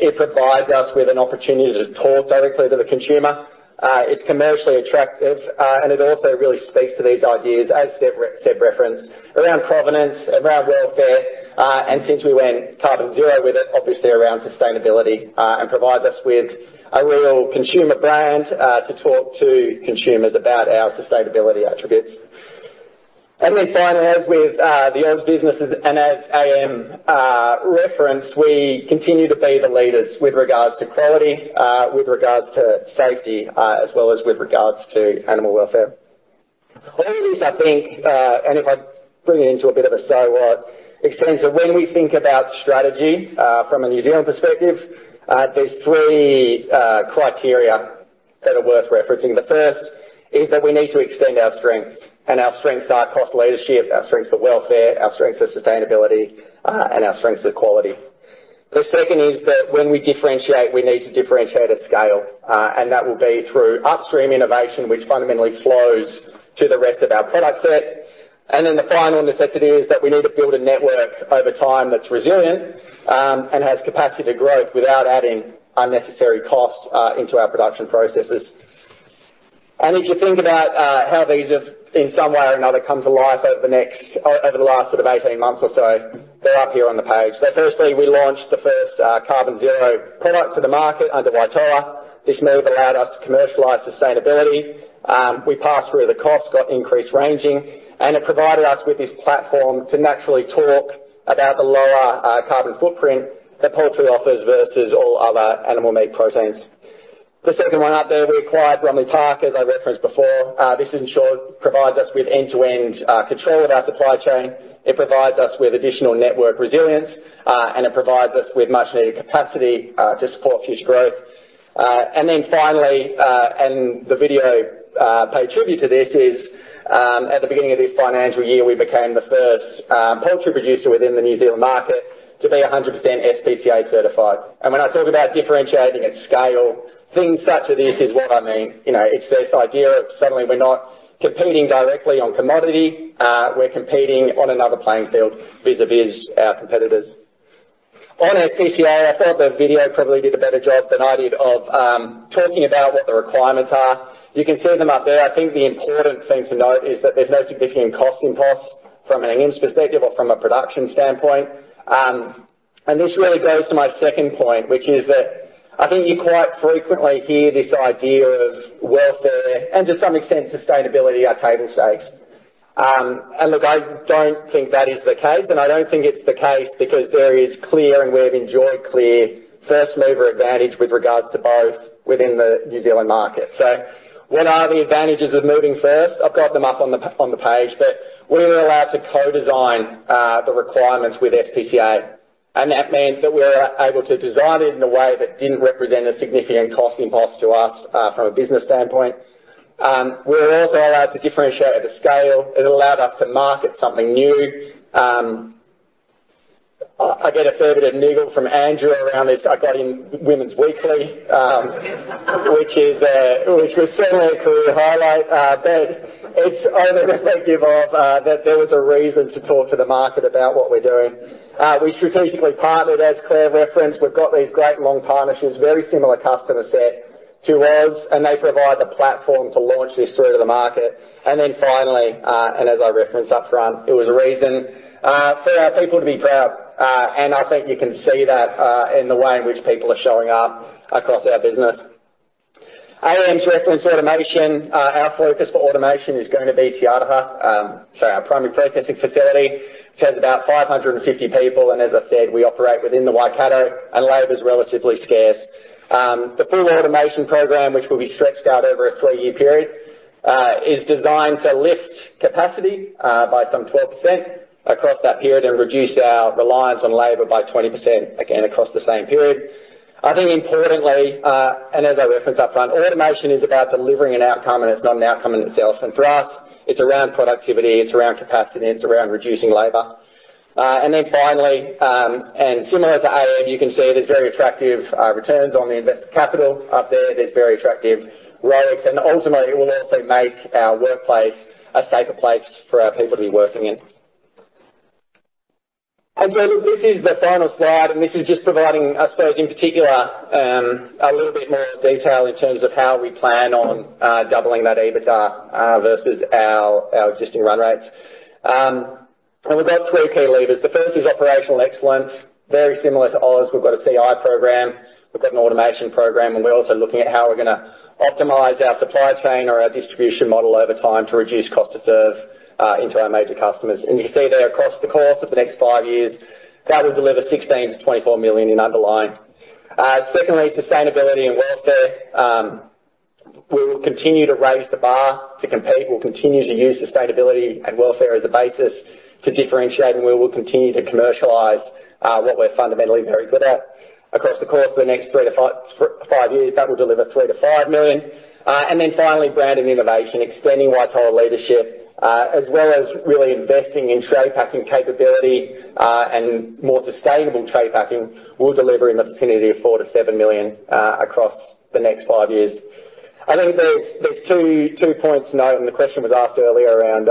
It provides us with an opportunity to talk directly to the consumer. It's commercially attractive, and it also really speaks to these ideas, as Seb referenced, around provenance, around welfare, and since we went Carbon Zero with it, obviously around sustainability, and provides us with a real consumer brand to talk to consumers about our sustainability attributes. Then finally, as with the Oz businesses and as A-M referenced, we continue to be the leaders with regards to quality, with regards to safety, as well as with regards to animal welfare. All of this, I think, and if I bring it into a bit of a so what, extends to when we think about strategy, from a New Zealand perspective, there's three criteria that are worth referencing. The first is that we need to extend our strengths, and our strengths are cost leadership, our strengths are welfare, our strengths are sustainability, and our strengths are quality. The second is that when we differentiate, we need to differentiate at scale, and that will be through upstream innovation, which fundamentally flows to the rest of our product set. Then the final necessity is that we need to build a network over time that's resilient, and has capacity to growth without adding unnecessary costs into our production processes. If you think about how these have, in some way or another, come to life over the last sort of 18 months or so, they're up here on the page. Firstly, we launched the first Carbon Zero product to the market under Waitoa. This move allowed us to commercialize sustainability. We passed through the cost, got increased ranging, and it provided us with this platform to naturally talk about the lower carbon footprint that poultry offers versus all other animal meat proteins. The second one up there, we acquired Bromley Park, as I referenced before. This, in short, provides us with end-to-end control of our supply chain. It provides us with additional network resilience, and it provides us with much-needed capacity to support future growth. Then finally, and the video paid tribute to this, at the beginning of this financial year, we became the first poultry producer within the New Zealand market to be 100% SPCA Certified. When I talk about differentiating at scale, things such as this is what I mean. You know, it's this idea of suddenly we're not competing directly on commodity, we're competing on another playing field vis-a-vis our competitors. On SPCA, I thought the video probably did a better job than I did of talking about what the requirements are. You can see them up there. I think the important thing to note is that there's no significant cost impulse from an Ingham's perspective or from a production standpoint. This really goes to my second point, which is that I think you quite frequently hear this idea of welfare, and to some extent, sustainability are table stakes. Look, I don't think that is the case, and I don't think it's the case because there is clear, and we've enjoyed clear first mover advantage with regards to both within the New Zealand market. What are the advantages of moving first? I've got them up on the, on the page, but we were allowed to co-design the requirements with SPCA, and that meant that we were able to design it in a way that didn't represent a significant cost impulse to us from a business standpoint. We were also allowed to differentiate at the scale. It allowed us to market something new. I get a fair bit of niggle from Andrew around this. I got in Women's Weekly, which was certainly a career highlight, but it's only reflective of that there was a reason to talk to the market about what we're doing. We strategically partnered, as Claire referenced. We've got these great long partnerships, very similar customer set to ours, and they provide the platform to launch this through to the market. Then finally, and as I referenced upfront, it was a reason for our people to be proud. I think you can see that in the way in which people are showing up across our business. A-M reference automation, our focus for automation is going to be Te Aroha, so our primary processing facility, which has about 550 people, and as I said, we operate within the Waikato, and labor is relatively scarce. The full automation program, which will be stretched out over a 3-year period, is designed to lift capacity by some 12% across that period and reduce our reliance on labor by 20%, again, across the same period. I think importantly, and as I referenced upfront, automation is about delivering an outcome, and it's not an outcome in itself. For us, it's around productivity, it's around capacity, and it's around reducing labor. Then finally, and similar to A-M, you can see there's very attractive returns on the invested capital up there. There's very attractive ROICs, and ultimately, it will also make our workplace a safer place for our people to be working in. Look, this is the final slide, and this is just providing, I suppose, in particular, a little bit more detail in terms of how we plan on doubling that EBITDA versus our, our existing run rates. We've got three key levers. The first is operational excellence. Very similar to ours, we've got a CI program, we've got an automation program, and we're also looking at how we're gonna optimize our supply chain or our distribution model over time to reduce cost to serve into our major customers. You see there, across the course of the next 5 years, that will deliver 16 million-24 million in underlying. Secondly, sustainability and welfare. We will continue to raise the bar to compete. We'll continue to use sustainability and welfare as a basis to differentiate, and we will continue to commercialize what we're fundamentally very good at. Across the course of the next 3-5 years, that will deliver 3million-5 million. Then finally, brand and innovation, extending Waitoa's leadership, as well as really investing in tray packing capability, and more sustainable tray packing will deliver in the vicinity of 4 million-7 million across the next five years. I think there's two points to note, and the question was asked earlier around,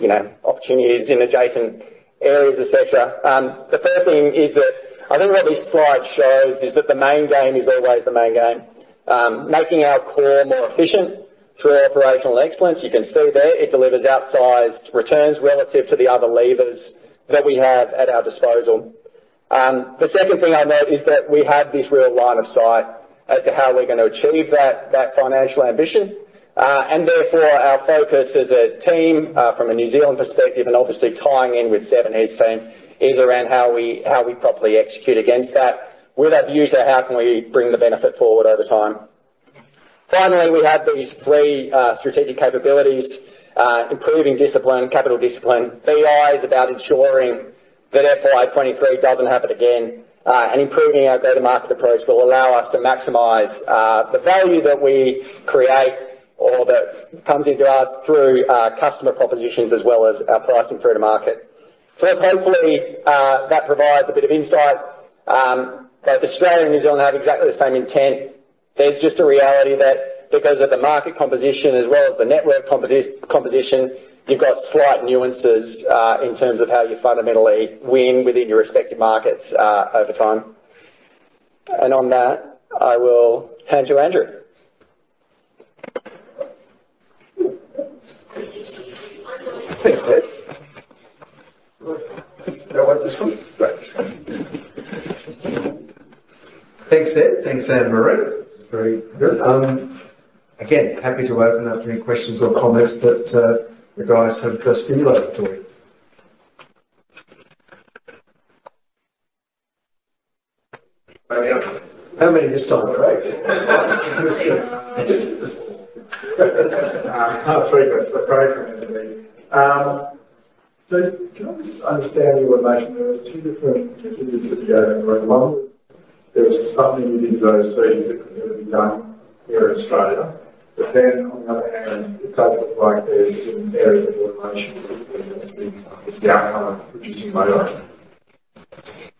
you know, opportunities in adjacent areas, et cetera. The first thing is that I think what this slide shows is that the main game is always the main game. Making our core more efficient through operational excellence, you can see there it delivers outsized returns relative to the other levers that we have at our disposal. The second thing I note is that we have this real line of sight as to how we're gonna achieve that financial ambition. Therefore, our focus as a team, from a New Zealand perspective and obviously tying in with Seb and his team, is around how we, how we properly execute against that. With that view, how can we bring the benefit forward over time? Finally, we have these three strategic capabilities, improving discipline, capital discipline. BI is about ensuring that FY 2023 doesn't happen again, and improving our go-to-market approach will allow us to maximize the value that we create or that comes into us through our customer propositions as well as our pricing through to market. Hopefully, that provides a bit of insight. Both Australia and New Zealand have exactly the same intent. There's just a reality that because of the market composition as well as the network composition, you've got slight nuances in terms of how you fundamentally win within your respective markets over time. On that, I will hand to Andrew. Thanks, Ed. Do I want this one? Great. Thanks, Ed. Thanks, Anne-Marie. It's very good. Again, happy to open up any questions or comments that the guys have stimulated for you. How many have we got? How many this time, Craig? Three questions. Three questions for me. Can I just understand your automation? There was two different pictures that you went through. One was there was something you didn't go and see that could be done here in Australia, but then, on the other hand, it does look like there's some areas of automation that's the, is the outcome of producing mayo.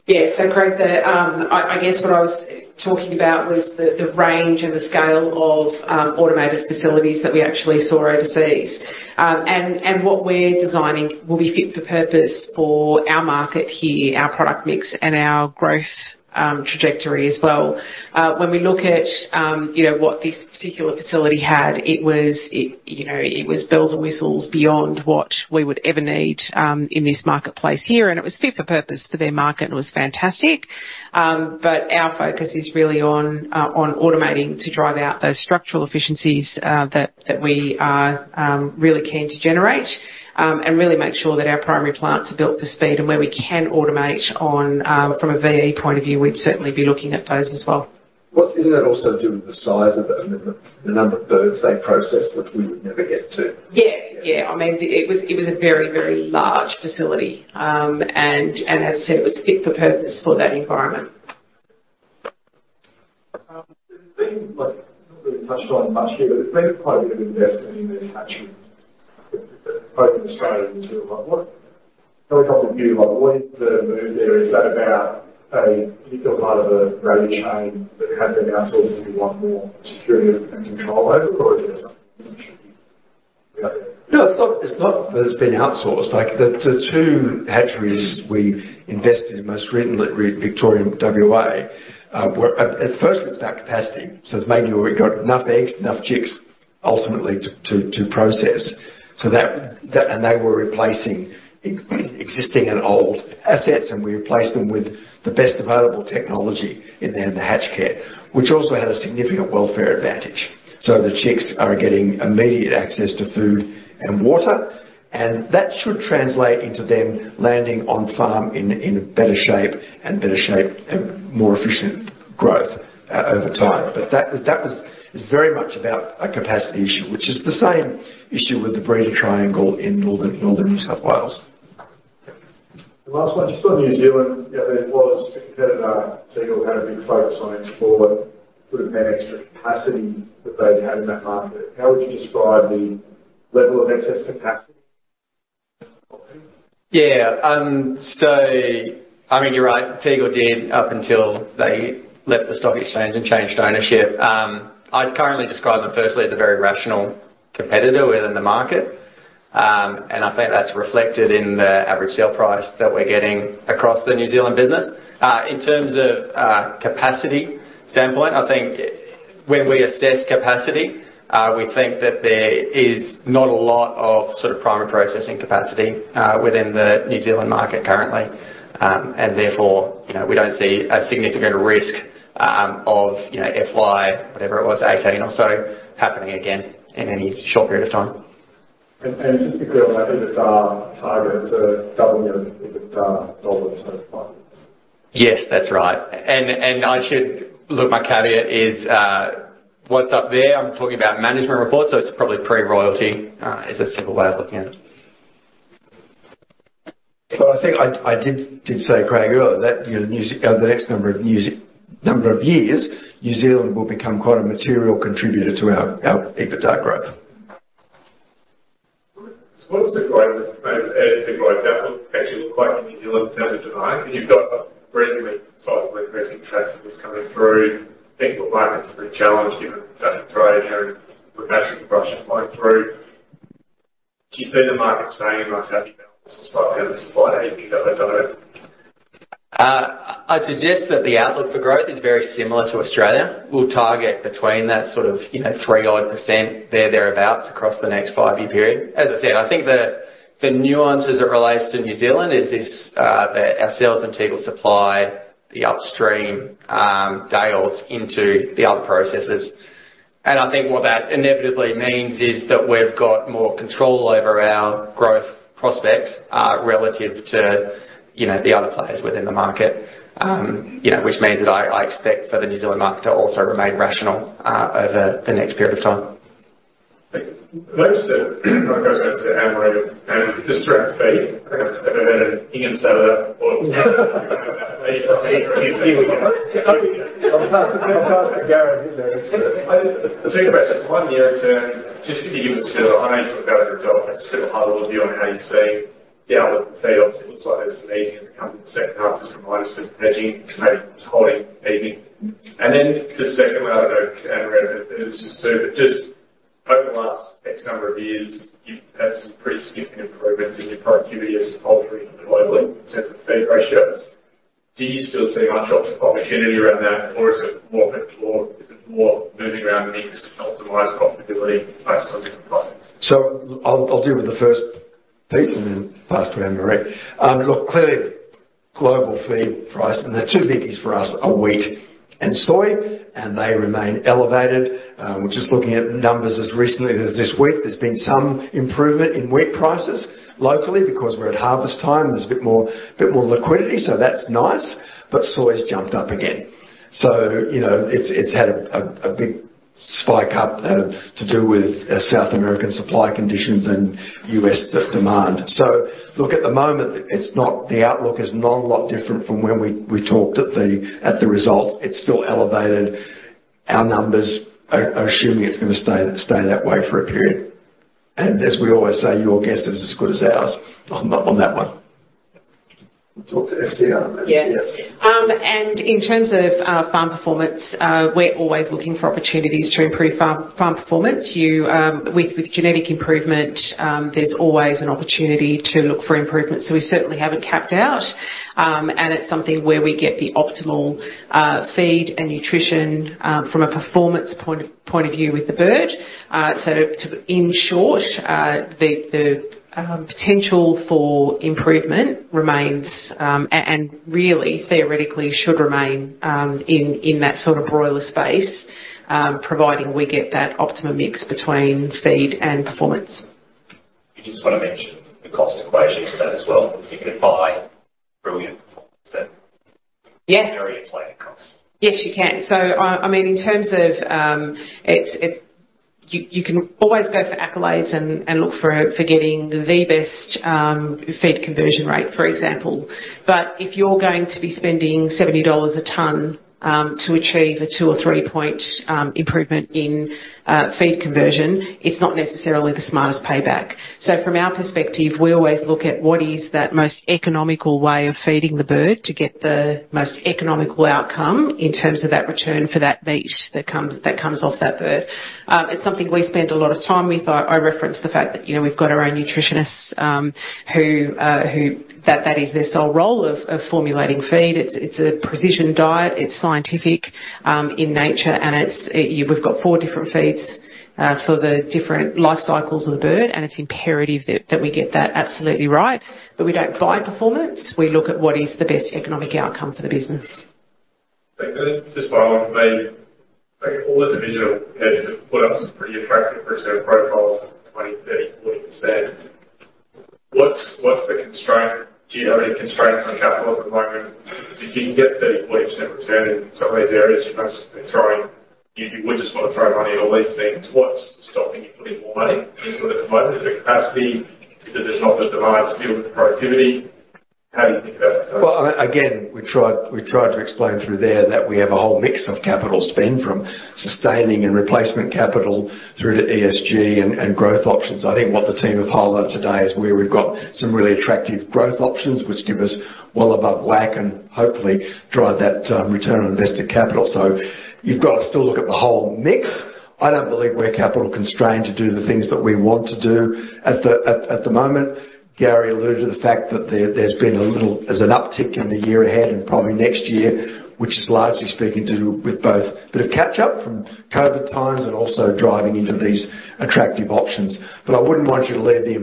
Yes, so Craig, I guess what I was talking about was the range and the scale of automated facilities that we actually saw overseas. What we're designing will be fit for purpose for our market here, our product mix, and our growth trajectory as well. When we look at, you know, what this particular facility had, it was bells and whistles beyond what we would ever need in this marketplace here, and it was fit for purpose for their market, and it was fantastic. Our focus is really on automating to drive out those structural efficiencies, that we are really keen to generate, and really make sure that our primary plants are built for speed, and where we can automate on, from a VE point of view, we'd certainly be looking at those as well. Isn't that also due to the size of it and the number of birds they process that we would never get to? Yeah. Yeah. I mean, it was, it was a very, very large facility, and as I said, it was fit for purpose for that environment. There's been, like, touched on much here, but there's been quite a bit of investment in this hatchery, both in Australia and New Zealand. What, from a couple of you, like, what is the move there? Is that about a particular part of a value chain that had been outsourced, and you want more security and control over, or is there something? No, it's not, it's not that it's been outsourced. Like, the, the two hatcheries we've invested in most recently, Victoria and WA, were at, at first, it's about capacity. It's making sure we've got enough eggs, enough chicks, ultimately, to, to, to process. They were replacing existing and old assets, and we replaced them with the best available technology in the, in the HatchCare, which also had a significant welfare advantage. The chicks are getting immediate access to food and water, and that should translate into them landing on farm in, in better shape and better shape and more efficient growth, over time. That was, that was very much about a capacity issue, which is the same issue with the breeder triangle in Northern New South Wales. The last one, just on New Zealand, yeah, there was a competitor, Tegel, had a big focus on export. Would have been extra capacity that they had in that market. How would you describe the level of excess capacity? Yeah, so I mean, you're right. Tegel did, up until they left the stock exchange and changed ownership. I'd currently describe them firstly as a very rational competitor within the market, and I think that's reflected in the average sale price that we're getting across the New Zealand business. In terms of capacity standpoint, I think when we assess capacity, we think that there is not a lot of sort of primary processing capacity within the New Zealand market currently. Therefore, you know, we don't see a significant risk of you know, FY, whatever it was, 18 or so, happening again in any short period of time. Just because I think it's our target to double your EBITDA over the next five years? Yes, that's right. I should. Look, my caveat is, what's up there, I'm talking about management reports, so it's probably pre-royalty, is a simple way of looking at it. Well, I think I did say, Craig, earlier, that you know, the next number of years, New Zealand will become quite a material contributor to our EBITDA growth. What does the growth maybe add to growth outlook actually look like in New Zealand as of today? You've got a reasonably solid investment transfer that's coming through. I think the market's been challenged, given trade and perhaps Russian flow through. Do you see the market staying nice, happy, balanced, or slightly undersupplied? I suggest that the outlook for growth is very similar to Australia. We'll target between that sort of, you know, 3-odd% thereabout, across the next five-year period. As I said, I think the, the nuances that relates to New Zealand is this, that our sales and Tegel supply the upstream day-olds into the other processors. I think what that inevitably means is that we've got more control over our growth prospects, relative to, you know, the other players within the market. You know, which means that I, I expect for the New Zealand market to also remain rational, over the next period of time. Thanks. Most of it, I was going to say, Anne-Marie, and just direct feed. I don't know whether Ingham's said that or Here we go. I'll pass to Gary. Two questions. One, year return, just to give you a feel, I know you talked about it in the results, but just get a high-level view on how you see the outlook for feed costs. It looks like there's some easing in the second half just from modest hedging, maybe holding, easing. Then the second one, I don't know, Andrew, if it was just two, but just over the last X number of years, you've had some pretty significant improvements in your productivity as a poultry globally in terms of feed ratios. Do you still see much opportunity around that, or is it more put forward, is it more moving around things to optimize profitability based on different products? I'll deal with the first piece and then pass to Anne-Marie. Look, clearly, global feed price, and the two biggies for us are wheat and soy, and they remain elevated. We're just looking at numbers as recently as this week. There's been some improvement in wheat prices locally because we're at harvest time, and there's a bit more liquidity, so that's nice. Soy's jumped up again. You know, it's had a big spike up to do with South American supply conditions and U.S. demand. Look, at the moment, it's not the outlook is not a lot different from when we talked at the results. It's still elevated. Our numbers are assuming it's going to stay that way for a period. As we always say, your guess is as good as ours on that one. Talk to FCR? Yeah. In terms of farm performance, we're always looking for opportunities to improve farm performance. With genetic improvement, there's always an opportunity to look for improvement, so we certainly haven't capped out. It's something where we get the optimal feed and nutrition from a performance point of view with the bird. In short, the potential for improvement remains, and really theoretically should remain in that sort of broiler space, providing we get that optimum mix between feed and performance. You just want to mention the cost equation to that as well, because you can buy brilliant performance then- Yeah. Very inflated cost. Yes, you can. I mean, in terms of it. You can always go for accolades and look for getting the best feed conversion rate, for example. If you're going to be spending 70 dollars a ton to achieve a 2- or 3-point improvement in feed conversion, it's not necessarily the smartest payback. From our perspective, we always look at what is that most economical way of feeding the bird to get the most economical outcome in terms of that return for that meat that comes, that comes off that bird. It's something we spend a lot of time with. I referenced the fact that, you know, we've got our own nutritionists who that is their sole role of formulating feed. It's, it's a precision diet, it's scientific, in nature, and it's, we've got four different feeds, for the different life cycles of the bird, and it's imperative that, that we get that absolutely right. We don't buy performance. We look at what is the best economic outcome for the business. Just follow up for me, like all the divisional heads have put up some pretty attractive return profiles, 20%, 30%, 40%. What's, what's the constraint, do you have any constraints on capital at the moment? If you can get 30%, 40% return in some of these areas, you must just be throwing. You would just want to throw money at all these things. What's stopping you putting more money into it at the moment? Is it capacity? Is it just not the demand to deal with the productivity? How do you think about it? Well, again, we tried to explain through there that we have a whole mix of capital spend, from sustaining and replacement capital through to ESG and growth options. I think what the team have highlighted today is where we've got some really attractive growth options, which give us well above WACC and hopefully drive that return on invested capital. You've got to still look at the whole mix. I don't believe we're capital constrained to do the things that we want to do. At the moment, Gary alluded to the fact that there's been a little bit of an uptick in the year ahead and probably next year, which is largely speaking to do with both a bit of catch up from COVID times and also driving into these attractive options. I wouldn't want you to leave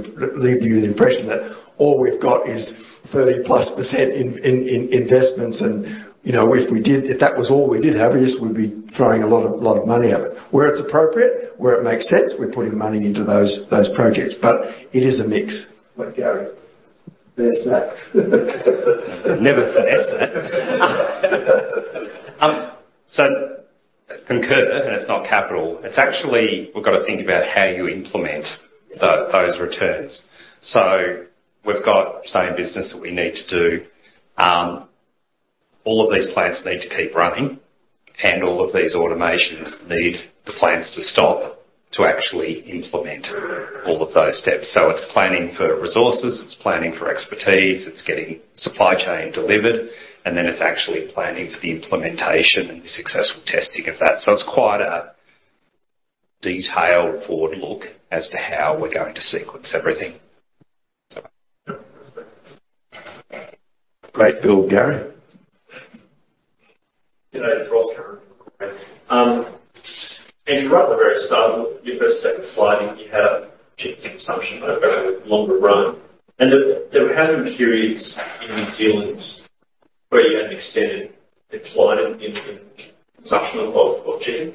you the impression that all we've got is 30%+ in investments. You know, if we did, if that was all we did have, obviously, we'd be throwing a lot of money at it. Where it's appropriate, where it makes sense, we're putting money into those projects, but it is a mix. What, Gary? There's that. Never finesse that. Concur, and it's not capital. It's actually, we've got to think about how you implement those returns. We've got stay in business that we need to do. All of these plants need to keep running, and all of these automations need the plants to stop to actually implement all of those steps. It's planning for resources, it's planning for expertise, it's getting supply chain delivered, and then it's actually planning for the implementation and the successful testing of that. It's quite a detailed forward look as to how we're going to sequence everything. Great build, Gary. You know, and right at the very start, your first second slide, you had a chicken consumption over a longer run, and there have been periods in New Zealand where you had an extended decline in consumption of poultry.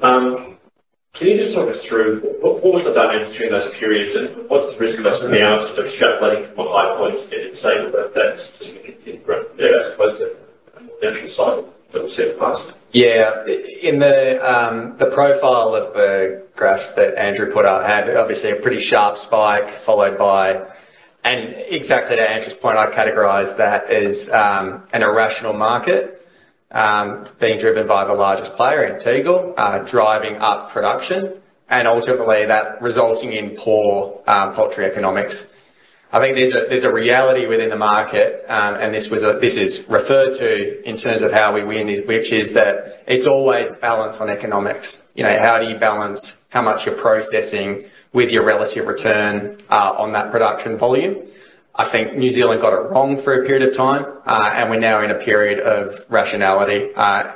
Can you just talk us through what was the dynamic between those periods, and what's the risk of us now extrapolating from high points and saying that that's significant growth? Yeah, I suppose the cycle that we've seen in the past. Yeah. In the profile of the graphs that Andrew put up had obviously a pretty sharp spike, followed by. Exactly to Andrew's point, I'd categorize that as an irrational market being driven by the largest player in Tegel driving up production and ultimately that resulting in poor poultry economics. I think there's a reality within the market, and this is referred to in terms of how we win, which is that it's always balance on economics. You know, how do you balance how much you're processing with your relative return on that production volume? I think New Zealand got it wrong for a period of time, and we're now in a period of rationality. I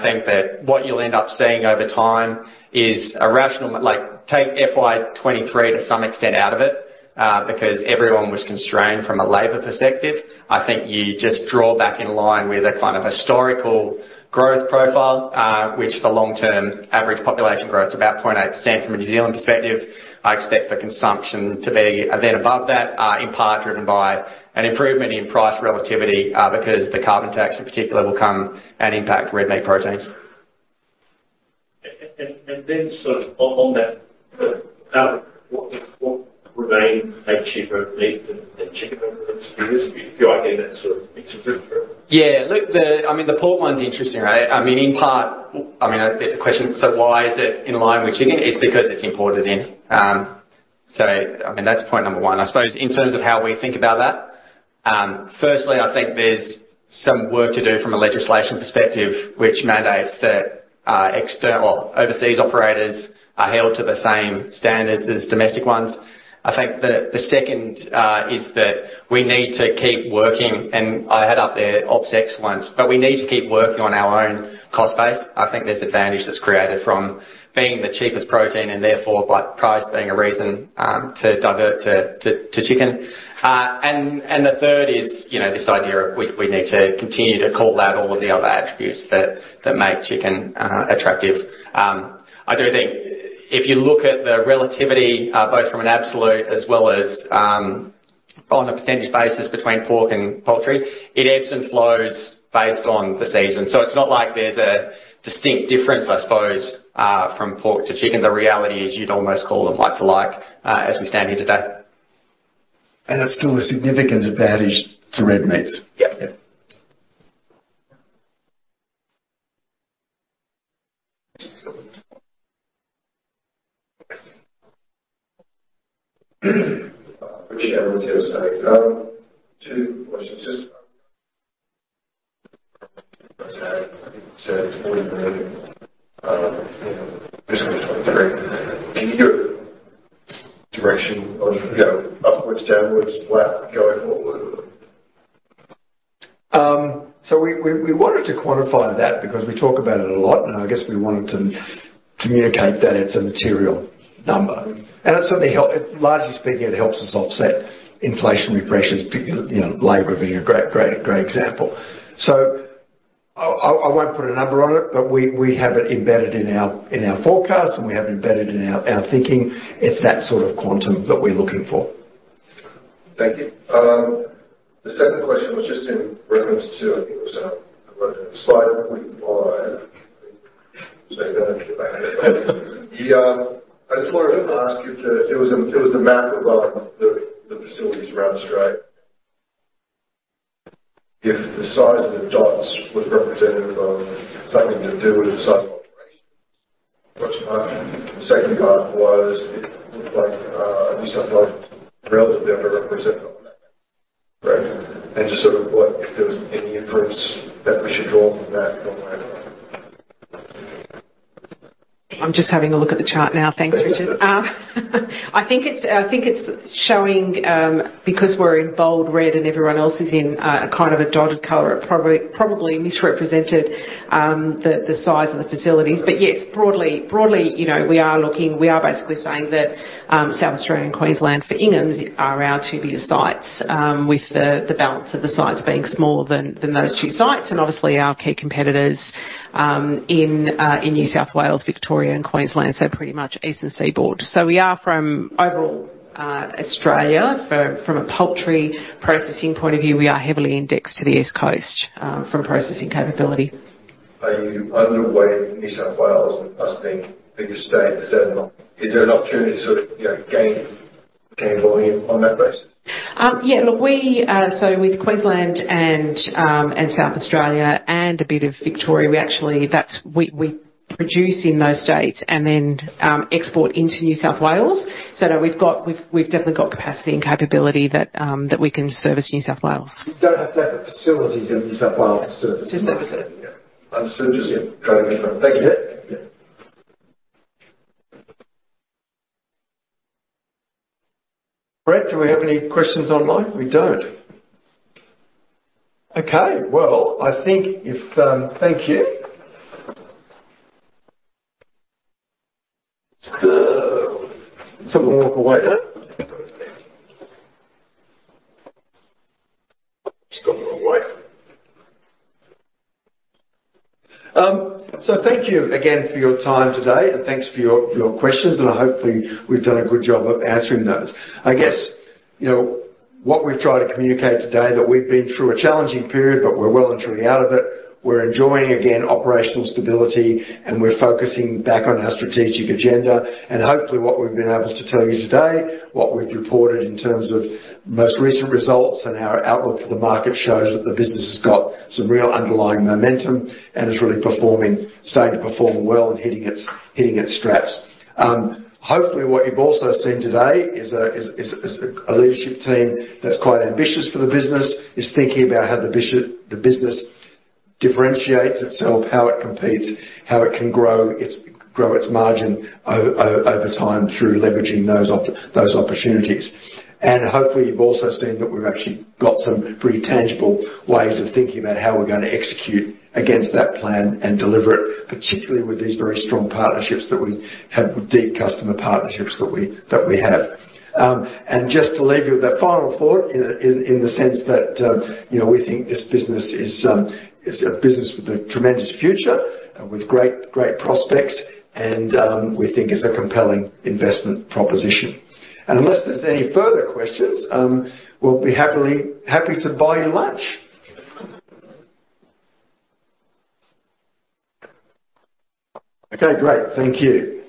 think that what you'll end up seeing over time is a rational. Like, take FY 2023 to some extent out of it, because everyone was constrained from a labor perspective. I think you just draw back in line with a kind of historical growth profile, which the long-term average population growth is about 0.8% from a New Zealand perspective. I expect the consumption to be a bit above that, in part driven by an improvement in price relativity, because the carbon tax, in particular, will come and impact red meat proteins. Then sort of on that, what would remain a cheaper meat than chicken over this period? Your idea, that sort of intergroup? Yeah. Look, the, I mean, the pork one's interesting, right? I mean, in part, I mean, there's a question, so why is it in line with chicken? It's because it's imported in. I mean, that's point number one. I suppose in terms of how we think about that. Firstly, I think there's some work to do from a legislation perspective, which mandates that external overseas operators are held to the same standards as domestic ones. I think the second is that we need to keep working, and I had up there Ops Excellence, but we need to keep working on our own cost base. I think there's advantage that's created from being the cheapest protein and therefore, by price, being a reason to divert to chicken. The third is, you know, this idea of we need to continue to call out all of the other attributes that make chicken attractive. I do think if you look at the relativity, both from an absolute as well as on a percentage basis between pork and poultry, it ebbs and flows based on the season. It's not like there's a distinct difference, I suppose, from pork to chicken. The reality is you'd almost call them like for like, as we stand here today. It's still a significant advantage to red meats? Yep. Yep. Richard, 2 questions. Just, so AUD 20 million in fiscal 2023, can you give a direction of, you know, upwards, downwards, flat, going forward? We wanted to quantify that because we talk about it a lot, and I guess we wanted to communicate that it's a material number. It certainly helps us offset inflation pressures, particularly, you know, labor being a great, great, great example. I won't put a number on it, but we have it embedded in our forecast, and we have it embedded in our thinking. It's that sort of quantum that we're looking for. Thank you. The second question was just in reference to, I think it was, slide 45. I just wanted to ask you to, it was the map around the facilities around Australia. If the size of the dots was representative of something to do with the size of operations, first part. The second part was, it looked like, New South Wales relatively underrepresented, correct? Just sort of what, if there was any inference that we should draw from that one way or the other? I'm just having a look at the chart now. Thanks, Richard. I think it's showing, because we're in bold red and everyone else is in a kind of a dotted color, it probably misrepresented the size of the facilities. Yes, broadly, you know, we are looking, we are basically saying that, South Australia and Queensland for Ingham's are our two bigger sites, with the balance of the sites being smaller than those two sites, and obviously our key competitors in New South Wales, Victoria, and Queensland, so pretty much Eastern Seaboard. We are from overall Australia. From a poultry processing point of view, we are heavily indexed to the East Coast from processing capability. Are you underway in New South Wales as being the biggest state? Is there an opportunity to sort of, you know, gain, gain volume on that basis? Yeah, look, we, so with Queensland and South Australia and a bit of Victoria, we actually. We produce in those states and then export into New South Wales. No, we've got, we've definitely got capacity and capability that we can service New South Wales. You don't have to have the facilities in New South Wales to service- Not necessarily. Yeah. Understood. Just trying to confirm. Thank you. Yeah. Brett, do we have any questions online? We don't. Okay, well, I think if. Thank you. Someone walk away there. Just gone the wrong way. Thank you again for your time today, and thanks for your, your questions, and hopefully, we've done a good job of answering those. I guess, you know, what we've tried to communicate today, that we've been through a challenging period, but we're well and truly out of it. We're enjoying, again, operational stability, and we're focusing back on our strategic agenda. Hopefully, what we've been able to tell you today, what we've reported in terms of most recent results and our outlook for the market, shows that the business has got some real underlying momentum and is really performing, starting to perform well and hitting its, hitting its straps. Hopefully, what you've also seen today is a leadership team that's quite ambitious for the business, is thinking about how the business differentiates itself, how it competes, how it can grow its margin over time through leveraging those opportunities. Hopefully, you've also seen that we've actually got some pretty tangible ways of thinking about how we're going to execute against that plan and deliver it, particularly with these very strong partnerships that we have, with deep customer partnerships that we have. Just to leave you with that final thought in the sense that, you know, we think this business is a business with a tremendous future and with great prospects, and we think it's a compelling investment proposition. Unless there's any further questions, we'll be happy to buy you lunch. Okay, great. Thank you.